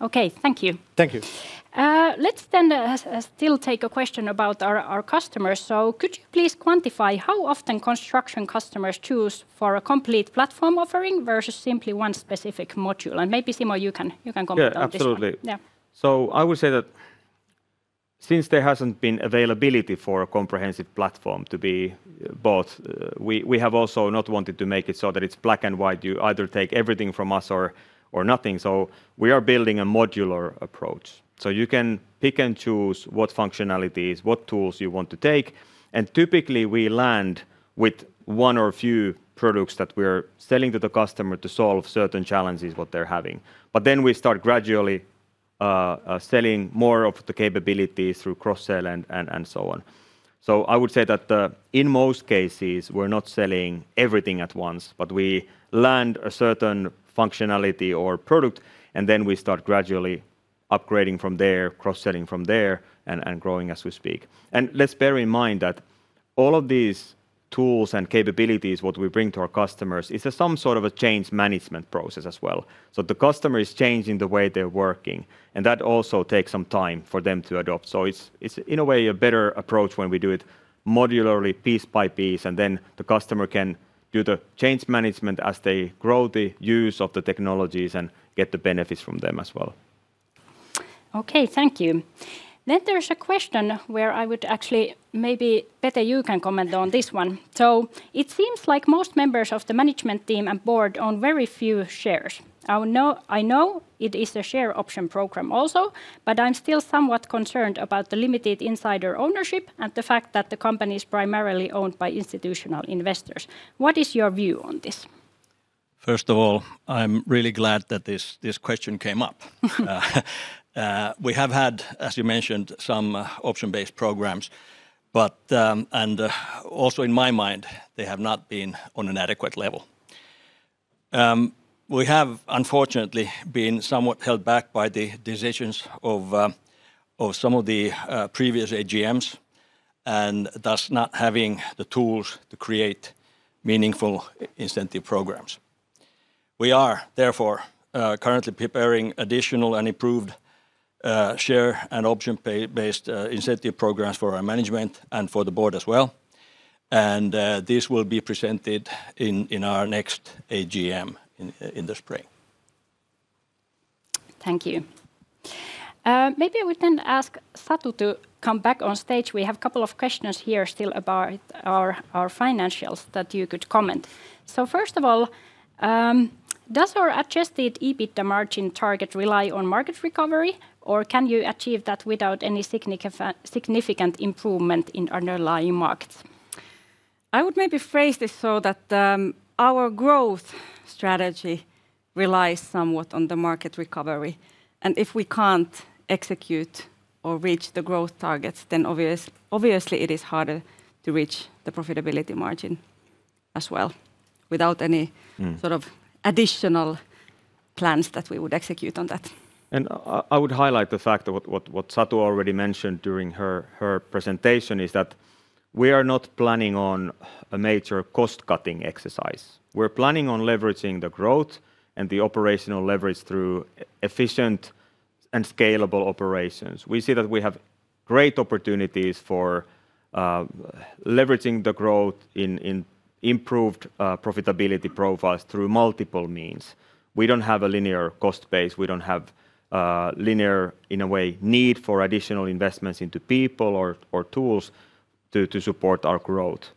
Okay, thank you. Thank you. Let's then still take a question about our customers. Could you please quantify how often construction customers choose a complete platform offering versus simply one specific module? Maybe Simo, you can comment on this. Yeah, absolutely. I would say that since there hasn't been availability for a comprehensive platform to be bought, we have also not wanted to make it so that it's black and white. You either take everything from us or nothing. We are building a modular approach. You can pick and choose what functionalities, what tools you want to take. Typically, we land with one or few products that we are selling to the customer to solve certain challenges what they're having. Then we start gradually selling more of the capabilities through cross-sale and so on. I would say that in most cases, we're not selling everything at once, but we land a certain functionality or product, and then we start gradually upgrading from there, cross-selling from there and growing as we speak. Let's bear in mind that all of these tools and capabilities, what we bring to our customers, is some sort of a change management process as well. The customer is changing the way they're working, and that also takes some time for them to adopt. It is in a way a better approach when we do it modularly, piece by piece, and then the customer can do the change management as they grow the use of the technologies and get the benefits from them as well. Okay, thank you. There is a question where I would actually maybe, better you can comment on this one. It seems like most members of the management team and board own very few shares. I know it is a share option program also, but I'm still somewhat concerned about the limited insider ownership and the fact that the company is primarily owned by institutional investors. What is your view on this? First of all, I'm really glad that this question came up. We have had, as you mentioned, some option-based programs, but also in my mind, they have not been on an adequate level. We have unfortunately been somewhat held back by the decisions of some of the previous AGMs and thus not having the tools to create meaningful incentive programs. We are therefore currently preparing additional and improved share and option-based incentive programs for our management and for the board as well. This will be presented in our next AGM in the spring. Thank you. Maybe we can ask Satu to come back on stage. We have a couple of questions here still about our financials that you could comment. First of all, does our adjusted EBITDA margin target rely on market recovery, or can you achieve that without any significant improvement in underlying markets? I would maybe phrase this so that our growth strategy relies somewhat on the market recovery. If we cannot execute or reach the growth targets, then obviously it is harder to reach the profitability margin as well without any sort of additional plans that we would execute on that. I would highlight the fact that what Satu already mentioned during her presentation is that we are not planning on a major cost-cutting exercise. We are planning on leveraging the growth and the operational leverage through efficient and scalable operations. We see that we have great opportunities for leveraging the growth in improved profitability profiles through multiple means. We don't have a linear cost base. We don't have linear, in a way, need for additional investments into people or tools to support our growth.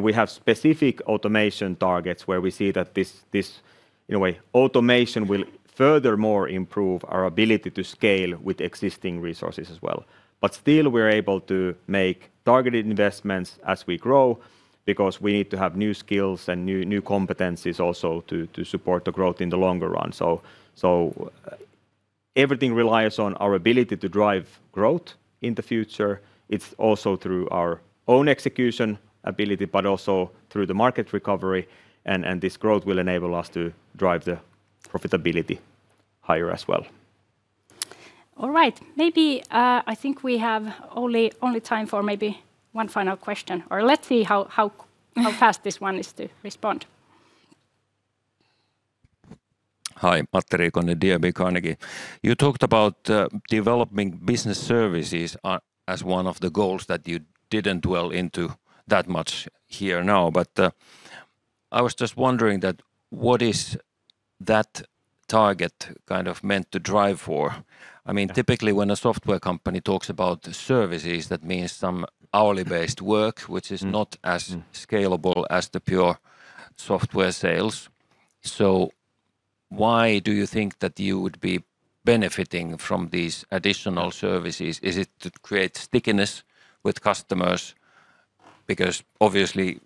We have specific automation targets where we see that this, in a way, automation will furthermore improve our ability to scale with existing resources as well. Still, we're able to make targeted investments as we grow because we need to have new skills and new competencies also to support the growth in the longer run. Everything relies on our ability to drive growth in the future. It's also through our own execution ability, but also through the market recovery. This growth will enable us to drive the profitability higher as well. All right. Maybe I think we have only time for maybe one final question. Let's see how fast this one is to respond. Hi, Matti Rikonen, DMI Carnegie. You talked about developing business services as one of the goals that you did not dwell into that much here now. I was just wondering what is that target kind of meant to drive for? I mean, typically when a software company talks about services, that means some hourly-based work, which is not as scalable as the pure software sales. Why do you think that you would be benefiting from these additional services? Is it to create stickiness with customers? Obviously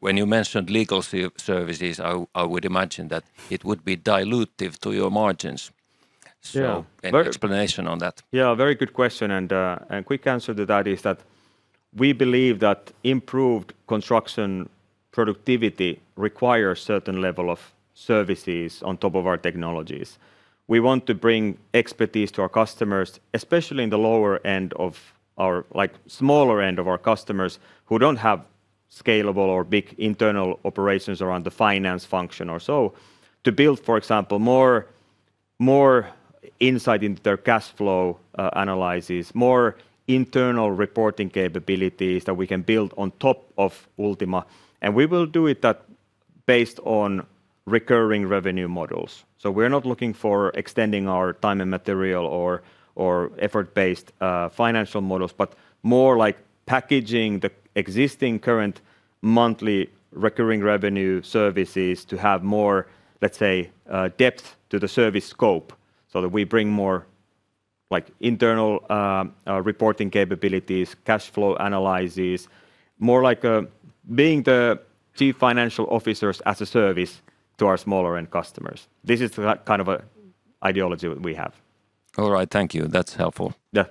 when you mentioned legal services, I would imagine that it would be dilutive to your margins. Any explanation on that? Yeah, very good question. A quick answer to that is that we believe that improved construction productivity requires a certain level of services on top of our technologies. We want to bring expertise to our customers, especially in the lower end of our, like smaller end of our customers who don't have scalable or big internal operations around the finance function or so, to build, for example, more insight into their cash flow analysis, more internal reporting capabilities that we can build on top of Ultima. We will do it based on recurring revenue models. We are not looking for extending our time and material or effort-based financial models, but more like packaging the existing current monthly recurring revenue services to have more, let's say, depth to the service scope so that we bring more internal reporting capabilities, cash flow analysis, more like being the chief financial officers as a service to our smaller end customers. This is the kind of ideology we have. All right, thank you. That's helpful. Yeah.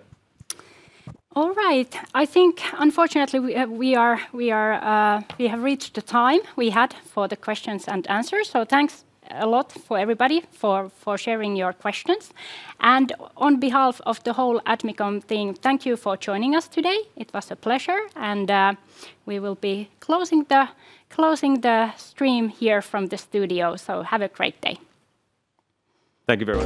All right. I think unfortunately we have reached the time we had for the questions and answers. Thanks a lot for everybody for sharing your questions. On behalf of the whole Admicom team, thank you for joining us today. It was a pleasure. We will be closing the stream here from the studio. Have a great day. Thank you very much.